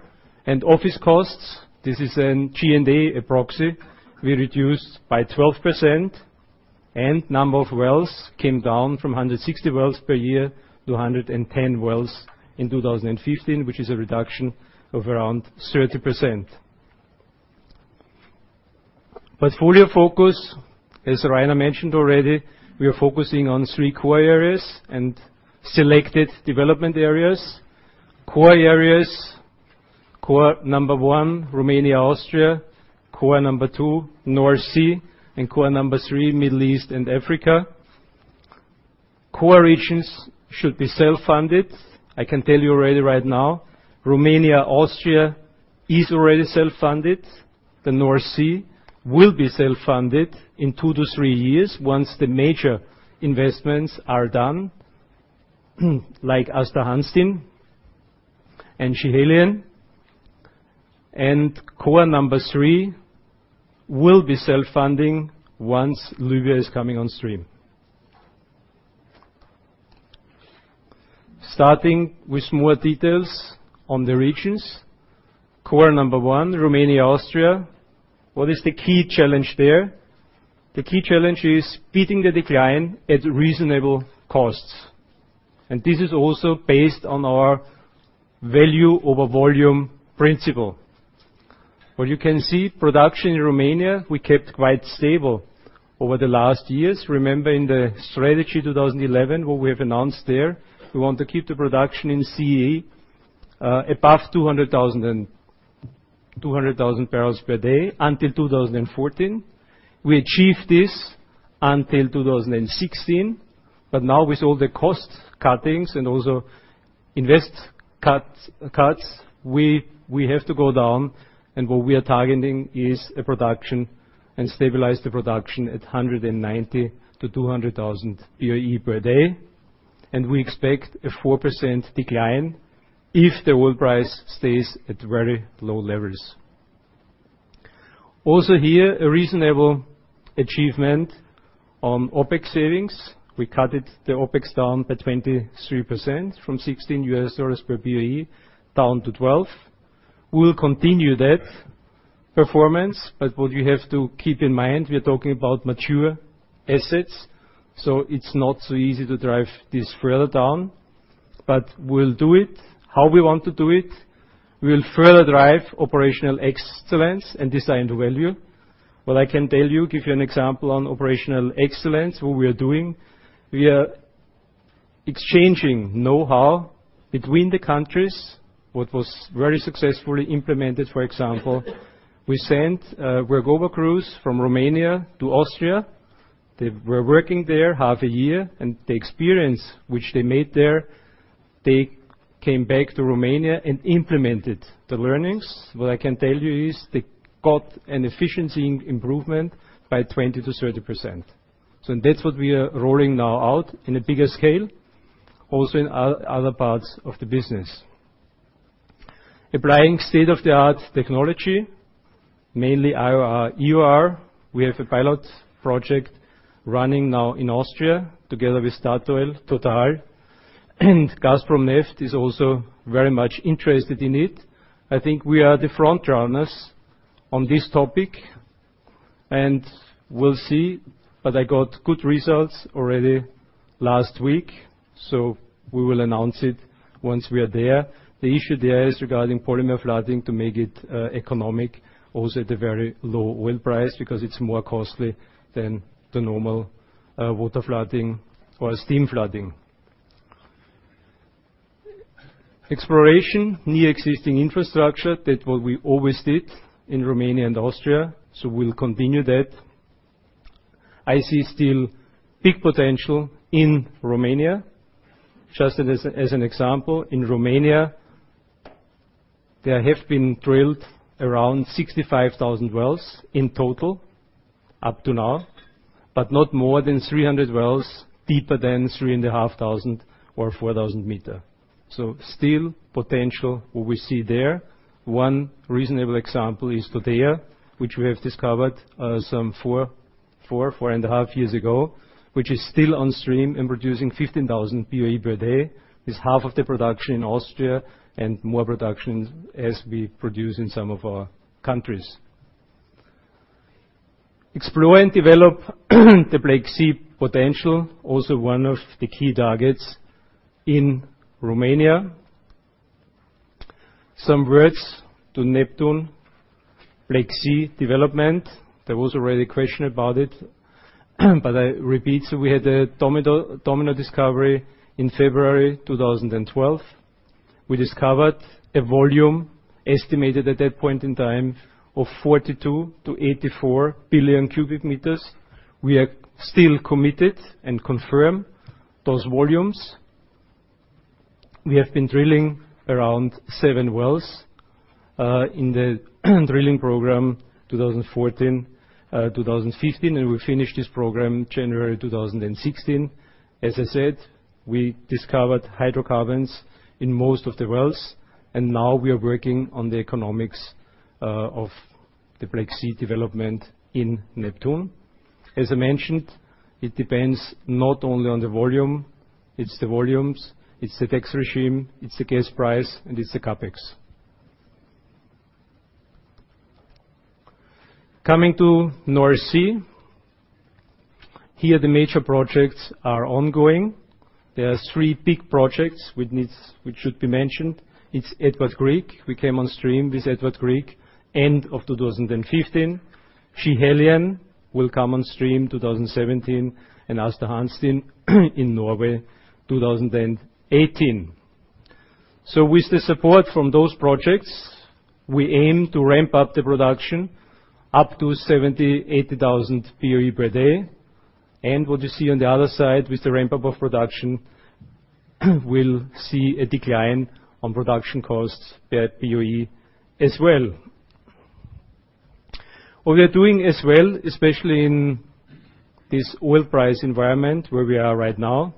Office costs, this is in G&A approximately, we reduced by 12%. Number of wells came down from 160 wells per year to 110 wells in 2015, which is a reduction of around 30%. Portfolio focus, as Rainer mentioned already, we are focusing on three core areas and selected development areas. Core areas, core number 1, Romania, Austria, core number 2, North Sea, and core number 3, Middle East and Africa. Core regions should be self-funded. I can tell you already right now, Romania, Austria is already self-funded. The North Sea will be self-funded in two to three years once the major investments are done, like Aasta Hansteen and Schiehallion. Core number 3 will be self-funding once Libya is coming on stream. Starting with more details on the regions. Core number 1, Romania, Austria. What is the key challenge there? The key challenge is beating the decline at reasonable costs. This is also based on our value over volume principle. What you can see, production in Romania, we kept quite stable over the last years. Remember in the Strategy 2011, what we have announced there, we want to keep the production in CEE above 200,000 barrels per day until 2014. We achieved this until 2016, but now with all the cost cuttings and also invest cuts, we have to go down, and what we are targeting is a production and stabilize the production at 190,000 to 200,000 BOE per day. We expect a 4% decline if the oil price stays at very low levels. Also here, a reasonable achievement on OpEx savings. We cut the OpEx down by 23%, from $16 per BOE down to $12. We will continue that performance, what you have to keep in mind, we are talking about mature assets, it's not so easy to drive this further down. We'll do it. How we want to do it? We'll further drive operational excellence and design value. What I can tell you, give you an example on operational excellence, what we are doing, we are exchanging knowhow between the countries, what was very successfully implemented. For example, we sent workover crews from Romania to Austria. They were working there half a year, and the experience which they made there, they came back to Romania and implemented the learnings. What I can tell you is they got an efficiency improvement by 20%-30%. That's what we are rolling now out in a bigger scale, also in other parts of the business. Applying state-of-the-art technology, mainly EOR. We have a pilot project running now in Austria together with Statoil, Total. Gazprom Neft is also very much interested in it. I think we are the frontrunners on this topic, we'll see. I got good results already last week, so we will announce it once we are there. The issue there is regarding polymer flooding to make it economic, also at a very low oil price, because it's more costly than the normal water flooding or steam flooding. Exploration, near existing infrastructure, that what we always did in Romania and Austria, we'll continue that. I see still big potential in Romania. Just as an example, in Romania, there have been drilled around 65,000 wells in total up to now, but not more than 300 wells deeper than 3,500 or 4,000 meters. Still potential what we see there. One reasonable example is Totea, which we have discovered some four-and-a-half years ago, which is still on stream and producing 15,000 BOE per day, is half of the production in Austria and more production as we produce in some of our countries. Explore and develop the Black Sea potential, also one of the key targets in Romania. Some words to Neptun Black Sea development. There was already a question about it, I repeat. We had a Domino discovery in February 2012. We discovered a volume estimated at that point in time of 42 to 84 billion cubic meters. We are still committed and confirm those volumes. We have been drilling around seven wells, in the drilling program 2014, 2015, we finish this program January 2016. As I said, we discovered hydrocarbons in most of the wells, now we are working on the economics of the Black Sea development in Neptun. As I mentioned, it depends not only on the volume, it's the volumes, it's the tax regime, it's the gas price, and it's the CapEx. Coming to North Sea. Here, the major projects are ongoing. There are three big projects which should be mentioned. It's Edvard Grieg. We came on stream with Edvard Grieg end of 2015. Schiehallion will come on stream 2017 Aasta Hansteen in Norway, 2018. With the support from those projects, we aim to ramp up the production up to 70,000, 80,000 BOE per day. What you see on the other side, with the ramp-up of production, we'll see a decline on production costs per BOE as well. What we are doing as well, especially in this oil price environment where we are right now,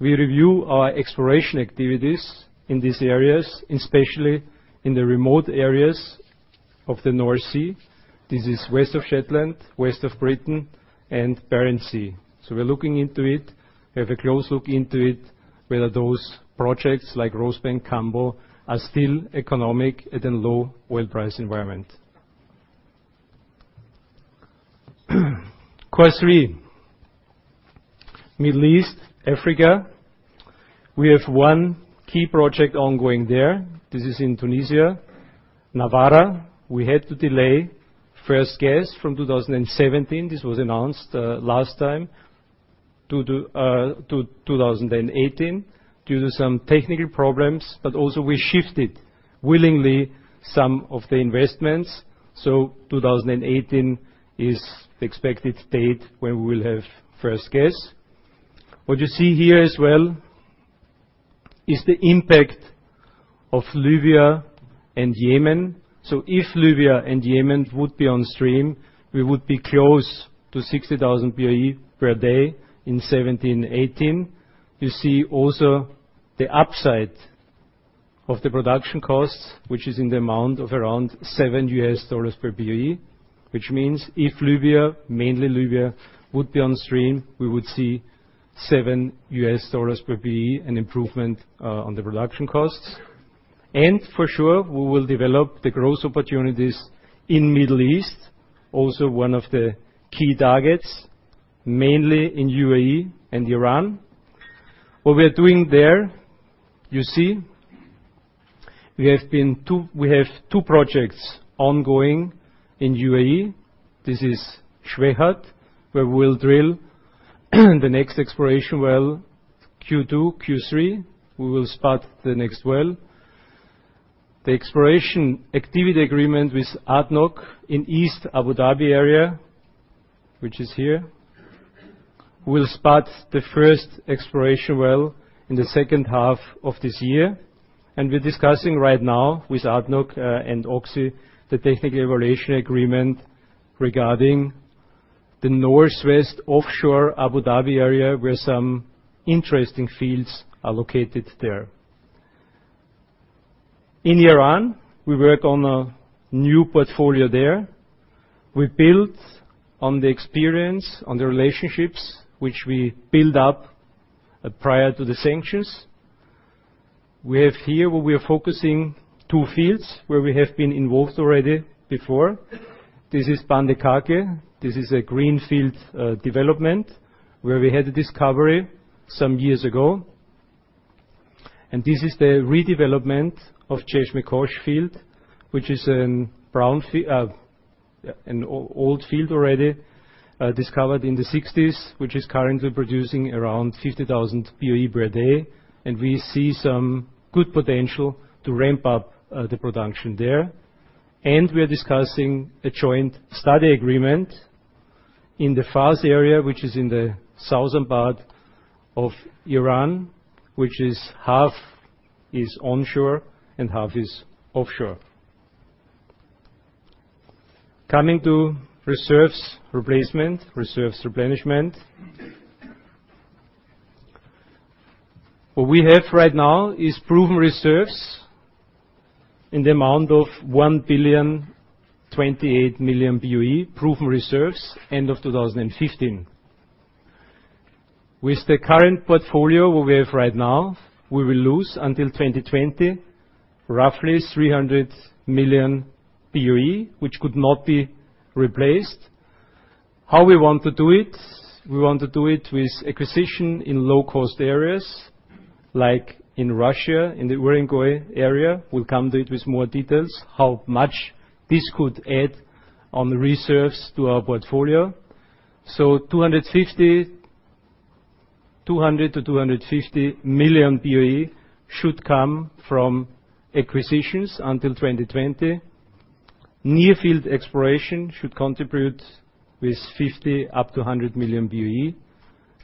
we review our exploration activities in these areas, especially in the remote areas of the North Sea. This is west of Shetland, west of Britain, Barents Sea. We're looking into it. We have a close look into it, whether those projects like Rosebank, Cambo are still economic at a low oil price environment. Quarter three. Middle East, Africa, we have one key project ongoing there. This is in Tunisia, Nawara. We had to delay first gas from 2017, this was announced last time, to 2018 due to some technical problems. Also we shifted willingly some of the investments. 2018 is the expected date where we will have first gas. What you see here as well is the impact of Libya and Yemen. If Libya and Yemen would be on stream, we would be close to 60,000 BOE per day in 2017, 2018. You see also the upside of the production costs, which is in the amount of around EUR 7 per BOE, which means if Libya, mainly Libya, would be on stream, we would see EUR 7 per BOE, an improvement on the production costs. For sure, we will develop the growth opportunities in Middle East, also one of the key targets, mainly in UAE and Iran. What we are doing there, you see, we have two projects ongoing in UAE. This is Shuwaihat, where we will drill the next exploration well 2Q, 3Q. We will spot the next well. The exploration activity agreement with ADNOC in East Abu Dhabi area, which is here, we'll spot the first exploration well in the second half of this year, and we're discussing right now with ADNOC and Oxy the technical evaluation agreement regarding the northwest offshore Abu Dhabi area, where some interesting fields are located there. In Iran, we work on a new portfolio there. We build on the experience, on the relationships which we build up prior to the sanctions. We have here where we are focusing two fields where we have been involved already before. This is Band-e Karkheh. This is a green field development where we had a discovery some years ago. This is the redevelopment of Cheshmeh Khosh field, which is an old field already, discovered in the 1960s, which is currently producing around 50,000 BOE per day, and we see some good potential to ramp up the production there. We are discussing a joint study agreement in the Fars area, which is in the southern part of Iran, which is half is onshore and half is offshore. Coming to reserves replacement, reserves replenishment. What we have right now is proven reserves in the amount of 1 billion, 28 million BOE proven reserves end of 2015. With the current portfolio we have right now, we will lose until 2020, roughly 300 million BOE, which could not be replaced. How we want to do it? We want to do it with acquisition in low-cost areas, like in Russia, in the Urengoy area. We'll come to it with more details, how much this could add on the reserves to our portfolio. 200 million-250 million BOE should come from acquisitions until 2020. New field exploration should contribute with 50 million up to 100 million BOE,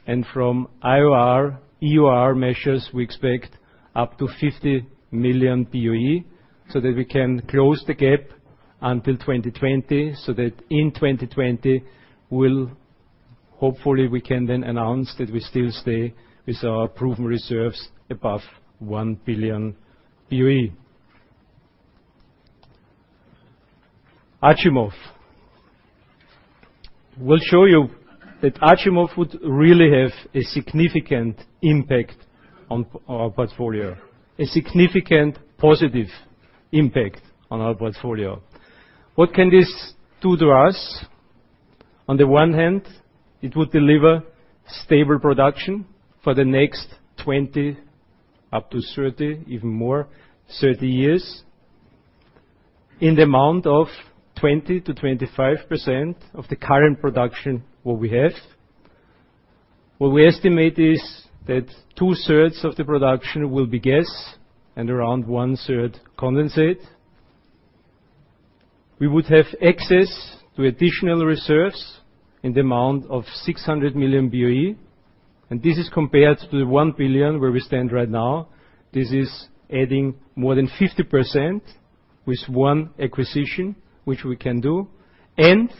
and from IOR, EOR measures, we expect up to 50 million BOE so that we can close the gap until 2020, so that in 2020 we'll hopefully we can then announce that we still stay with our proven reserves above 1 billion BOE. Achimov. We'll show you that Achimov would really have a significant impact on our portfolio, a significant positive impact on our portfolio. What can this do to us? On the one hand, it would deliver stable production for the next 20, up to 30, even more, 30 years in the amount of 20%-25% of the current production, what we have. What we estimate is that two-thirds of the production will be gas and around one-third condensate. We would have access to additional reserves in the amount of 600 million BOE, and this is compared to the 1 billion where we stand right now. This is adding more than 50% with one acquisition, which we can do, and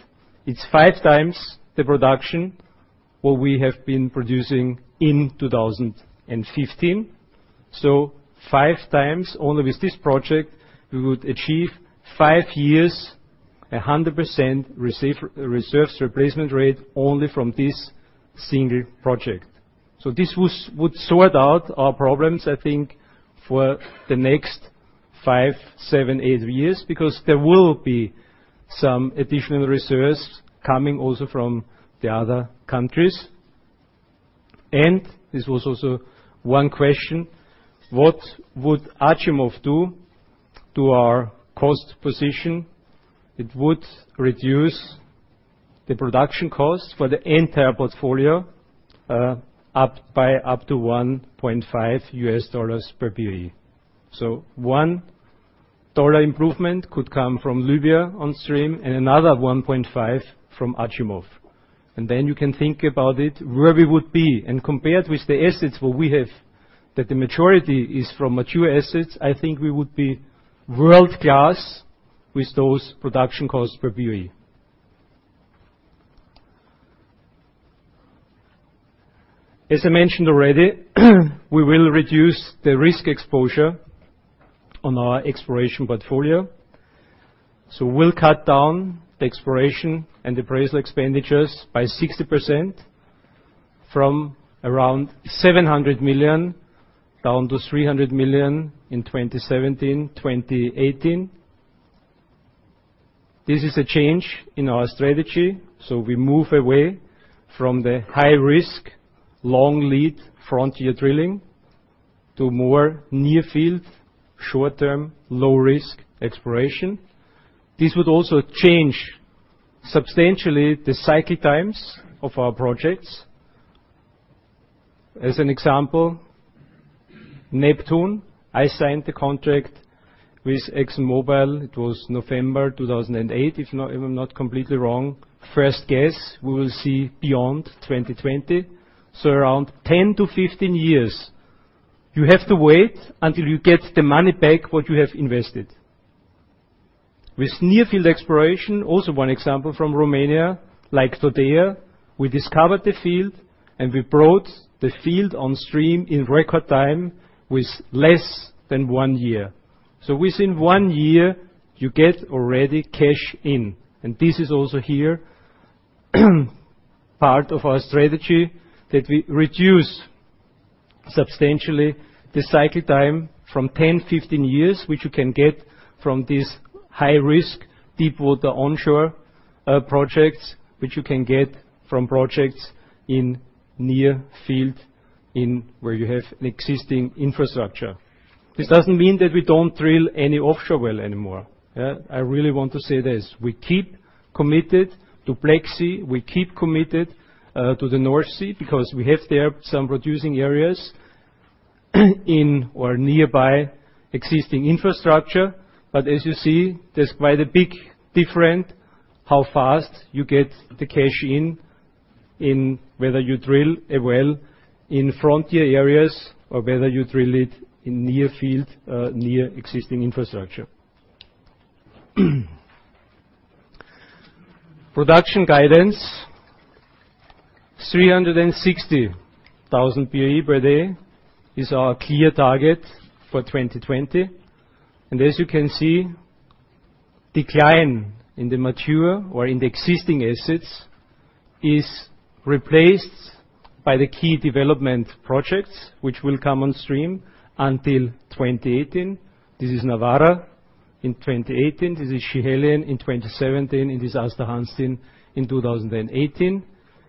it's 5 times the production what we have been producing in 2015. Five times only with this project, we would achieve 5 years, 100% reserves replacement rate only from this single project. This would sort out our problems, I think, for the next five, seven, eight years because there will be some additional reserves coming also from the other countries. This was also one question, what would Achimov do to our cost position? It would reduce the production cost for the entire portfolio up to $1.5 USD per BOE. $1 improvement could come from Libya on stream and another $1.5 from Achimov. Then you can think about it, where we would be and compared with the assets where we have that the majority is from mature assets, I think we would be world-class with those production costs per BOE. As I mentioned already, we will reduce the risk exposure on our exploration portfolio. We'll cut down the exploration and appraisal expenditures by 60% from around 700 million down to 300 million in 2017, 2018. This is a change in our strategy. We move away from the high risk, long lead frontier drilling to more near field, short-term, low-risk exploration. This would also change substantially the cycle times of our projects. As an example, Neptun, I signed the contract with ExxonMobil. It was November 2008, if I'm not completely wrong. First gas, we will see beyond 2020, around 10 to 15 years. You have to wait until you get the money back what you have invested. With near field exploration, also one example from Romania, like Totea, we discovered the field, and we brought the field on stream in record time with less than one year. Within one year, you get already cash in, and this is also here part of our strategy that we reduce substantially the cycle time from 10, 15 years, which you can get from this high risk, deep water onshore, projects, which you can get from projects in near field in where you have an existing infrastructure. This doesn't mean that we don't drill any offshore well anymore. Yeah. I really want to say this. We keep committed to Black Sea. We keep committed to the North Sea because we have there some producing areas in or nearby existing infrastructure. As you see, there's quite a big different how fast you get the cash in, whether you drill a well in frontier areas or whether you drill it in near field, near existing infrastructure. Production guidance, 360,000 BOE per day is our clear target for 2020. As you can see, decline in the mature or in the existing assets is replaced by the key development projects, which will come on stream until 2018. This is Nawara in 2018. This is Schiehallion in 2017, and this is Aasta Hansteen in 2018.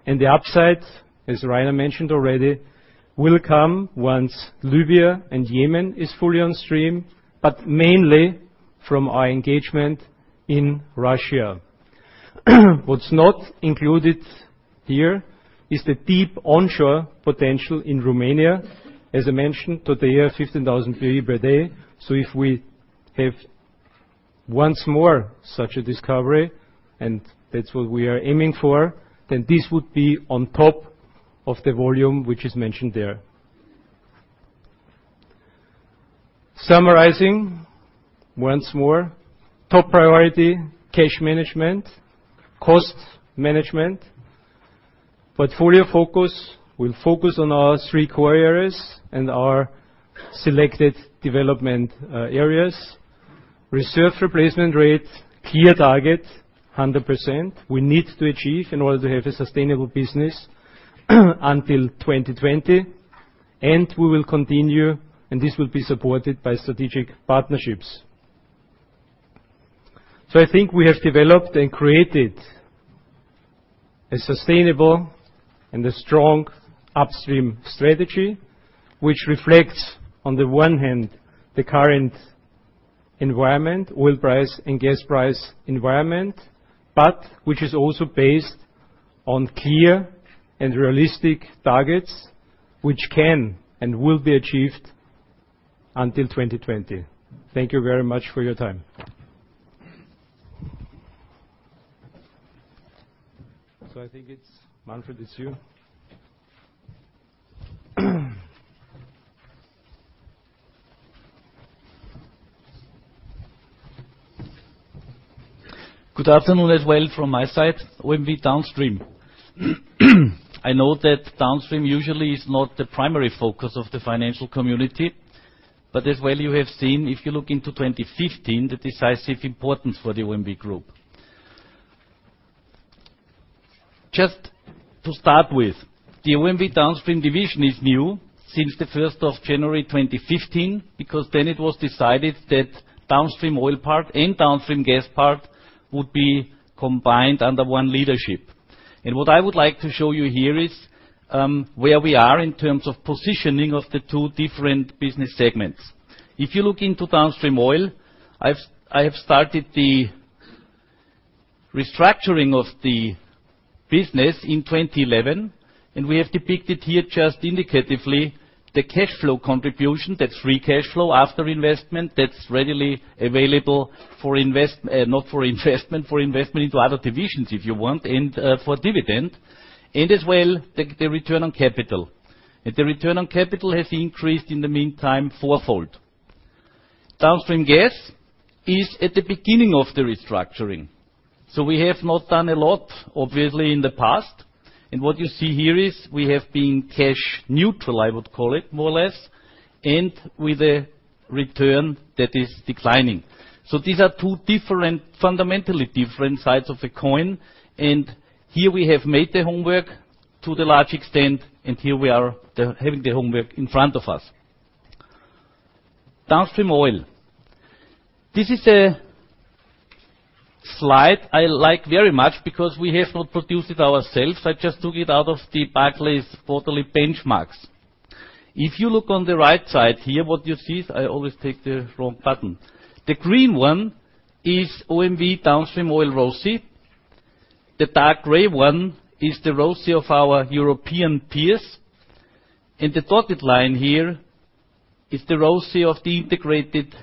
The upside, as Rainer mentioned already, will come once Libya and Yemen is fully on stream, but mainly from our engagement in Russia. What's not included here is the deep onshore potential in Romania. As I mentioned, Totea, 15,000 BOE per day. If we have once more such a discovery, and that's what we are aiming for, then this would be on top of the volume, which is mentioned there. Summarizing once more, top priority, cash management, cost management, portfolio focus. We'll focus on our three core areas and our selected development areas. Reserve replacement rate, clear target, 100%. We need to achieve in order to have a sustainable business until 2020. We will continue, and this will be supported by strategic partnerships. I think we have developed and created a sustainable and a strong upstream strategy, which reflects, on the one hand, the current environment, oil price, and gas price environment, but which is also based on clear and realistic targets, which can and will be achieved until 2020. Thank you very much for your time. I think it's Manfred, it's you. Good afternoon as well from my side. OMV Downstream. I know that Downstream usually is not the primary focus of the financial community, but as well you have seen, if you look into 2015, the decisive importance for the OMV Group. Just to start with, the OMV Downstream division is new since the 1st of January 2015, because then it was decided that Downstream Oil part and Downstream Gas part would be combined under one leadership. What I would like to show you here is where we are in terms of positioning of the two different business segments. If you look into Downstream Oil, I have started the restructuring of the business in 2011, we have depicted here just indicatively the cash flow contribution, that free cash flow after investment that's readily available for investment into other divisions if you want, and for dividend. As well, the return on capital. The return on capital has increased in the meantime fourfold. Downstream Gas is at the beginning of the restructuring. We have not done a lot, obviously, in the past. What you see here is we have been cash neutral, I would call it more or less, and with a return that is declining. These are two fundamentally different sides of a coin. Here we have made the homework to the large extent, and here we are having the homework in front of us. Downstream Oil. This is a slide I like very much because we have not produced it ourselves. I just took it out of the Barclays quarterly benchmarks. If you look on the right side here, what you see is I always take the wrong button. The green one is OMV Downstream Oil ROSI. The dark gray one is the ROSI of our European peers. The dotted line here is the ROSI of the integrated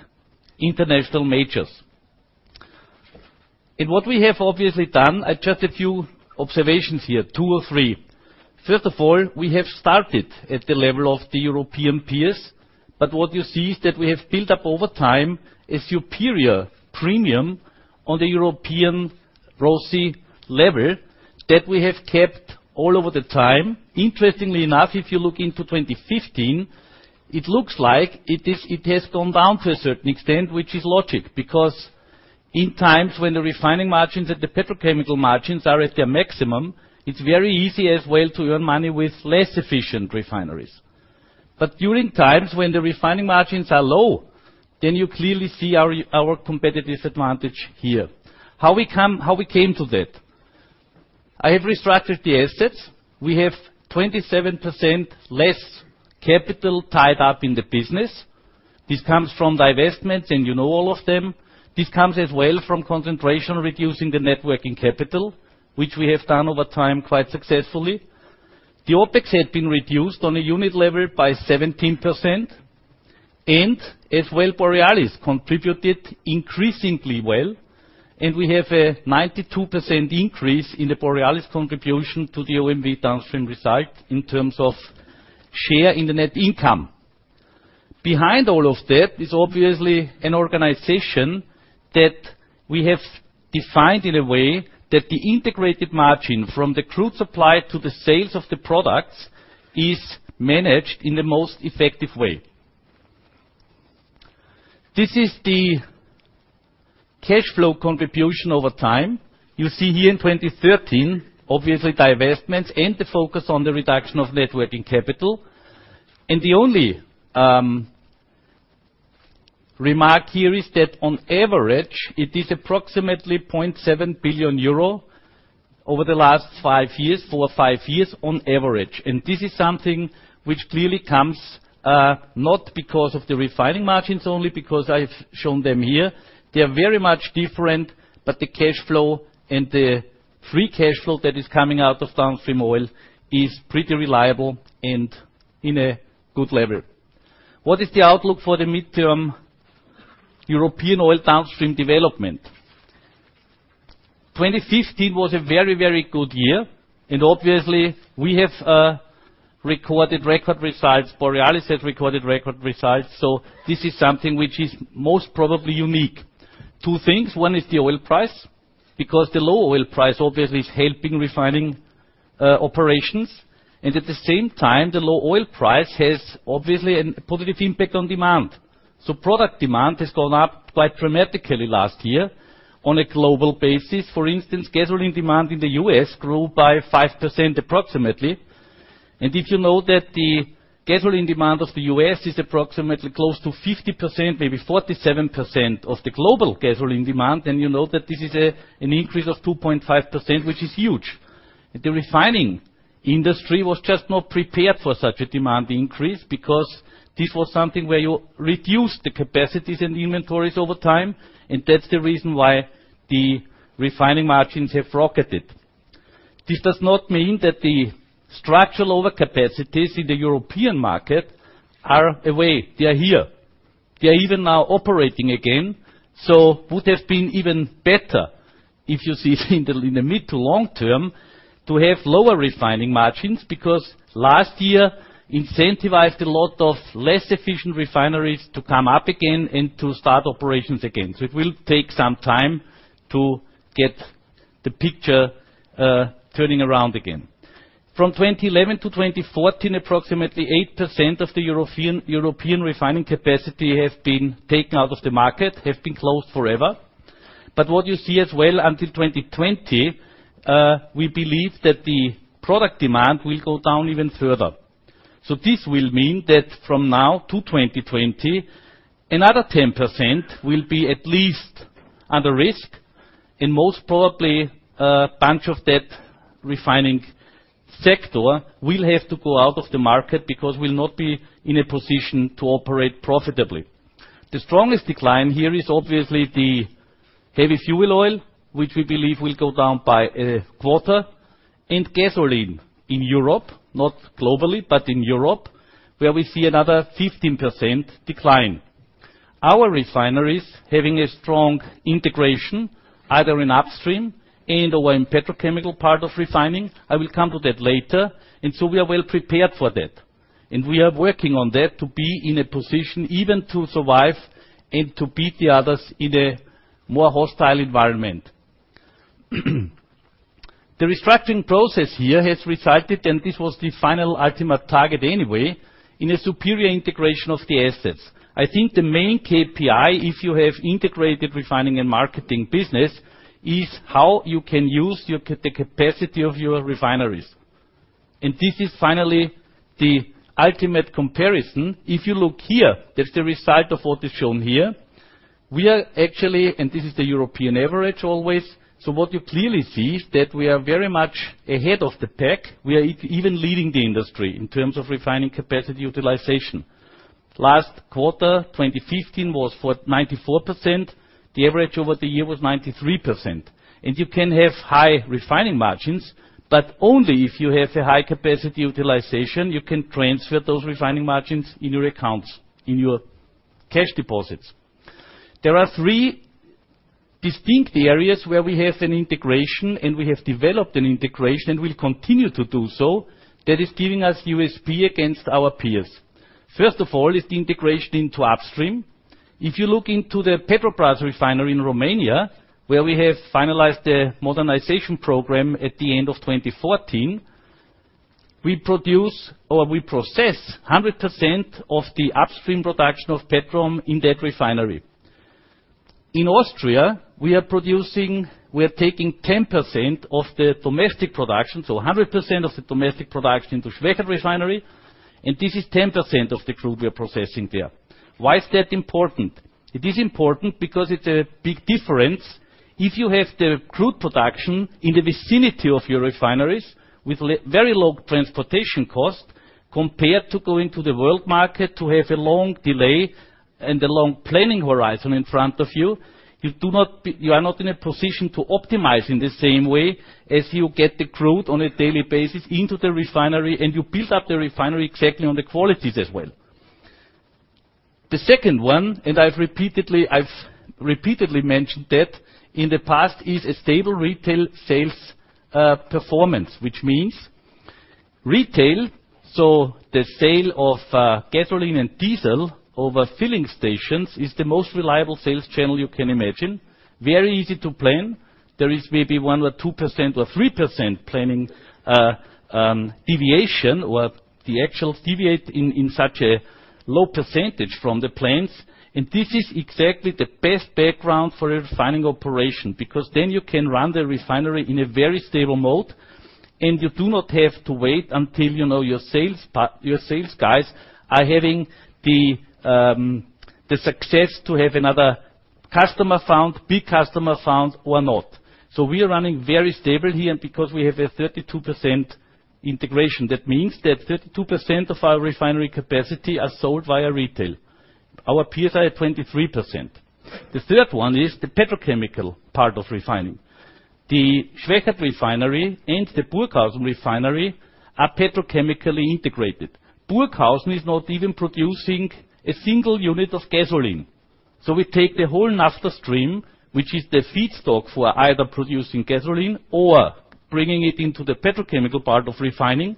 international majors. What we have obviously done, just a few observations here, two or three. First of all, we have started at the level of the European peers, what you see is that we have built up over time a superior premium on the European ROSI level that we have kept all over the time. Interestingly enough, if you look into 2015, it looks like it has gone down to a certain extent, which is logic, because in times when the refining margins and the petrochemical margins are at their maximum, it's very easy as well to earn money with less efficient refineries. During times when the refining margins are low, then you clearly see our competitive disadvantage here. How we came to that? I have restructured the assets. We have 27% less capital tied up in the business. This comes from divestments, and you know all of them. This comes as well from concentration reducing the net working capital, which we have done over time quite successfully. The OpEx had been reduced on a unit level by 17%, and as well, Borealis contributed increasingly well, and we have a 92% increase in the Borealis contribution to the OMV downstream result in terms of share in the net income. Behind all of that is obviously an organization that we have defined in a way that the integrated margin from the crude supply to the sales of the products is managed in the most effective way. This is the cash flow contribution over time. You see here in 2013, obviously, divestments and the focus on the reduction of net working capital. The only remark here is that on average, it is approximately 0.7 billion euro over the last five years, four or five years on average. This is something which clearly comes not because of the refining margins only because I've shown them here. They are very much different, the cash flow and the free cash flow that is coming out of Downstream Oil is pretty reliable and in a good level. What is the outlook for the midterm European oil downstream development? 2015 was a very, very good year, and obviously, we have recorded record results. Borealis has recorded record results. This is something which is most probably unique. Two things. One is the oil price, because the low oil price obviously is helping refining operations. At the same time, the low oil price has obviously a positive impact on demand. Product demand has gone up quite dramatically last year on a global basis. For instance, gasoline demand in the U.S. grew by 5% approximately. If you know that the gasoline demand of the U.S. is approximately close to 50%, maybe 47% of the global gasoline demand, then you know that this is an increase of 2.5%, which is huge. The refining industry was just not prepared for such a demand increase because this was something where you reduce the capacities and inventories over time, and that's the reason why the refining margins have rocketed. This does not mean that the structural overcapacities in the European market are away. They are here. They are even now operating again. Would have been even better if you see in the mid to long term to have lower refining margins, because last year incentivized a lot of less efficient refineries to come up again and to start operations again. It will take some time to get the picture turning around again. From 2011 to 2014, approximately 8% of the European refining capacity has been taken out of the market, has been closed forever. What you see as well, until 2020, we believe that the product demand will go down even further. This will mean that from now to 2020, another 10% will be at least under risk and most probably, a bunch of that refining sector will have to go out of the market because we'll not be in a position to operate profitably. The strongest decline here is obviously the heavy fuel oil, which we believe will go down by a quarter, and gasoline in Europe, not globally, but in Europe, where we see another 15% decline. Our refineries, having a strong integration, either in upstream and/or in petrochemical part of refining, I will come to that later. We are well-prepared for that, and we are working on that to be in a position even to survive and to beat the others in a more hostile environment. The restructuring process here has resulted, and this was the final ultimate target anyway, in a superior integration of the assets. I think the main KPI, if you have integrated refining and marketing business, is how you can use the capacity of your refineries. This is finally the ultimate comparison. If you look here, that's the result of what is shown here. We are actually. This is the European average always. What you clearly see is that we are very much ahead of the pack. We are even leading the industry in terms of refining capacity utilization. Last quarter, 2015 was for 94%. The average over the year was 93%. You can have high refining margins, but only if you have a high capacity utilization, you can transfer those refining margins in your accounts, in your cash deposits. There are three distinct areas where we have an integration and we have developed an integration and we'll continue to do so that is giving us USP against our peers. First of all is the integration into upstream. If you look into the Petrobrazi refinery in Romania, where we have finalized the modernization program at the end of 2014, we produce or we process 100% of the upstream production of Petrom in that refinery. In Austria, we are taking 10% of the domestic production, so 100% of the domestic production to Schwechat Refinery, and this is 10% of the crude we are processing there. Why is that important? It is important because it's a big difference. If you have the crude production in the vicinity of your refineries with very low transportation cost compared to going to the world market to have a long delay and a long planning horizon in front of you. You are not in a position to optimize in the same way as you get the crude on a daily basis into the refinery, and you build up the refinery exactly on the qualities as well. The second one, I've repeatedly mentioned that in the past, is a stable retail sales performance. Which means retail, so the sale of gasoline and diesel over filling stations is the most reliable sales channel you can imagine. Very easy to plan. There is maybe 1% or 2% or 3% planning deviation, or the actual deviate in such a low percentage from the plans. This is exactly the best background for a refining operation, because then you can run the Refinery in a very stable mode, and you do not have to wait until your sales guys are having the success to have another customer found, big customer found or not. We are running very stable here because we have a 32% integration. That means that 32% of our refinery capacity are sold via retail. Our peers are at 23%. The third one is the petrochemical part of refining. The Schwechat Refinery and the Burghausen Refinery are petrochemically integrated. Burghausen is not even producing a single unit of gasoline. We take the whole naphtha stream, which is the feedstock for either producing gasoline or bringing it into the petrochemical part of refining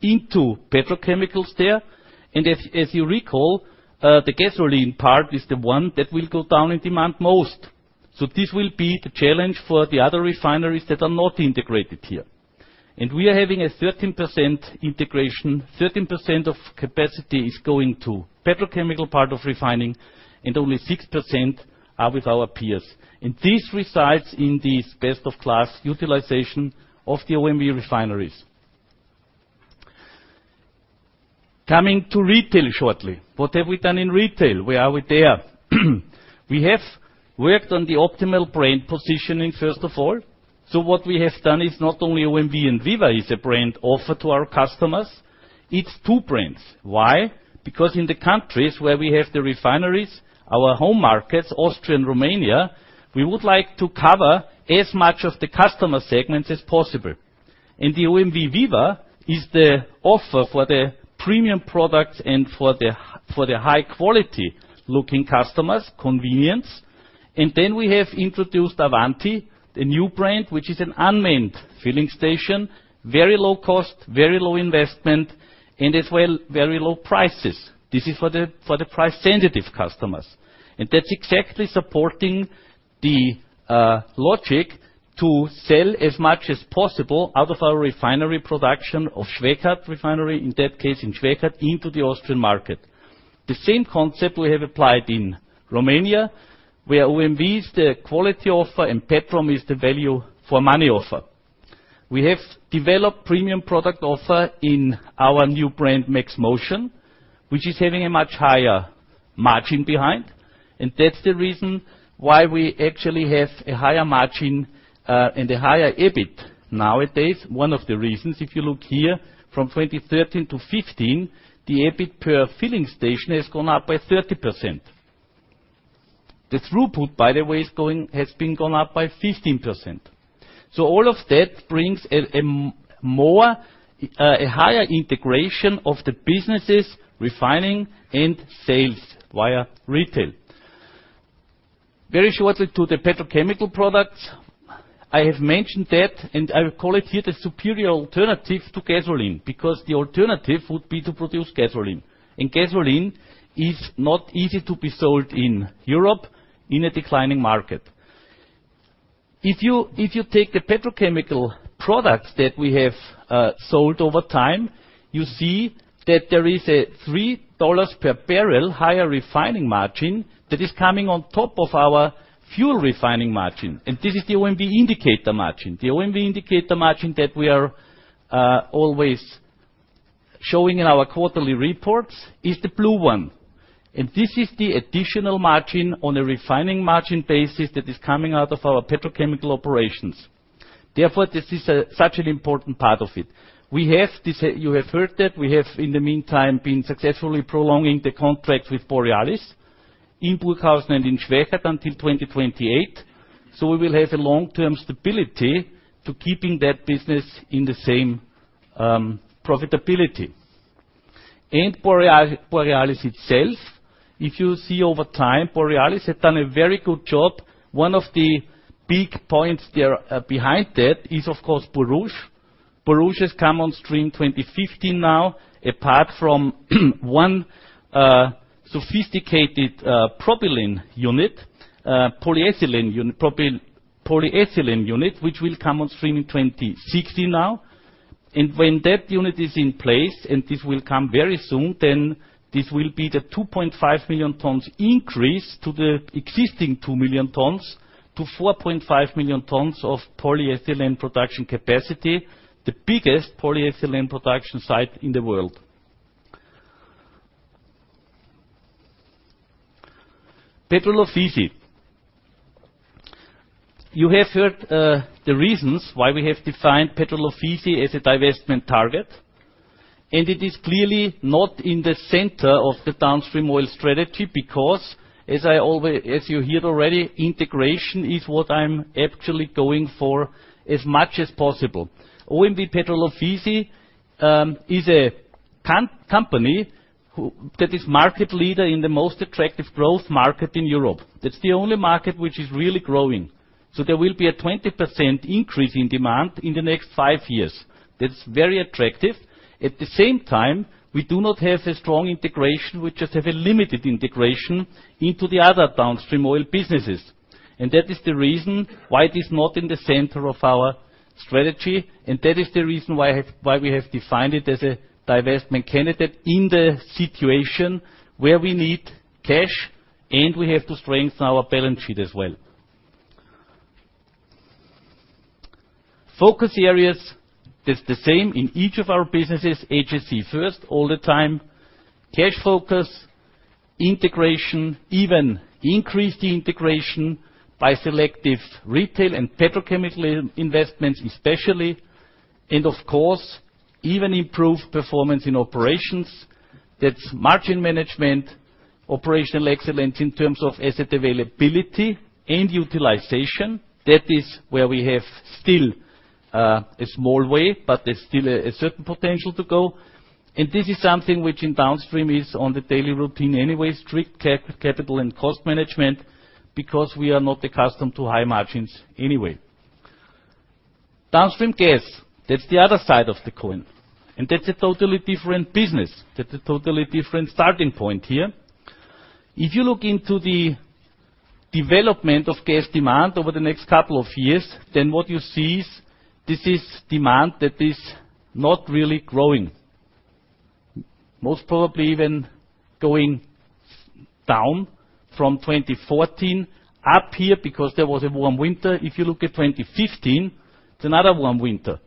into petrochemicals there. As you recall, the gasoline part is the one that will go down in demand most. This will be the challenge for the other refineries that are not integrated here. We are having a 13% integration. 13% of capacity is going to petrochemical part of refining, and only 6% are with our peers. This resides in this best of class utilization of the OMV refineries. Coming to retail shortly. What have we done in retail? Where are we there? We have worked on the optimal brand positioning, first of all. What we have done is not only OMV and VIVA is a brand offered to our customers, it's two brands. Why? Because in the countries where we have the refineries, our home markets, Austria and Romania, we would like to cover as much of the customer segments as possible. The OMV VIVA is the offer for the premium products and for the high-quality looking customers, convenience. Then we have introduced Avanti, the new brand, which is an unmanned filling station. Very low cost, very low investment, and as well, very low prices. This is for the price-sensitive customers. That's exactly supporting the logic to sell as much as possible out of our refinery production of Schwechat Refinery, in that case in Schwechat, into the Austrian market. The same concept we have applied in Romania, where OMV is the quality offer and Petrom is the value for money offer. We have developed premium product offer in our new brand, MaxxMotion, which is having a much higher margin behind. That's the reason why we actually have a higher margin, and a higher EBIT nowadays. One of the reasons, if you look here from 2013 to 2015, the EBIT per filling station has gone up by 30%. The throughput, by the way, has been gone up by 15%. All of that brings a higher integration of the businesses refining and sales via retail. Very shortly to the petrochemical products. I have mentioned that, and I will call it here the superior alternative to gasoline, because the alternative would be to produce gasoline. Gasoline is not easy to be sold in Europe in a declining market. If you take the petrochemical products that we have sold over time, you see that there is a EUR 3 per barrel higher refining margin that is coming on top of our fuel refining margin, and this is the OMV Indicator Margin. The OMV Indicator Margin that we are always showing in our quarterly reports is the blue one. This is the additional margin on a refining margin basis that is coming out of our petrochemical operations. Therefore, this is such an important part of it. You have heard that we have, in the meantime, been successfully prolonging the contract with Borealis in Burghausen and in Schwechat until 2028. We will have a long-term stability to keeping that business in the same profitability. Borealis itself, if you see over time, Borealis has done a very good job. One of the big points there behind that is, of course, Borouge. Borouge has come on stream 2015, apart from one sophisticated polyethylene unit, which will come on stream in 2016. When that unit is in place, this will come very soon, this will be the 2.5 million tons increase to the existing 2 million tons to 4.5 million tons of polyethylene production capacity, the biggest polyethylene production site in the world. Petrol Ofisi. You have heard the reasons why we have defined Petrol Ofisi as a divestment target. It is clearly not in the center of the Downstream Oil strategy because as you heard already, integration is what I'm actually going for as much as possible. OMV Petrol Ofisi is a company that is market leader in the most attractive growth market in Europe. That's the only market which is really growing. There will be a 20% increase in demand in the next five years. That's very attractive. At the same time, we do not have a strong integration. We just have a limited integration into the other Downstream Oil businesses. That is the reason why it is not in the center of our strategy. That is the reason why we have defined it as a divestment candidate in the situation where we need cash. We have to strengthen our balance sheet as well. Focus areas. That's the same in each of our businesses. HSE first all the time, cash focus, integration, even increase the integration by selective retail and petrochemical investments especially. Of course, even improve performance in operations. That's margin management, operational excellence in terms of asset availability and utilization. That is where we have still a small way, but there's still a certain potential to go. This is something which in Downstream is on the daily routine anyway. Strict capital and cost management, because we are not accustomed to high margins anyway. Downstream Gas. That's the other side of the coin. That's a totally different business. If you look into the development of gas demand over the next couple of years, what you see is this is demand that is not really growing. Most probably even going down from 2014. Up here because there was a warm winter. If you look at 2015, it's another warm winter.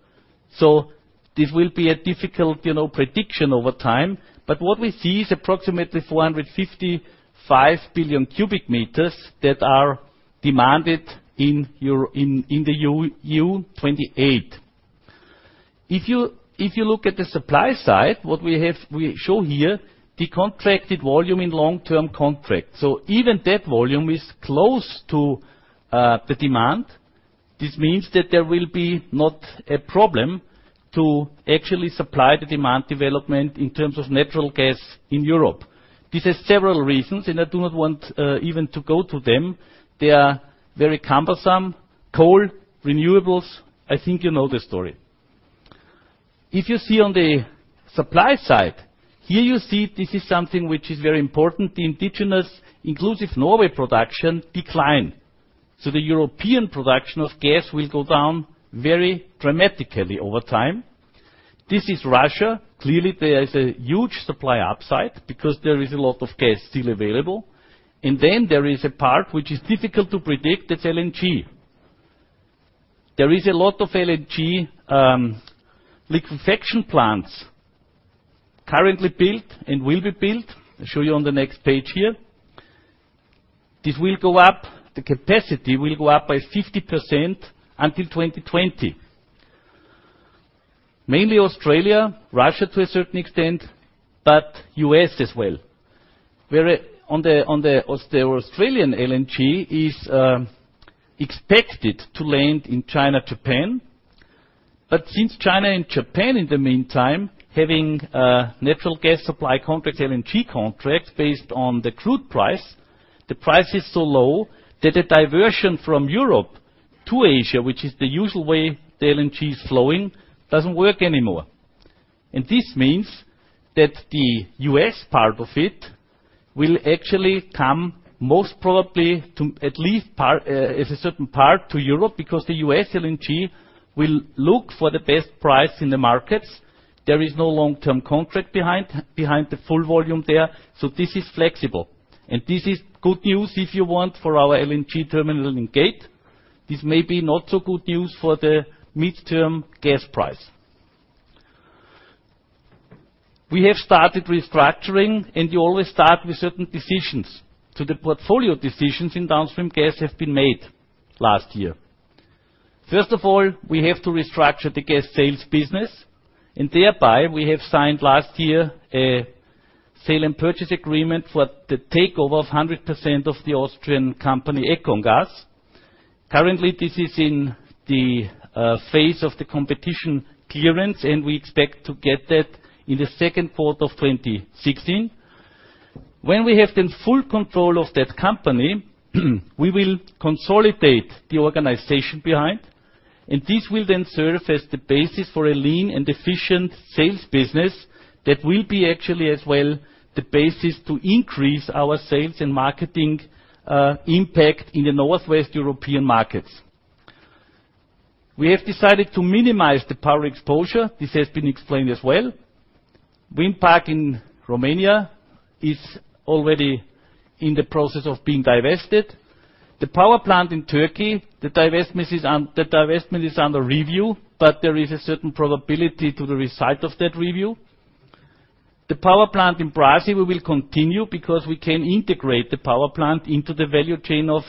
This will be a difficult prediction over time. What we see is approximately 455 billion cubic meters that are demanded in the EU 28. If you look at the supply side, what we show here, the contracted volume in long-term contract. Even that volume is close to the demand. This means that there will be not a problem to actually supply the demand development in terms of natural gas in Europe. This has several reasons. I do not want even to go to them. They are very cumbersome. Coal, renewables, I think you know the story. If you see on the supply side, here you see this is something which is very important, the indigenous inclusive Norway production decline. The European production of gas will go down very dramatically over time. This is Russia. Clearly, there is a huge supply upside because there is a lot of gas still available. There is a part which is difficult to predict, that's LNG. There is a lot of LNG liquefaction plants currently built and will be built. I'll show you on the next page here. This will go up, the capacity will go up by 50% until 2020. Mainly Australia, Russia to a certain extent, but U.S. as well. On the Australian LNG is expected to land in China, Japan. Since China and Japan, in the meantime, having natural gas supply contracts, LNG contracts based on the crude price, the price is so low that a diversion from Europe to Asia, which is the usual way the LNG is flowing, doesn't work anymore. This means that the U.S. part of it will actually come most probably as a certain part to Europe because the U.S. LNG will look for the best price in the markets. There is no long-term contract behind the full volume there, so this is flexible. This is good news if you want for our LNG terminal in Gate. This may be not so good news for the midterm gas price. We have started restructuring. You always start with certain decisions. The portfolio decisions in Downstream Gas have been made last year. First of all, we have to restructure the gas sales business. Thereby, we have signed last year a sale and purchase agreement for the takeover of 100% of the Austrian company, EconGas. Currently, this is in the phase of the competition clearance. We expect to get that in the second quarter of 2016. When we have the full control of that company, we will consolidate the organization behind. This will then serve as the basis for a lean and efficient sales business that will be actually as well the basis to increase our sales and marketing impact in the Northwest European markets. We have decided to minimize the power exposure. This has been explained as well. Wind park in Romania is already in the process of being divested. The power plant in Turkey, the divestment is under review, but there is a certain probability to the result of that review. The power plant in Brazi, we will continue because we can integrate the power plant into the value chain of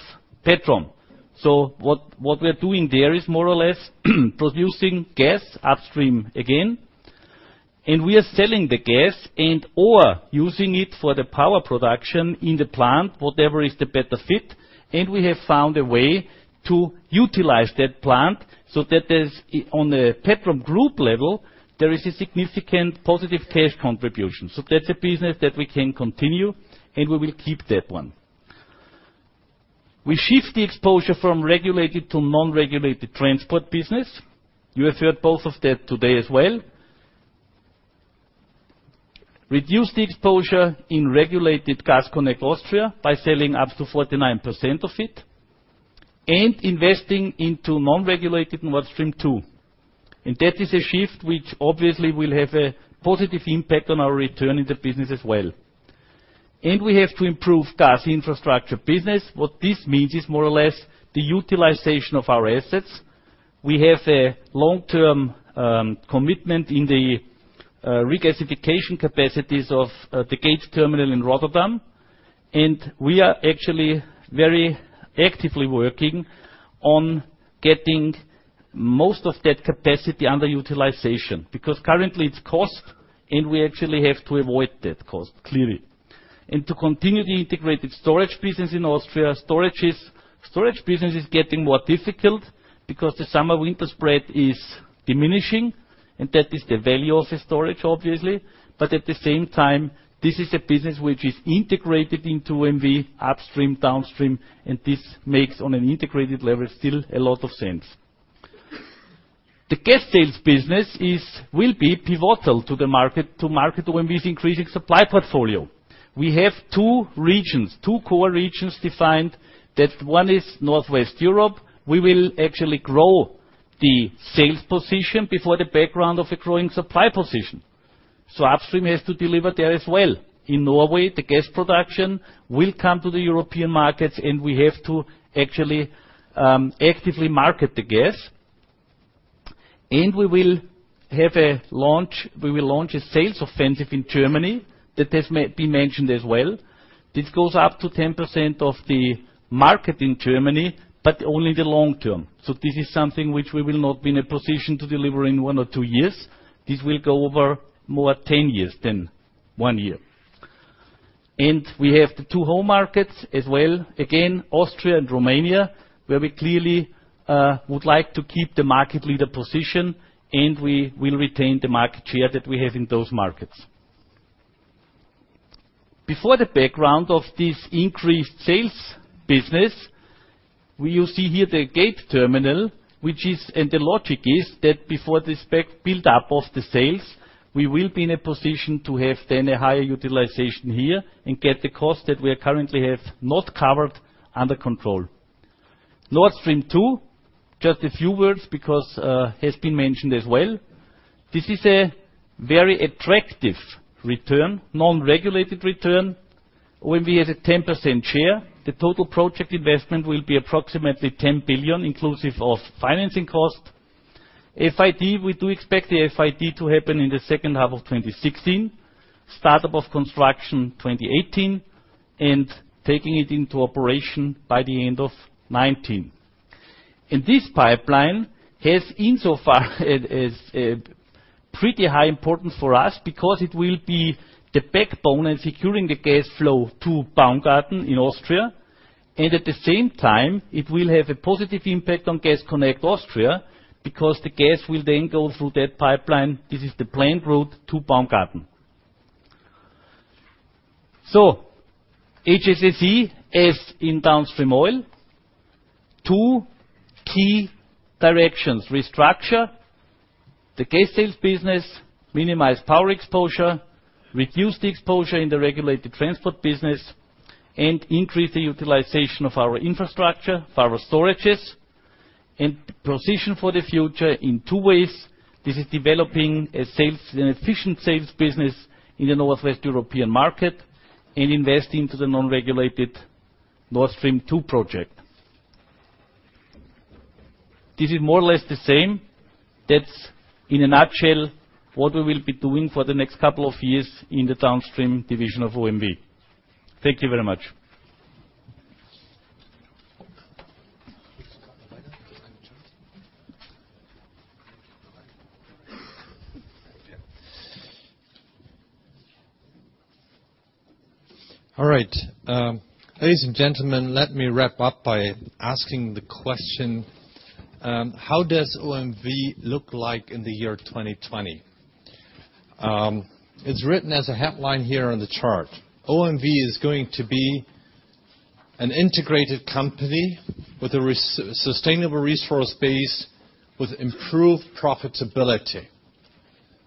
Petrom. What we are doing there is more or less producing gas upstream again. We are selling the gas and or using it for the power production in the plant, whatever is the better fit. We have found a way to utilize that plant so that on the Petrom group level, there is a significant positive cash contribution. That's a business that we can continue, and we will keep that one. We shift the exposure from regulated to non-regulated transport business. You have heard both of that today as well. Reduce the exposure in regulated Gas Connect Austria by selling up to 49% of it and investing into non-regulated Nord Stream 2. That is a shift which obviously will have a positive impact on our return in the business as well. We have to improve gas infrastructure business. What this means is more or less the utilization of our assets. We have a long-term commitment in the regasification capacities of the Gate terminal in Rotterdam, and we are actually very actively working on getting most of that capacity under utilization, because currently it's cost, and we actually have to avoid that cost, clearly. To continue the integrated storage business in Austria. Storage business is getting more difficult because the summer-winter spread is diminishing, and that is the value of the storage, obviously. At the same time, this is a business which is integrated into OMV upstream, downstream, and this makes on an integrated level still a lot of sense. The gas sales business will be pivotal to the market to market OMV's increasing supply portfolio. We have two regions, two core regions defined. That one is Northwest Europe. We will actually grow the sales position before the background of a growing supply position. Upstream has to deliver there as well. In Norway, the gas production will come to the European markets, and we have to actually actively market the gas. We will launch a sales offensive in Germany that has been mentioned as well. This goes up to 10% of the market in Germany, but only the long term. This is something which we will not be in a position to deliver in one or two years. This will go over more 10 years than one year. We have the two home markets as well. Again, Austria and Romania, where we clearly would like to keep the market leader position and we will retain the market share that we have in those markets. Before the background of this increased sales business, you see here the Gate terminal, and the logic is that before this buildup of the sales, we will be in a position to have then a higher utilization here and get the cost that we currently have not covered under control. Nord Stream 2, just a few words because it has been mentioned as well. This is a very attractive return, non-regulated return. OMV has a 10% share. The total project investment will be approximately 10 billion inclusive of financing cost. FID, we do expect the FID to happen in the second half of 2016, startup of construction 2018, and taking it into operation by the end of 2019. This pipeline has insofar a pretty high importance for us because it will be the backbone in securing the gas flow to Baumgarten in Austria, and at the same time, it will have a positive impact on Gas Connect Austria because the gas will then go through that pipeline. This is the planned route to Baumgarten. HSSE, as in Downstream Oil, two key directions, restructure the gas sales business, minimize power exposure, reduce the exposure in the regulated transport business, and increase the utilization of our infrastructure, of our storages, and position for the future in two ways. This is developing an efficient sales business in the Northwest European market and investing into the non-regulated Nord Stream 2 project. This is more or less the same. That's in a nutshell what we will be doing for the next couple of years in the Downstream division of OMV. Thank you very much. All right. Ladies and gentlemen, let me wrap up by asking the question, how does OMV look like in the year 2020? It's written as a headline here on the chart. OMV is going to be an integrated company with a sustainable resource base with improved profitability.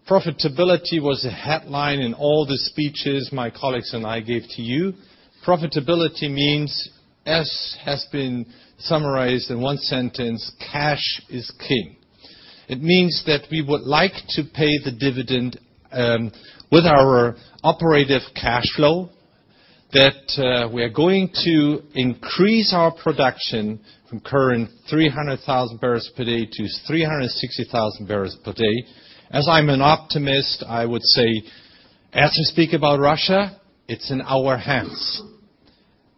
Profitability was a headline in all the speeches my colleagues and I gave to you. Profitability means, as has been summarized in one sentence, cash is king. It means that we would like to pay the dividend with our operative cash flow, that we are going to increase our production from current 300,000 barrels per day to 360,000 barrels per day. As I'm an optimist, I would say, as we speak about Russia, it's in our hands.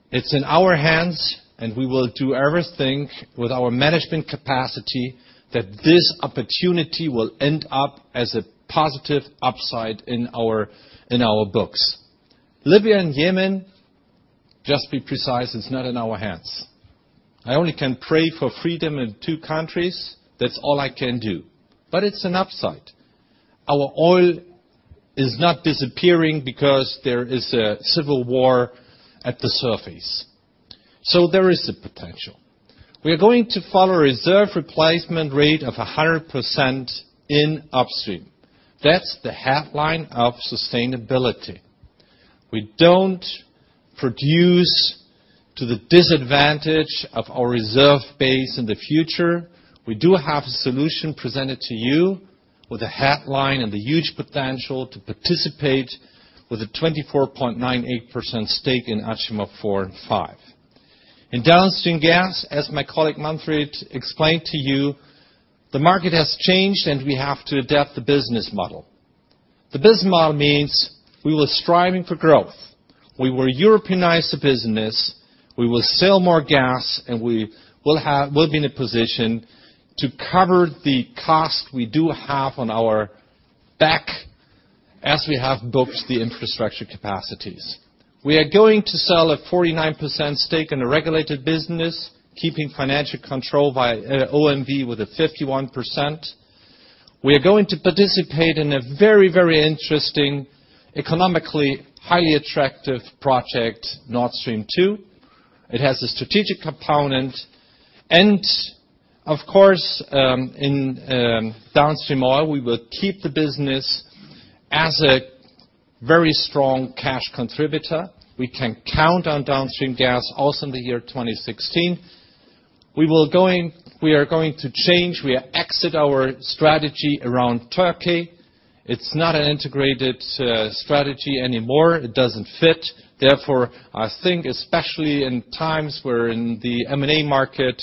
It's in our hands, and we will do everything with our management capacity that this opportunity will end up as a positive upside in our books. Libya and Yemen, just to be precise, it's not in our hands. I only can pray for freedom in two countries. That's all I can do. It's an upside. Our oil is not disappearing because there is a civil war at the surface. There is a potential. We are going to follow a reserve replacement rate of 100% in Upstream. That's the headline of sustainability. We don't produce to the disadvantage of our reserve base in the future. We do have a solution presented to you with a headline and the huge potential to participate with a 24.98% stake in Achimov 4 and 5. In Downstream Gas, as my colleague Manfred explained to you, the market has changed, and we have to adapt the business model. The business model means we were striving for growth. We will Europeanize the business. We will sell more gas, we will be in a position to cover the cost we do have on our back as we have booked the infrastructure capacities. We are going to sell a 49% stake in a regulated business, keeping financial control by OMV with a 51%. We are going to participate in a very, very interesting, economically highly attractive project, Nord Stream 2. It has a strategic component. Of course, in Downstream Oil, we will keep the business as a very strong cash contributor. We can count on Downstream Gas also in the year 2016. We are going to change. We exit our strategy around Turkey. It's not an integrated strategy anymore. It doesn't fit. Therefore, I think especially in times where in the M&A market,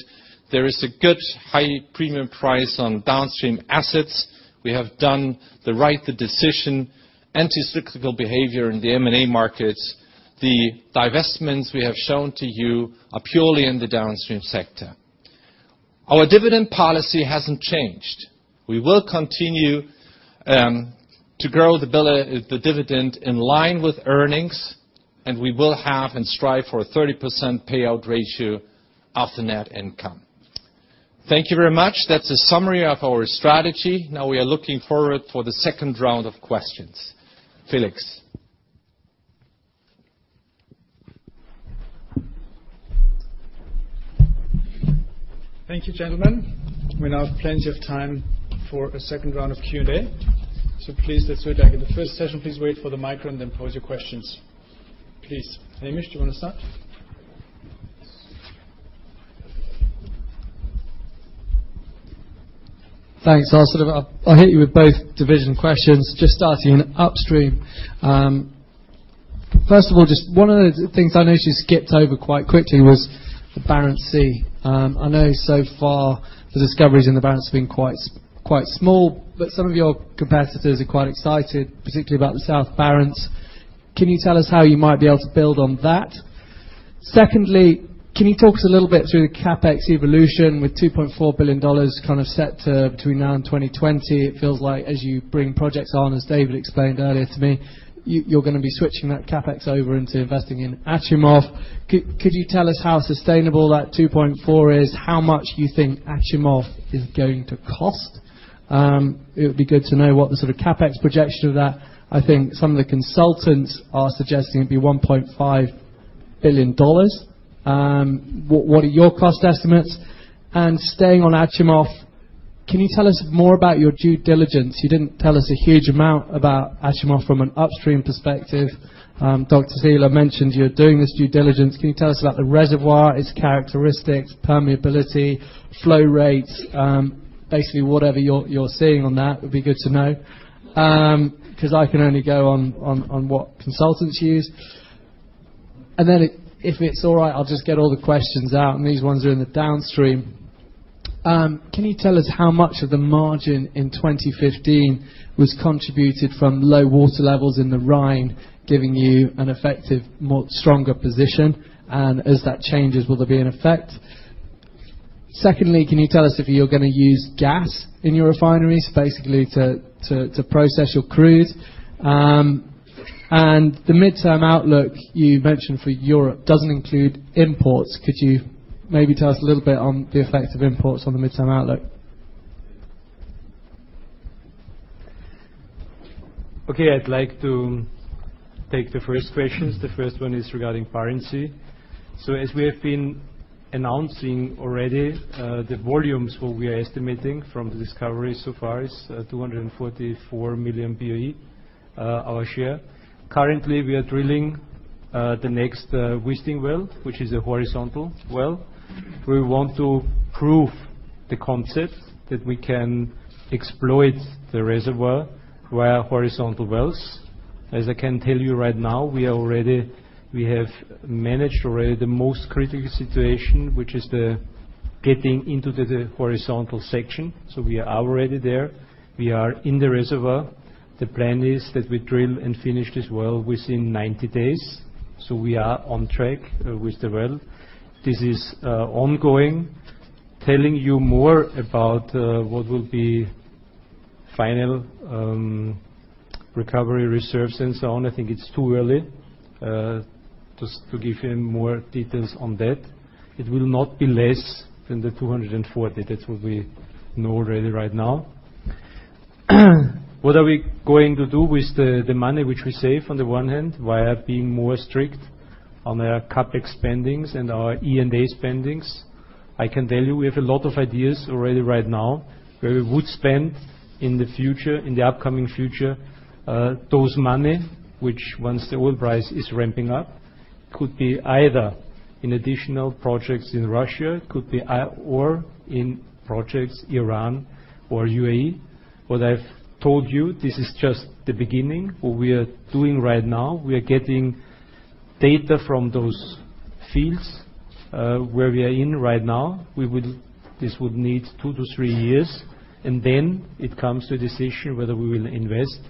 there is a good high premium price on Downstream assets. We have done the right decision, anti-cyclical behavior in the M&A markets. The divestments we have shown to you are purely in the Downstream sector. Our dividend policy hasn't changed. We will continue to grow the dividend in line with earnings, we will have and strive for a 30% payout ratio of the net income. Thank you very much. That's a summary of our strategy. Now we are looking forward for the second round of questions. Felix. Thank you, gentlemen. We now have plenty of time for a second round of Q&A. Please, let's do it like in the first session, please wait for the micro and then pose your questions. Please, Hamish, do you want to start? Thanks. I'll hit you with both division questions, just starting upstream. One of the things I noticed you skipped over quite quickly was the Barents Sea. I know so far the discoveries in the Barents have been quite small, some of your competitors are quite excited, particularly about the South Barents. Can you tell us how you might be able to build on that? Can you talk to us a little bit through the CapEx evolution with EUR 2.4 billion kind of set between now and 2020? It feels like as you bring projects on, as David explained earlier to me, you're going to be switching that CapEx over into investing in Achimov. Could you tell us how sustainable that 2.4 is? How much do you think Achimov is going to cost? It would be good to know what the sort of CapEx projection of that. Some of the consultants are suggesting it'd be EUR 1.5 billion. What are your cost estimates? Staying on Achimov, can you tell us more about your due diligence? You didn't tell us a huge amount about Achimov from an upstream perspective. Rainer Seele mentioned you're doing this due diligence. Can you tell us about the reservoir, its characteristics, permeability, flow rates? Whatever you're seeing on that would be good to know. I can only go on what consultants use. If it's all right, I'll just get all the questions out, these ones are in the Downstream. Can you tell us how much of the margin in 2015 was contributed from low water levels in the Rhine, giving you an effective, stronger position? As that changes, will there be an effect? Can you tell us if you're going to use gas in your refineries to process your crudes? The midterm outlook you mentioned for Europe doesn't include imports. Could you maybe tell us a little bit on the effect of imports on the midterm outlook? I'd like to take the first questions. The first one is regarding Barents Sea. As we have been announcing already, the volumes, what we are estimating from the discovery so far is 244 million BOE, our share. Currently, we are drilling the next Wisting well, which is a horizontal well. We want to prove the concept that we can exploit the reservoir via horizontal wells. As I can tell you right now, we have managed already the most critical situation, which is the getting into the horizontal section. We are already there. We are in the reservoir. The plan is that we drill and finish this well within 90 days. We are on track with the well. This is ongoing. Telling you more about what will be final recovery reserves, it's too early to give you more details on that. It will not be less than 240. That's what we know already right now. What are we going to do with the money which we save on the one hand via being more strict on our CapEx spendings and our E&A spendings? I can tell you we have a lot of ideas already right now where we would spend in the upcoming future, those money which once the oil price is ramping up, could be either in additional projects in Russia or in projects Iran or UAE. What I've told you, this is just the beginning. What we are doing right now, we are getting data from those fields where we are in right now. This would need two to three years, and then it comes to a decision whether we will invest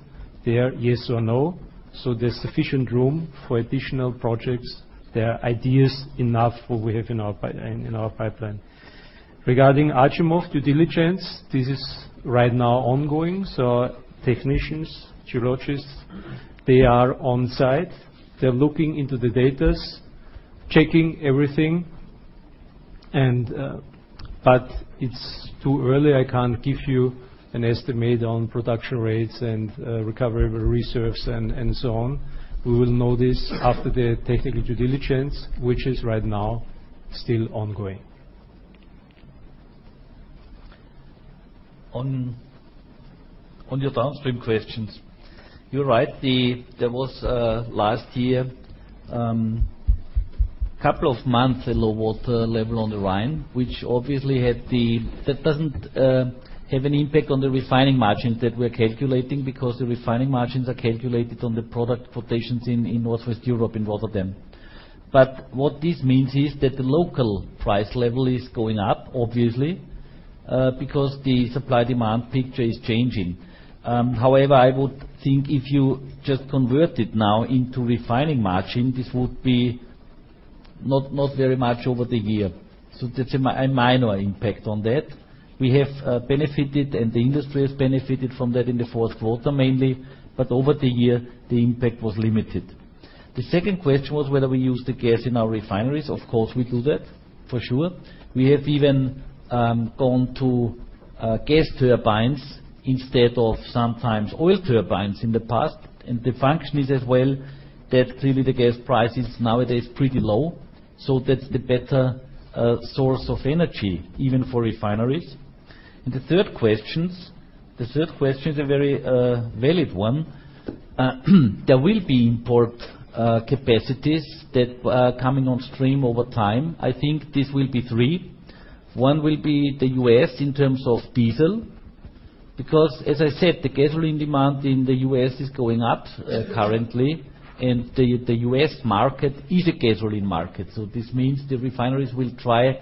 there, yes or no. There's sufficient room for additional projects. There are ideas enough what we have in our pipeline. Regarding Achimov due diligence, this is right now ongoing. Technicians, geologists, they are on site. They're looking into the datas, checking everything. It's too early. I can't give you an estimate on production rates and recoverable reserves and so on. We will know this after the technical due diligence, which is right now still ongoing. On your Downstream questions, you're right. There was last year, couple of months a low water level on the Rhine, which obviously that doesn't have an impact on the refining margins that we're calculating because the refining margins are calculated on the product quotations in Northwest Europe, in Rotterdam. What this means is that the local price level is going up, obviously, because the supply-demand picture is changing. However, I would think if you just convert it now into refining margin, this would be not very much over the year. That's a minor impact on that. We have benefited and the industry has benefited from that in the fourth quarter mainly, but over the year, the impact was limited. The second question was whether we use the gas in our refineries. Of course, we do that, for sure. We have even gone to gas turbines instead of sometimes oil turbines in the past. The function is as well, that clearly the gas price is nowadays pretty low, so that's the better source of energy, even for refineries. The third question is a very valid one. There will be import capacities that are coming on stream over time. I think this will be three. One will be the U.S., in terms of diesel, because as I said, the gasoline demand in the U.S. is going up currently, and the U.S. market is a gasoline market. This means the refineries will try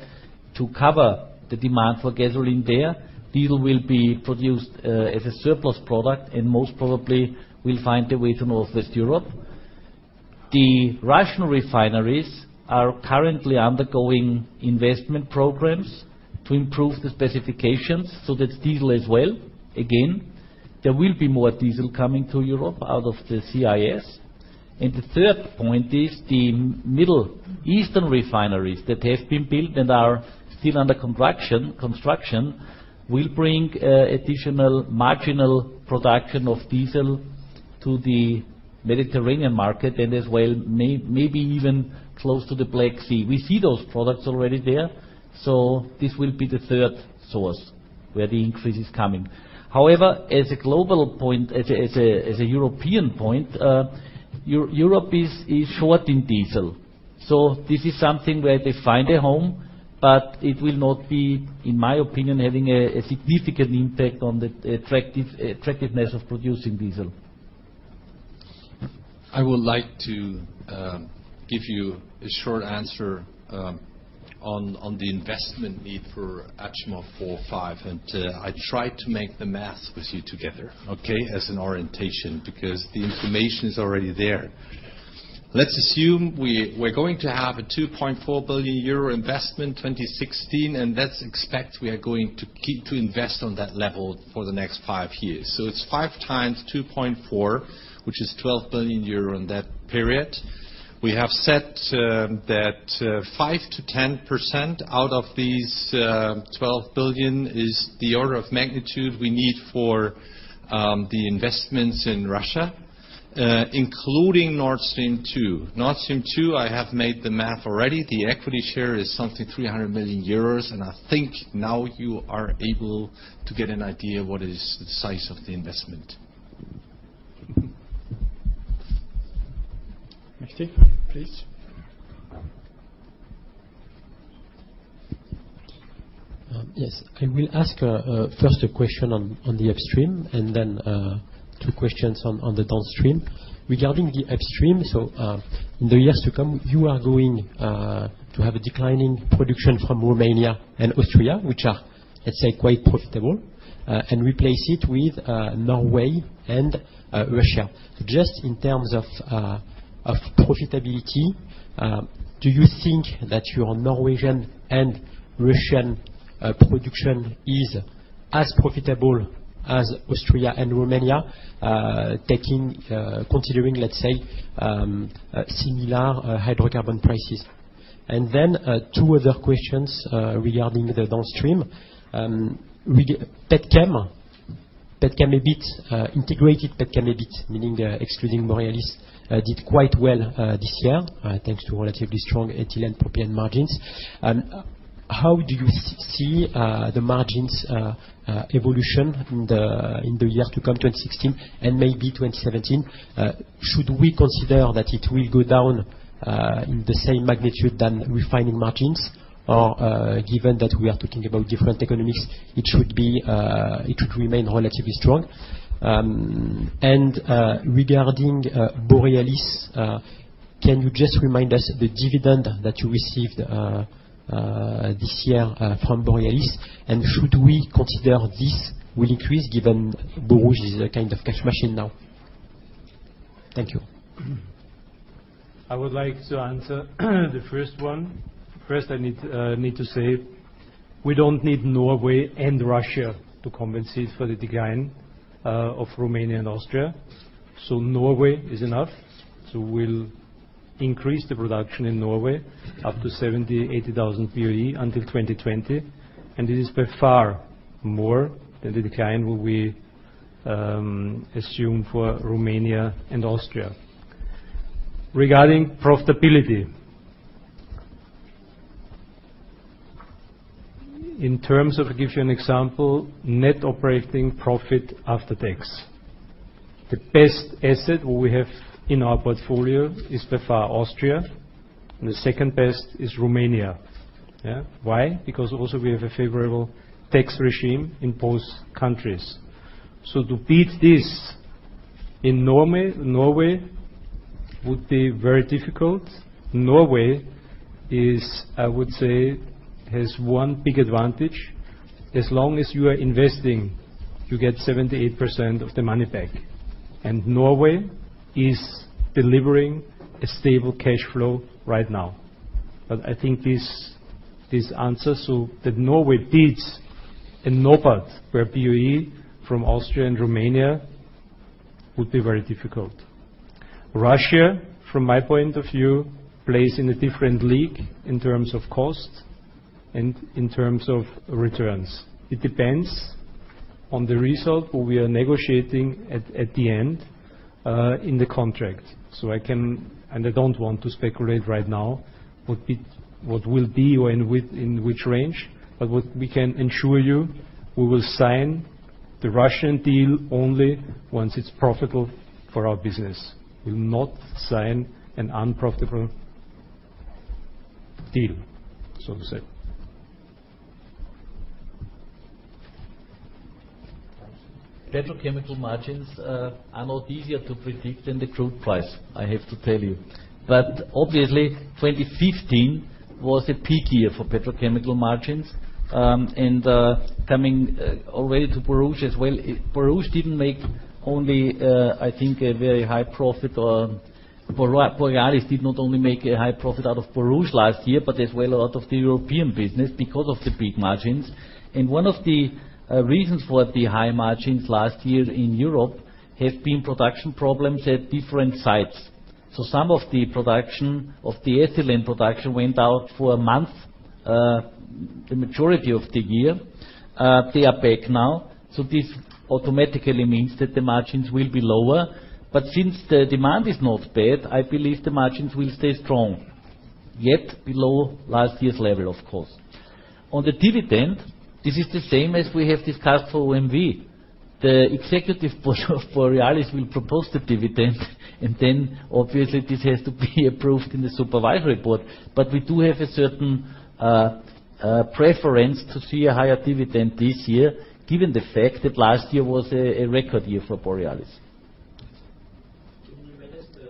to cover the demand for gasoline there. Diesel will be produced as a surplus product and most probably will find a way to Northwest Europe. The Russian refineries are currently undergoing investment programs to improve the specifications, so that's diesel as well. There will be more diesel coming to Europe out of the CIS. The third point is the Middle Eastern refineries that have been built and are still under construction, will bring additional marginal production of diesel to the Mediterranean market, and as well, maybe even close to the Black Sea. We see those products already there. This will be the third source where the increase is coming. However, as a European point, Europe is short in diesel. This is something where they find a home, but it will not be, in my opinion, having a significant impact on the attractiveness of producing diesel. I would like to give you a short answer on the investment need for Achimov 4/5. I try to make the math with you together, okay? As an orientation, because the information is already there. Let's assume we're going to have a 2.4 billion euro investment 2016. Let's expect we are going to keep to invest on that level for the next five years. It's five times 2.4, which is 12 billion euro in that period. We have set that 5%-10% out of these 12 billion is the order of magnitude we need for the investments in Russia, including Nord Stream 2. Nord Stream 2, I have made the math already. The equity share is something 300 million euros. I think now you are able to get an idea what is the size of the investment. Christophe, please. Yes. I will ask first a question on the upstream. Then two questions on the downstream. Regarding the upstream, in the years to come, you are going to have a decline in production from Romania and Austria, which are, let's say, quite profitable, and replace it with Norway and Russia. Just in terms of profitability, do you think that your Norwegian and Russian production is as profitable as Austria and Romania, considering, let's say, similar hydrocarbon prices? Then, two other questions regarding the downstream. Petchem. Integrated petchem EBIT, meaning excluding Borealis, did quite well this year, thanks to relatively strong ethylene propylene margins. How do you see the margins evolution in the years to come, 2016 and maybe 2017? Should we consider that it will go down in the same magnitude than refining margins? Given that we are talking about different economics, it should remain relatively strong? Regarding Borealis, can you just remind us the dividend that you received this year from Borealis, and should we consider this will increase given Borouge is a kind of cash machine now? Thank you. I would like to answer the first one. First, I need to say, we don't need Norway and Russia to compensate for the decline of Romania and Austria. Norway is enough, we'll increase the production in Norway up to 70,000-80,000 BOE until 2020, and it is by far more than the decline will be assumed for Romania and Austria. Regarding profitability. In terms of, give you an example, net operating profit after tax. The best asset we have in our portfolio is by far Austria, and the second best is Romania. Why? Because also we have a favorable tax regime in both countries. To beat this in Norway would be very difficult. Norway is, I would say, has one big advantage. As long as you are investing, you get 78% of the money back, Norway is delivering a stable cash flow right now. I think this answer, so that Norway bids in NOPAT, where BOE from Austria and Romania would be very difficult. Russia, from my point of view, plays in a different league in terms of cost and in terms of returns. It depends on the result, but we are negotiating at the end in the contract. I don't want to speculate right now what will be or in which range, but what we can ensure you, we will sign the Russian deal only once it's profitable for our business. We'll not sign an unprofitable deal, so to say. Thomas. Petrochemical margins are not easier to predict than the crude price, I have to tell you. Obviously 2015 was a peak year for petrochemical margins. Coming already to Borouge as well, Borealis did not only make a high profit out of Borouge last year, but as well a lot of the European business because of the peak margins. One of the reasons for the high margins last year in Europe has been production problems at different sites. Some of the production of the ethylene production went out for a month, the majority of the year. They are back now, this automatically means that the margins will be lower. Since the demand is not bad, I believe the margins will stay strong, yet below last year's level, of course. On the dividend, this is the same as we have discussed for OMV. The executive board of Borealis will propose the dividend, obviously this has to be approved in the supervisory board. We do have a certain preference to see a higher dividend this year, given the fact that last year was a record year for Borealis. Can you manage the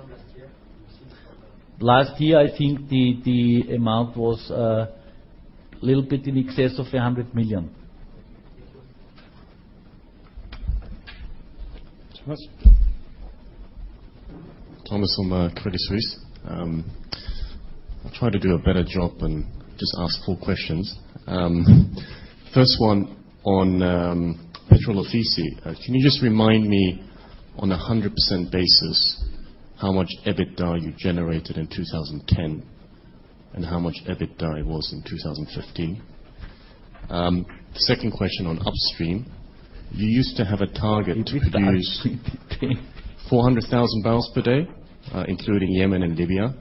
last year? Last year, I think the amount was a little bit in excess of 100 million. Thomas. Thomas from Credit Suisse. I'll try to do a better job and just ask four questions. First one on Petrol Ofisi. Can you just remind me on 100% basis, how much EBITDA you generated in 2010 and how much EBITDA it was in 2015? Second question on upstream. You used to have a target to produce- EBITDA. 400,000 barrels per day, including Yemen and Libya.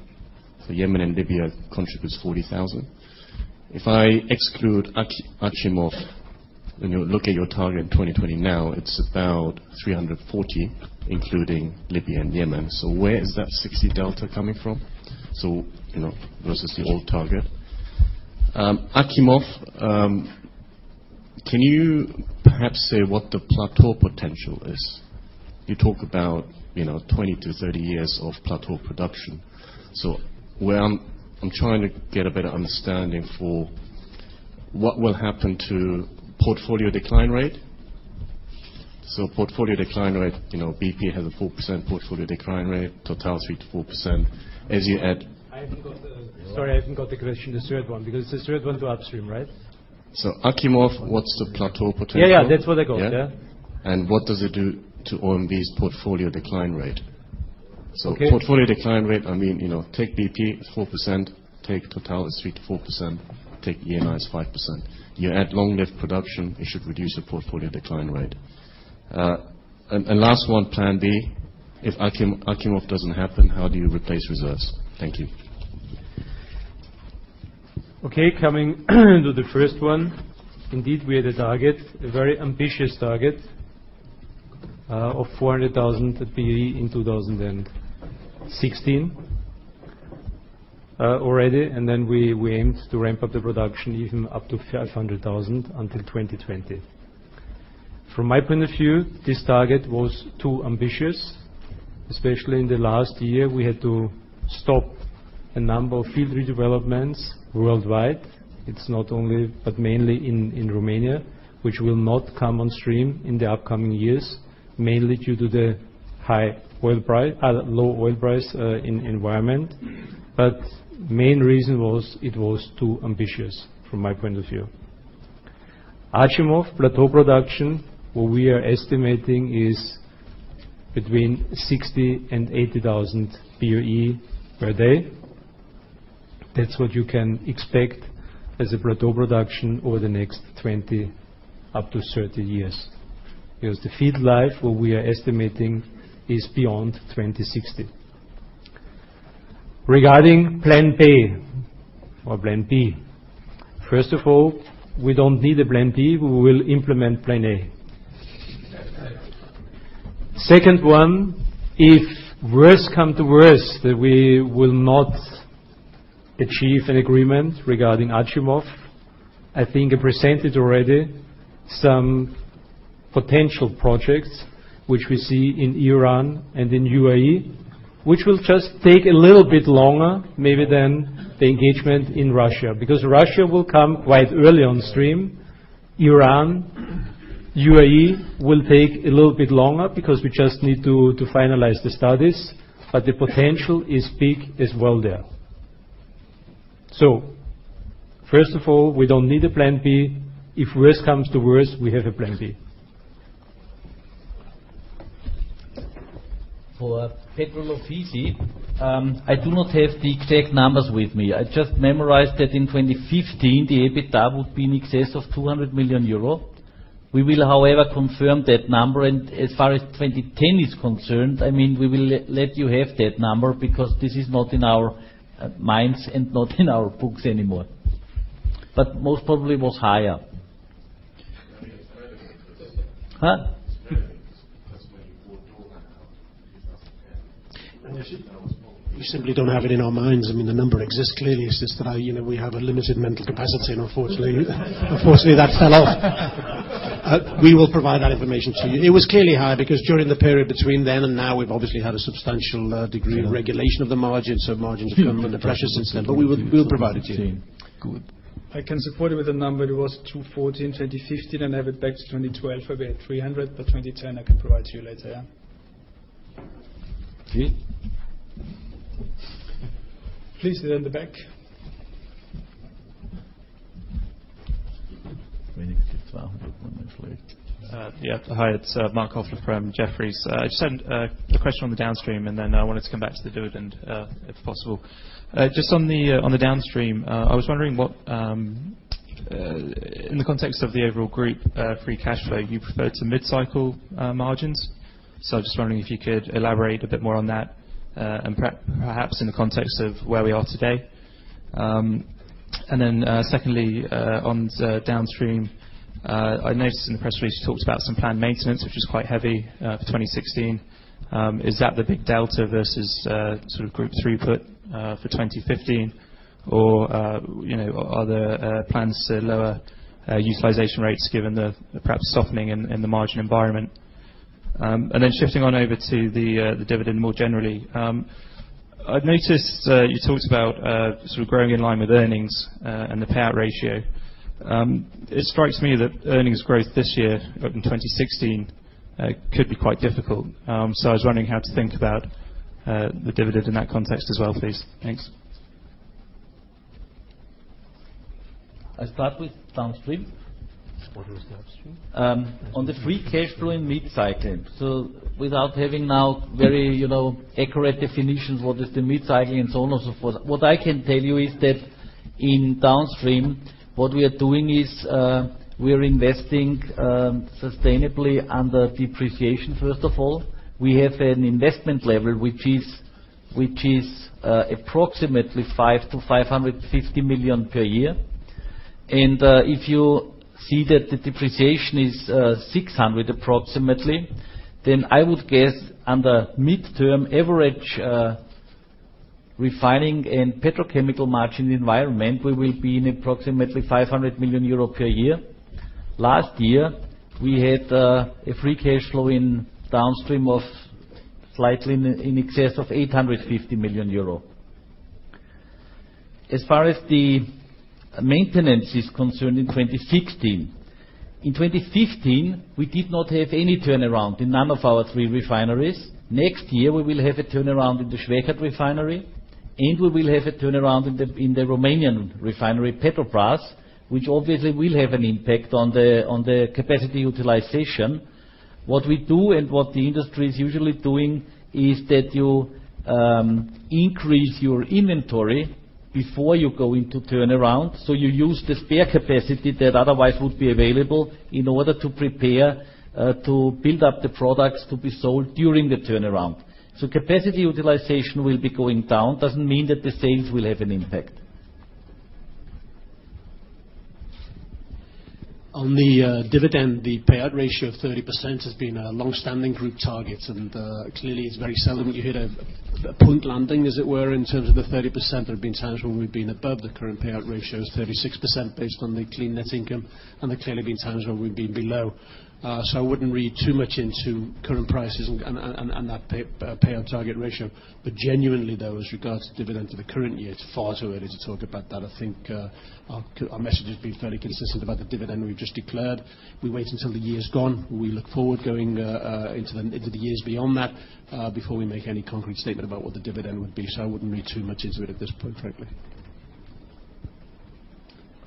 Yemen and Libya contributes 40,000. If I exclude Achimov, when you look at your target in 2020, now it's about 340, including Libya and Yemen. Where is that 60 delta coming from versus the old target? Achimov, can you perhaps say what the plateau potential is? You talk about 20 to 30 years of plateau production. I'm trying to get a better understanding for what will happen to portfolio decline rate. Portfolio decline rate, BP has a 4% portfolio decline rate, Total is 3%-4%. Sorry, I haven't got the question, the third one. The third one to upstream, right? Achimov, what's the plateau potential? Yeah. That's what I got. Yeah. What does it do to OMV's portfolio decline rate? Okay. Portfolio decline rate, take BP, it's 4%, take Total, it's 3%-4%, take Eni, it's 5%. You add long live production, it should reduce the portfolio decline rate. Last one, plan B. If Achimov doesn't happen, how do you replace reserves? Thank you. Okay. Coming to the first one. Indeed, we had a target, a very ambitious target of 400,000 BOE in 2016 already, and then we aimed to ramp up the production even up to 500,000 until 2020. From my point of view, this target was too ambitious, especially in the last year. We had to stop a number of field redevelopments worldwide. It's not only, but mainly in Romania, which will not come on stream in the upcoming years, mainly due to the low oil price in environment. Main reason was it was too ambitious from my point of view. Achimov plateau production, what we are estimating is between 60,000 and 80,000 BOE per day. That's what you can expect as a plateau production over the next 20 up to 30 years. Because the field life, what we are estimating is beyond 2060. Regarding plan B. First of all, we don't need a plan B. We will implement plan A. Second one, if worse comes to worst, that we will not achieve an agreement regarding Achimov. I think I presented already some potential projects which we see in Iran and in UAE, which will just take a little bit longer maybe than the engagement in Russia. Because Russia will come quite early on stream. UAE will take a little bit longer because we just need to finalize the studies, but the potential is big as well there. First of all, we don't need a plan B. If worse comes to worst, we have a plan B. For Petrol Ofisi, I do not have the exact numbers with me. I just memorized that in 2015 the EBITDA would be in excess of 200 million euro. We will, however, confirm that number, and as far as 2010 is concerned, we will let you have that number, because this is not in our minds and not in our books anymore. Most probably it was higher. We simply don't have it in our minds. The number exists, clearly it exists, we have a limited mental capacity and unfortunately that fell off. We will provide that information to you. It was clearly high because during the period between then and now, we've obviously had a substantial degree of regulation of the margins. Margins come under pressure since then, we will provide it to you. Good. I can support you with the number. It was 214, 2015, and have it back to 2012, we had 300, but 2010, I can provide to you later, yeah? Si. Please to the back. Waiting for EUR 1,200. Yeah. Hi, it's Marc Kofler from Jefferies. I just had a question on the downstream, and then I wanted to come back to the dividend, if possible. Just on the downstream, I was wondering what, in the context of the overall group, free cash flow, you referred to mid-cycle margins. I was just wondering if you could elaborate a bit more on that, and perhaps in the context of where we are today. Secondly, on downstream, I noticed in the press release you talked about some planned maintenance, which is quite heavy, for 2016. Is that the big delta versus group throughput for 2015? Or are there plans to lower utilization rates given the perhaps softening in the margin environment? Shifting on over to the dividend more generally. I've noticed you talked about growing in line with earnings and the payout ratio. It strikes me that earnings growth this year, up in 2016, could be quite difficult. I was wondering how to think about the dividend in that context as well, please. Thanks. I start with Downstream. What was Downstream? On the free cash flow in mid-cycle. Without having now very accurate definitions, what is the mid-cycle and so on and so forth. What I can tell you is that in Downstream, what we are doing is we are investing sustainably under depreciation, first of all. We have an investment level, which is approximately 500 million-550 million per year. If you see that the depreciation is 600 approximately, then I would guess under mid-term average refining and petrochemical margin environment, we will be in approximately 500 million euros per year. Last year, we had a free cash flow in Downstream of slightly in excess of 850 million euro. As far as the maintenance is concerned in 2016. In 2015, we did not have any turnaround in none of our three refineries. Next year, we will have a turnaround in the Schwechat refinery. We will have a turnaround in the Romanian refinery, Petrobrazi, which obviously will have an impact on the capacity utilization. What we do and what the industry is usually doing is that you increase your inventory before you go into turnaround. You use the spare capacity that otherwise would be available in order to prepare to build up the products to be sold during the turnaround. Capacity utilization will be going down, doesn't mean that the sales will have an impact. On the dividend, the payout ratio of 30% has been a long-standing group target. Clearly it's very seldom that you hit a point landing, as it were, in terms of the 30%. There have been times when we've been above. The current payout ratio is 36% based on the clean net income. There clearly been times where we've been below. I wouldn't read too much into current prices and that payout target ratio. Genuinely though, as regards to dividend for the current year, it's far too early to talk about that. I think our message has been fairly consistent about the dividend we've just declared. We wait until the year's gone. We look forward going into the years beyond that, before we make any concrete statement about what the dividend would be. I wouldn't read too much into it at this point, frankly.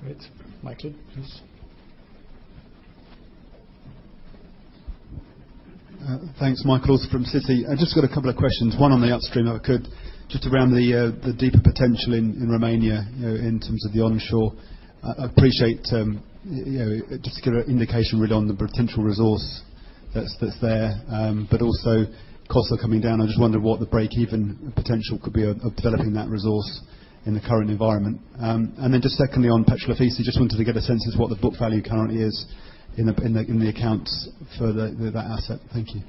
Great. Michael, please. Thanks. Michael from Citi. I just got a couple of questions, one on the Upstream, if I could. Just around the deeper potential in Romania in terms of the onshore. I'd appreciate just to get an indication really on the potential resource that's there. Also costs are coming down. I just wonder what the break-even potential could be of developing that resource in the current environment. Then just secondly, on Petrol Ofisi, just wanted to get a sense as what the book value currently is in the accounts for that asset. Thank you.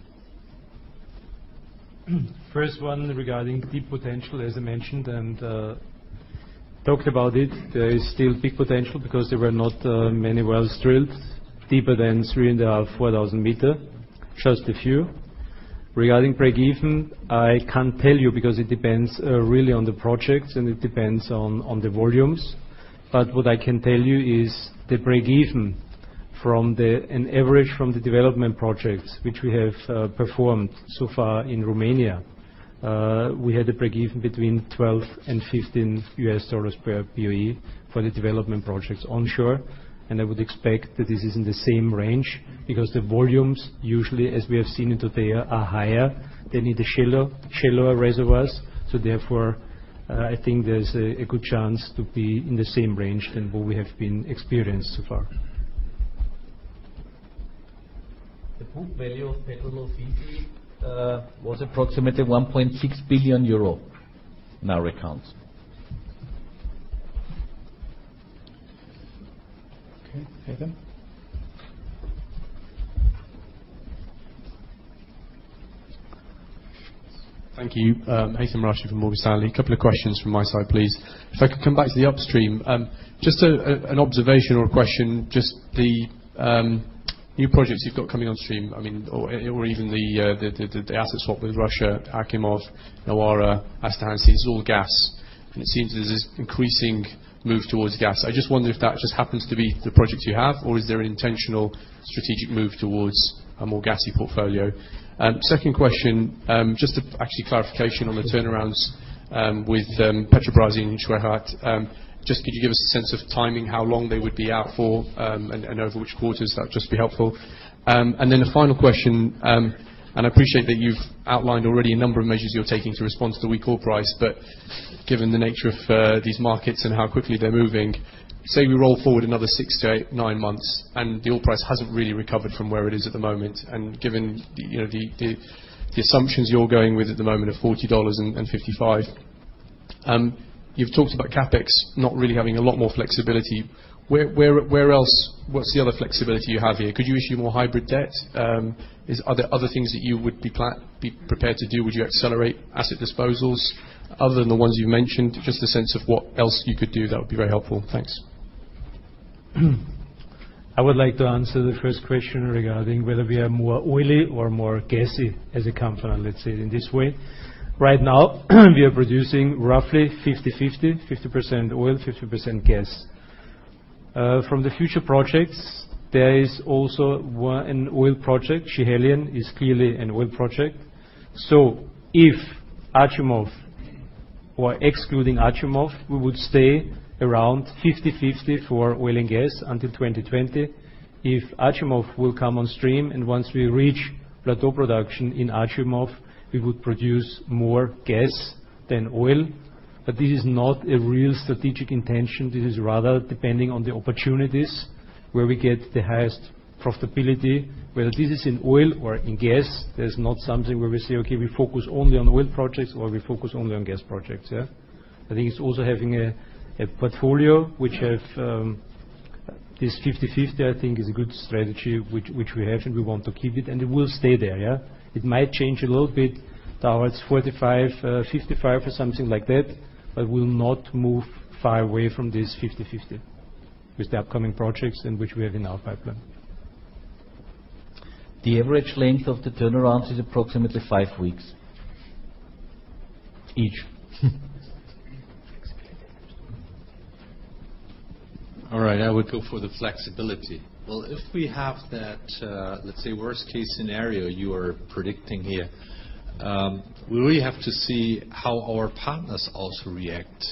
First one regarding deep potential, as I mentioned and talked about it, there is still big potential because there were not many wells drilled deeper than 3,000 and 4,000 meters, just a few. Regarding breakeven, I can't tell you because it depends really on the projects, and it depends on the volumes. What I can tell you is the breakeven from an average from the development projects which we have performed so far in Romania, we had a breakeven between $12 and $15 per BOE for the development projects onshore. I would expect that this is in the same range because the volumes usually, as we have seen into there, are higher. They need shallower reservoirs. Therefore, I think there's a good chance to be in the same range than what we have been experienced so far. The book value of Petrol Ofisi was approximately 1.6 billion euro, in our accounts. Okay. Haythem? Thank you. Haythem El-Rashidi from Morgan Stanley. A couple of questions from my side, please. If I could come back to the upstream. Just an observation or a question, just the new projects you've got coming on stream, or even the asset swap with Russia, Achimov, Nawara, Aasta Hansteen, this is all gas, and it seems there's this increasing move towards gas. I just wonder if that just happens to be the projects you have, or is there an intentional strategic move towards a more gassy portfolio? Second question, just actually clarification on the turnarounds with Petrobrazi in Schiehallion. Just could you give us a sense of timing, how long they would be out for, and over which quarters? That would just be helpful. Then a final question, and I appreciate that you've outlined already a number of measures you're taking to respond to the weak oil price. Given the nature of these markets and how quickly they are moving, say we roll forward another six to eight, nine months and the oil price hasn't really recovered from where it is at the moment, and given the assumptions you're going with at the moment of EUR 40 and 55. You've talked about CapEx not really having a lot more flexibility. What's the other flexibility you have here? Could you issue more hybrid debt? Are there other things that you would be prepared to do? Would you accelerate asset disposals other than the ones you mentioned? Just a sense of what else you could do, that would be very helpful. Thanks. I would like to answer the first question regarding whether we are more oily or more gassy as a company, let's say in this way. Right now we are producing roughly 50/50% oil, 50% gas. From the future projects, there is also an oil project. Schiehallion is clearly an oil project. So if Achimov or excluding Achimov, we would stay around 50/50 for oil and gas until 2020. If Achimov will come on stream and once we reach plateau production in Achimov, we would produce more gas than oil. But this is not a real strategic intention. This is rather depending on the opportunities where we get the highest profitability, whether this is in oil or in gas. There's not something where we say, "Okay, we focus only on oil projects, or we focus only on gas projects." Yeah. I think it's also having a portfolio which have this 50/50, I think is a good strategy, which we have, and we want to keep it, and it will stay there. Yeah. It might change a little bit towards 45/55 or something like that, but we'll not move far away from this 50/50 with the upcoming projects and which we have in our pipeline. The average length of the turnaround is approximately five weeks. Each. I would go for the flexibility. If we have that, let's say worst-case scenario you are predicting here, we really have to see how our partners also react.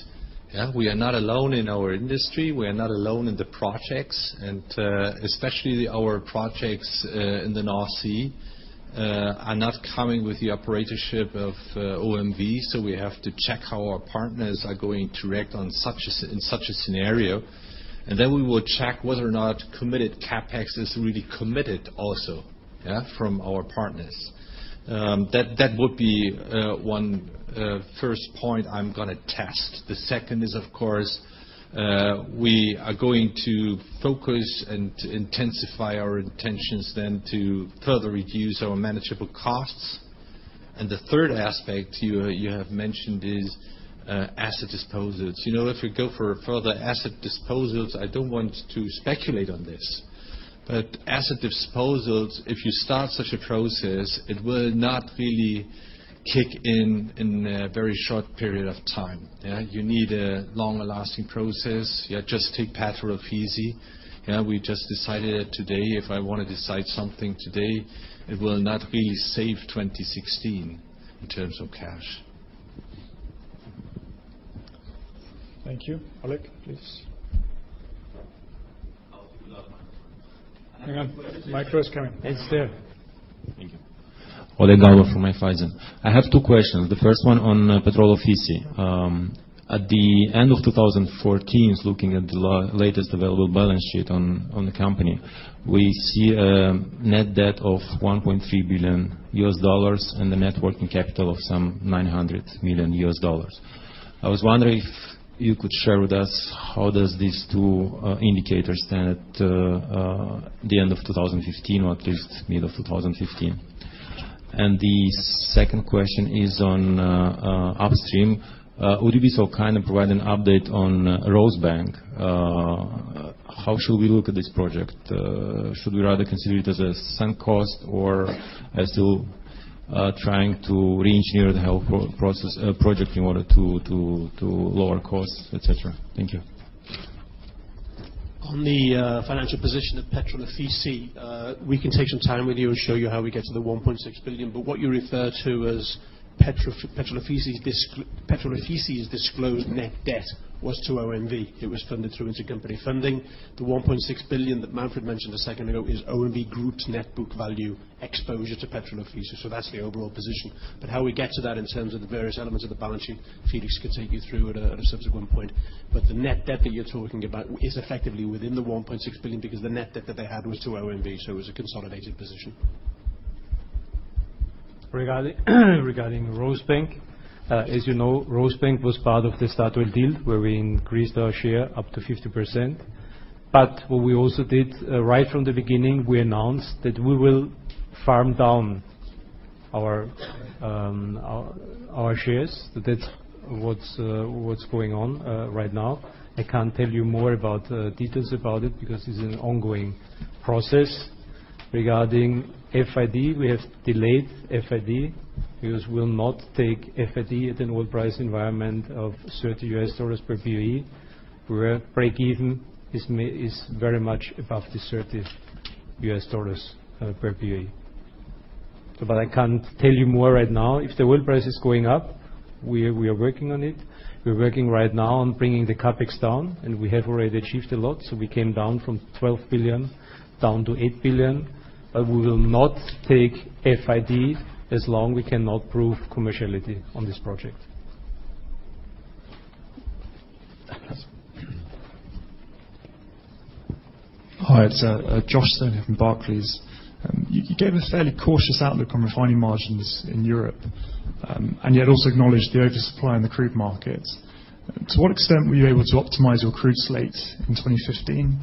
We are not alone in our industry. We are not alone in the projects. Especially our projects in the North Sea are not coming with the operatorship of OMV. We have to check how our partners are going to react in such a scenario. Then we will check whether or not committed CapEx is really committed also from our partners. That would be one first point I am going to test. The second is, of course, we are going to focus and intensify our intentions then to further reduce our manageable costs. The third aspect you have mentioned is asset disposals. If we go for further asset disposals, I don't want to speculate on this. Asset disposals, if you start such a process, it will not really kick in in a very short period of time. You need a longer-lasting process. Just take Petrol Ofisi. We just decided today. If I want to decide something today, it will not really save 2016 in terms of cash. Thank you. Oleg, please. I will take a lot of microphone. Hang on. Micro is coming. It's there. Thank you. Oleg Galbur from Raiffeisen. I have two questions. The first one on Petrol Ofisi. At the end of 2014, looking at the latest available balance sheet on the company, we see a net debt of $1.3 billion and a net working capital of some $900 million. I was wondering if you could share with us how does these two indicators stand at the end of 2015, or at least mid of 2015? The second question is on upstream. Would you be so kind and provide an update on Rosebank? How should we look at this project? Should we rather consider it as a sunk cost or as still trying to re-engineer the whole project in order to lower costs, et cetera? Thank you. On the financial position of Petrol Ofisi, we can take some time with you and show you how we get to the 1.6 billion. What you refer to as Petrol Ofisi's disclosed net debt was to OMV. It was funded through intercompany funding. The 1.6 billion that Manfred mentioned a second ago is OMV Group's net book value exposure to Petrol Ofisi. That's the overall position. How we get to that in terms of the various elements of the balance sheet, Felix could take you through at a subsequent point. The net debt that you're talking about is effectively within the 1.6 billion because the net debt that they had was to OMV, so it was a consolidated position. Regarding Rosebank, as you know, Rosebank was part of the Statoil deal where we increased our share up to 50%. What we also did right from the beginning, we announced that we will farm down our shares. That's what's going on right now. I can't tell you more about details about it because it's an ongoing process. Regarding FID, we have delayed FID because we'll not take FID at an oil price environment of $30 per BOE, where breakeven is very much above the $30 per BOE. I can't tell you more right now. If the oil price is going up, we are working on it. We are working right now on bringing the CapEx down, and we have already achieved a lot. We came down from 12 billion down to 8 billion. We will not take FID as long we cannot prove commerciality on this project. Hi, it's Josh Stone here from Barclays. You gave a fairly cautious outlook on refining margins in Europe, yet also acknowledged the oversupply in the crude markets. To what extent were you able to optimize your crude slate in 2015?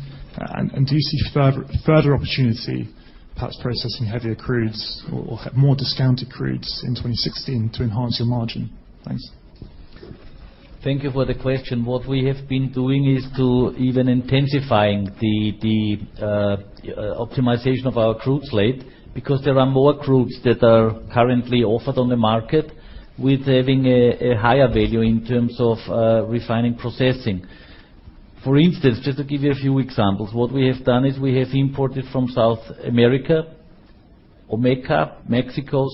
Do you see further opportunity, perhaps processing heavier crudes or more discounted crudes in 2016 to enhance your margin? Thanks. Thank you for the question. What we have been doing is to even intensifying the optimization of our crude slate because there are more crudes that are currently offered on the market with having a higher value in terms of refining processing. For instance, just to give you a few examples, what we have done is we have imported from South America or Mexico.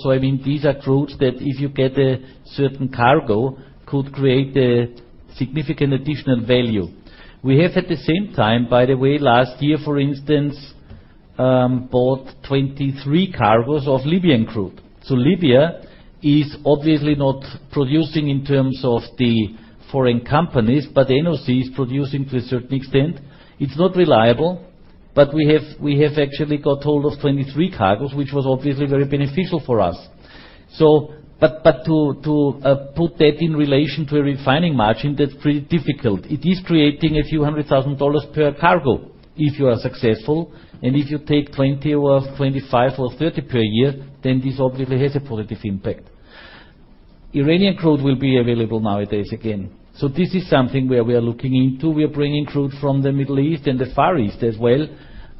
These are crudes that if you get a certain cargo, could create a significant additional value. We have at the same time, by the way, last year, for instance, bought 23 cargoes of Libyan crude. Libya is obviously not producing in terms of the foreign companies, but NOC is producing to a certain extent. It's not reliable, but we have actually got hold of 23 cargoes, which was obviously very beneficial for us. To put that in relation to a refining margin, that's pretty difficult. It is creating a few hundred thousand EUR per cargo if you are successful, and if you take 20 or 25 or 30 per year, then this obviously has a positive impact. Iranian crude will be available nowadays again. This is something where we are looking into. We are bringing crude from the Middle East and the Far East as well.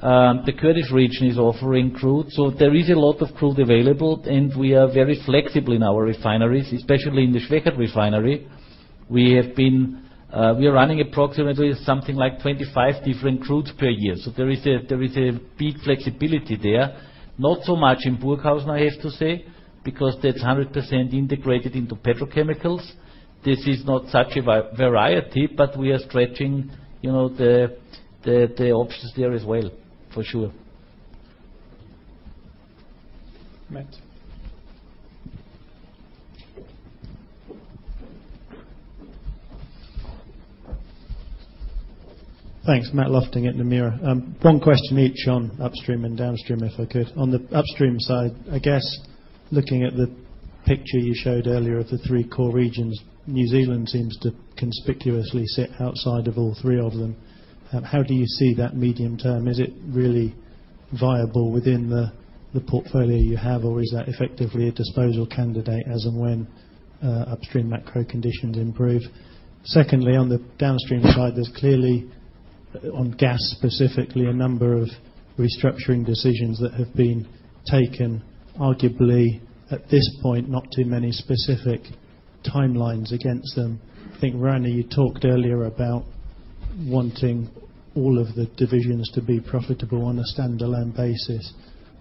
The Kurdish region is offering crude. There is a lot of crude available, and we are very flexible in our refineries, especially in the Schwechat Refinery. We are running approximately something like 25 different crudes per year. There is a big flexibility there. Not so much in Burghausen, I have to say, because that's 100% integrated into petrochemicals. This is not such a variety, we are stretching the options there as well, for sure. Matt? Thanks. Matthew Lofting at Nomura. One question each on upstream and downstream, if I could. On the upstream side, I guess looking at the picture you showed earlier of the three core regions, New Zealand seems to conspicuously sit outside of all three of them. How do you see that medium-term? Is it really viable within the portfolio you have, or is that effectively a disposal candidate as and when upstream macro conditions improve? Secondly, on the downstream side, there's clearly on gas, specifically, a number of restructuring decisions that have been taken, arguably at this point, not too many specific timelines against them. I think, Rainer, you talked earlier about wanting all of the divisions to be profitable on a standalone basis.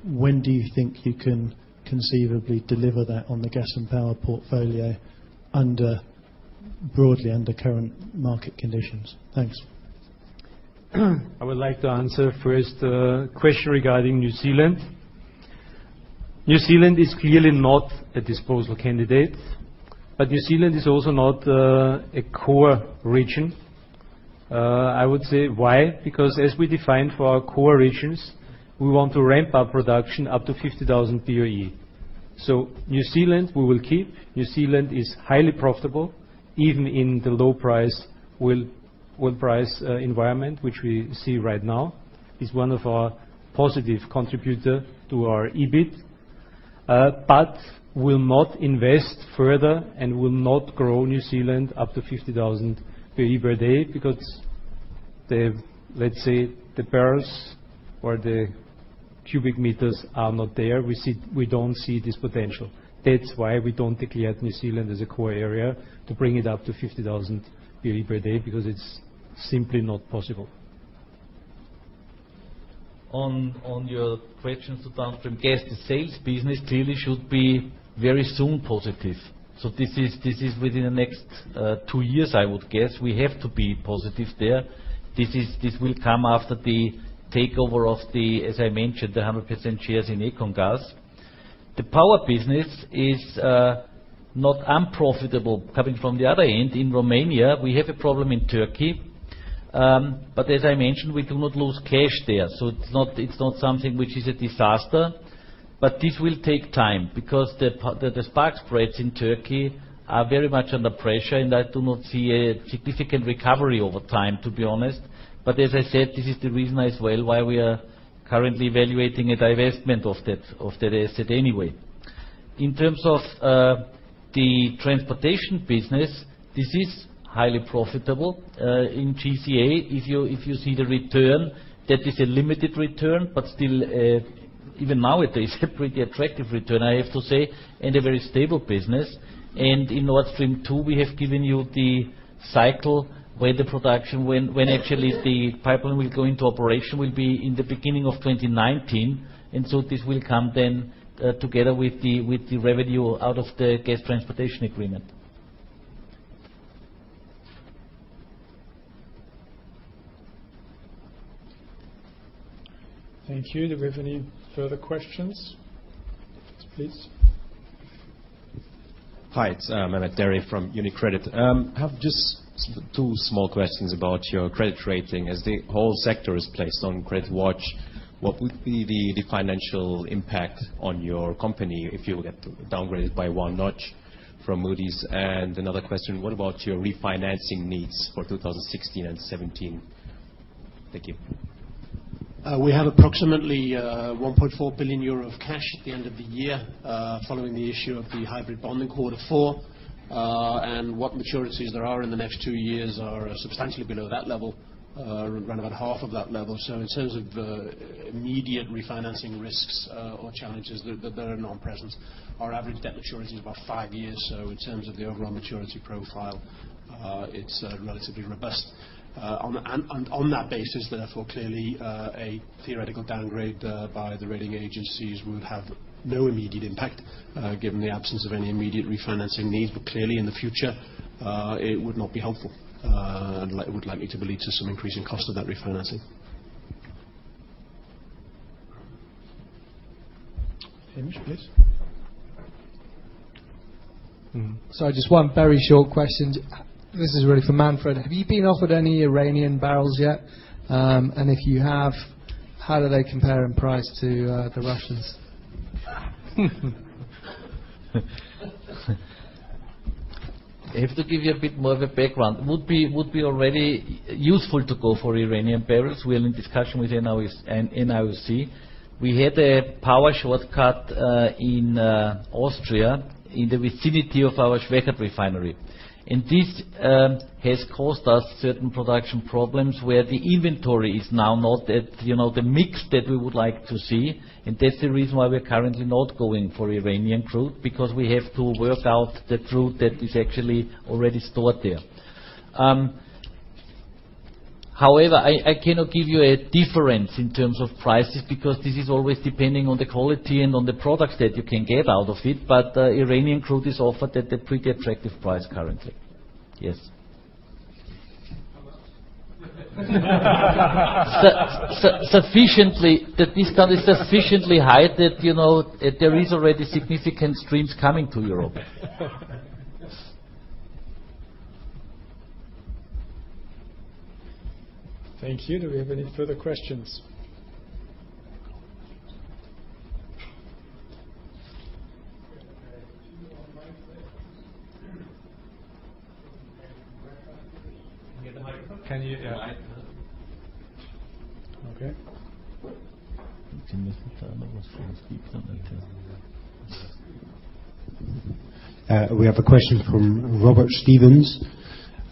When do you think you can conceivably deliver that on the gas and power portfolio broadly under current market conditions? Thanks. I would like to answer first the question regarding New Zealand. New Zealand is clearly not a disposal candidate, New Zealand is also not a core region. I would say why, because as we defined for our core regions, we want to ramp up production up to 50,000 BOE. New Zealand, we will keep. New Zealand is highly profitable, even in the low oil price environment, which we see right now. It's one of our positive contributor to our EBIT. We'll not invest further and will not grow New Zealand up to 50,000 BOE per day because, let's say, the barrels or the cubic meters are not there. We don't see this potential. We don't declare New Zealand as a core area to bring it up to 50,000 BOE per day, because it's simply not possible. On your questions to Downstream Gas, the sales business clearly should be very soon positive. This is within the next two years, I would guess. We have to be positive there. This will come after the takeover of the, as I mentioned, the 100% shares in EconGas. The power business is not unprofitable. Coming from the other end, in Romania, we have a problem in Turkey. As I mentioned, we do not lose cash there, it's not something which is a disaster. This will take time because the spark spreads in Turkey are very much under pressure, and I do not see a significant recovery over time, to be honest. As I said, this is the reason as well why we are currently evaluating a divestment of that asset anyway. In terms of the transportation business, this is highly profitable. In GCA, if you see the return, that is a limited return, but still even nowadays a pretty attractive return, I have to say, and a very stable business. In Nord Stream 2, we have given you the cycle where actually the pipeline will go into operation will be in the beginning of 2019. This will come then together with the revenue out of the gas transportation agreement. Thank you. Do we have any further questions? Yes, please. Hi, it's Mehmet Dari from UniCredit. I have just two small questions about your credit rating. As the whole sector is placed on credit watch, what would be the financial impact on your company if you get downgraded by one notch from Moody's? Another question, what about your refinancing needs for 2016 and 2017? Thank you. We have approximately 1.4 billion euro of cash at the end of the year, following the issue of the hybrid bond in quarter four. What maturities there are in the next two years are substantially below that level, around about half of that level. In terms of immediate refinancing risks or challenges, they are non-present. Our average debt maturity is about five years. In terms of the overall maturity profile, it's relatively robust. On that basis, therefore, clearly, a theoretical downgrade by the rating agencies would have no immediate impact, given the absence of any immediate refinancing needs. Clearly, in the future, it would not be helpful. Would likely to lead to some increase in cost of that refinancing. James, please. Sorry, just one very short question. This is really for Manfred. Have you been offered any Iranian barrels yet? If you have, how do they compare in price to the Russians? I have to give you a bit more of a background. Would be already useful to go for Iranian barrels. We're in discussion with NIOC. We had a power shortcut in Austria in the vicinity of our Schwechat refinery. This has caused us certain production problems where the inventory is now not at the mix that we would like to see, and that's the reason why we're currently not going for Iranian crude, because we have to work out the crude that is actually already stored there. However, I cannot give you a difference in terms of prices because this is always depending on the quality and on the products that you can get out of it, Iranian crude is offered at a pretty attractive price currently. Yes. How much? Sufficiently. The discount is sufficiently high that there is already significant streams coming to Europe. Thank you. Do we have any further questions? Can you get the microphone? Yeah. Okay. We have a question from Robert Stevens.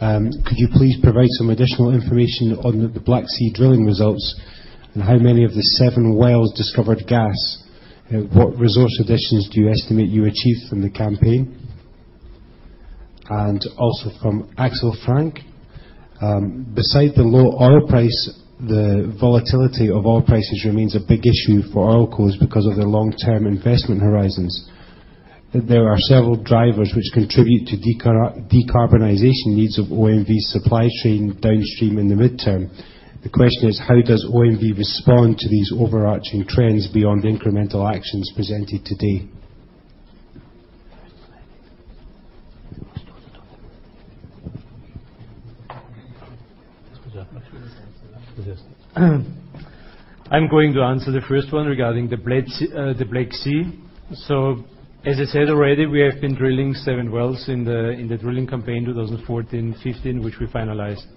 Could you please provide some additional information on the Black Sea drilling results and how many of the seven wells discovered gas? What resource additions do you estimate you achieved from the campaign? Also from Axel Frank. Besides the low oil price, the volatility of oil prices remains a big issue for oil corps because of their long-term investment horizons. There are several drivers which contribute to decarbonization needs of OMV supply chain Downstream in the midterm. The question is: How does OMV respond to these overarching trends beyond incremental actions presented today? I'm going to answer the first one regarding the Black Sea. As I said already, we have been drilling seven wells in the drilling campaign 2014-2015, which we finalized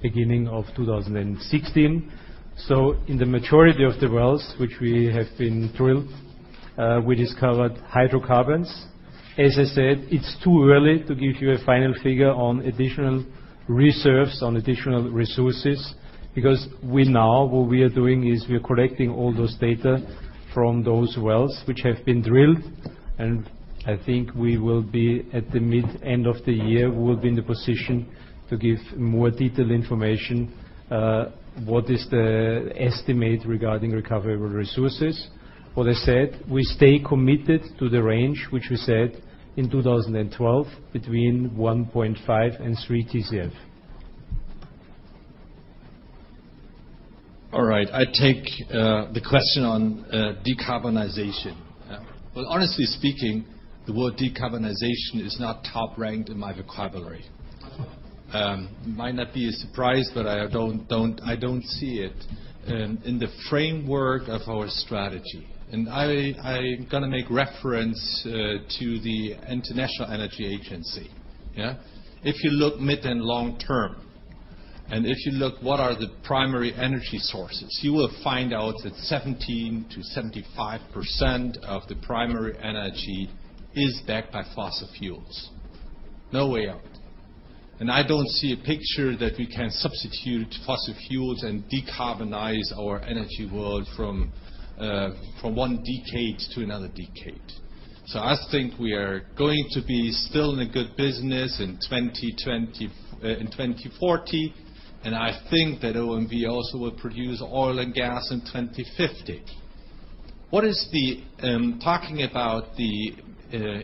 beginning of 2016. In the majority of the wells, which we have been drilled, we discovered hydrocarbons. As I said, it's too early to give you a final figure on additional reserves, on additional resources, because now, what we are doing is we are collecting all those data from those wells which have been drilled. I think we will be at the mid-end of the year, we will be in the position to give more detailed information, what is the estimate regarding recoverable resources. What I said, we stay committed to the range, which we said in 2012, between 1.5 and 3 TCF. All right. I take the question on decarbonization. Well, honestly speaking, the word decarbonization is not top-ranked in my vocabulary. Might not be a surprise, but I don't see it in the framework of our strategy. I got to make reference to the International Energy Agency. If you look mid- and long-term, if you look what are the primary energy sources, you will find out that 70%-75% of the primary energy is backed by fossil fuels. No way out. I don't see a picture that we can substitute fossil fuels and decarbonize our energy world from one decade to another decade. I think we are going to be still in a good business in 2040, and I think that OMV also will produce oil and gas in 2050. Talking about the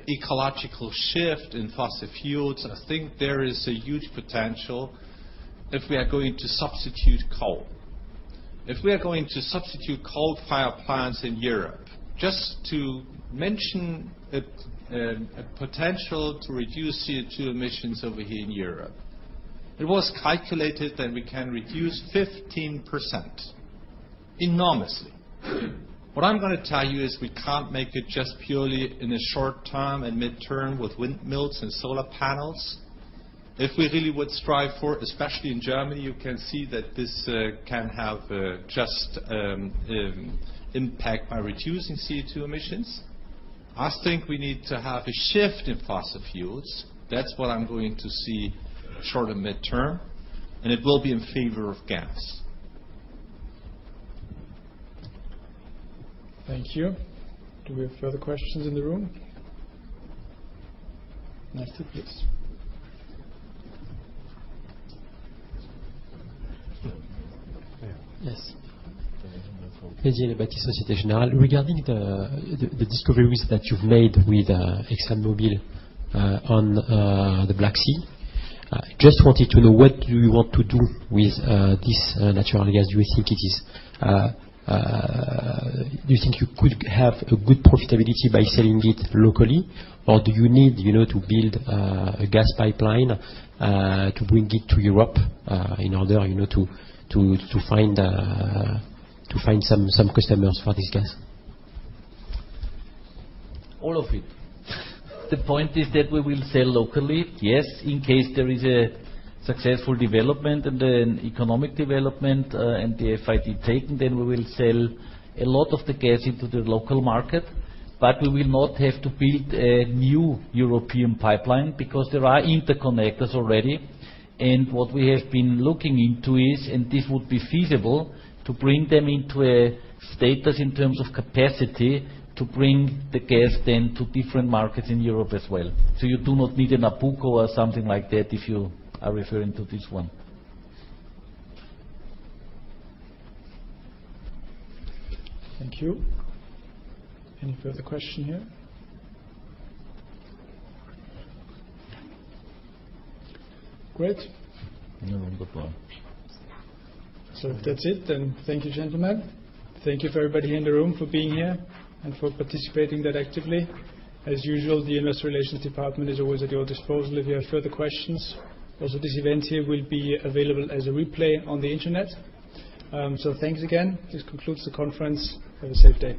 ecological shift in fossil fuels, I think there is a huge potential if we are going to substitute coal. If we are going to substitute coal fire plants in Europe, just to mention a potential to reduce CO2 emissions over here in Europe. It was calculated that we can reduce 15%, enormously. What I'm going to tell you is we can't make it just purely in a short term and mid-term with windmills and solar panels. If we really would strive for, especially in Germany, you can see that this can have just impact by reducing CO2 emissions. I think we need to have a shift in fossil fuels. That's what I'm going to see short and mid-term. It will be in favor of gas. Thank you. Do we have further questions in the room? Master, please. Yes. Yes. Adrien Abatis, Société Générale. Regarding the discoveries that you've made with ExxonMobil on the Black Sea, just wanted to know, what do you want to do with this natural gas? Do you think you could have a good profitability by selling it locally? Do you need to build a gas pipeline to bring it to Europe in order to find some customers for this gas? All of it. The point is that we will sell locally, yes, in case there is a successful development and an economic development. The FID taken, we will sell a lot of the gas into the local market. We will not have to build a new European pipeline because there are interconnectors already. What we have been looking into is, this would be feasible, to bring them into a status in terms of capacity to bring the gas to different markets in Europe as well. You do not need a Nabucco or something like that if you are referring to this one. Thank you. Any further question here? Great. No, no problem. If that's it, thank you, gentlemen. Thank you for everybody in the room for being here and for participating that actively. As usual, the Investor Relations Department is always at your disposal if you have further questions. This event here will be available as a replay on the internet. Thanks again. This concludes the conference. Have a safe day.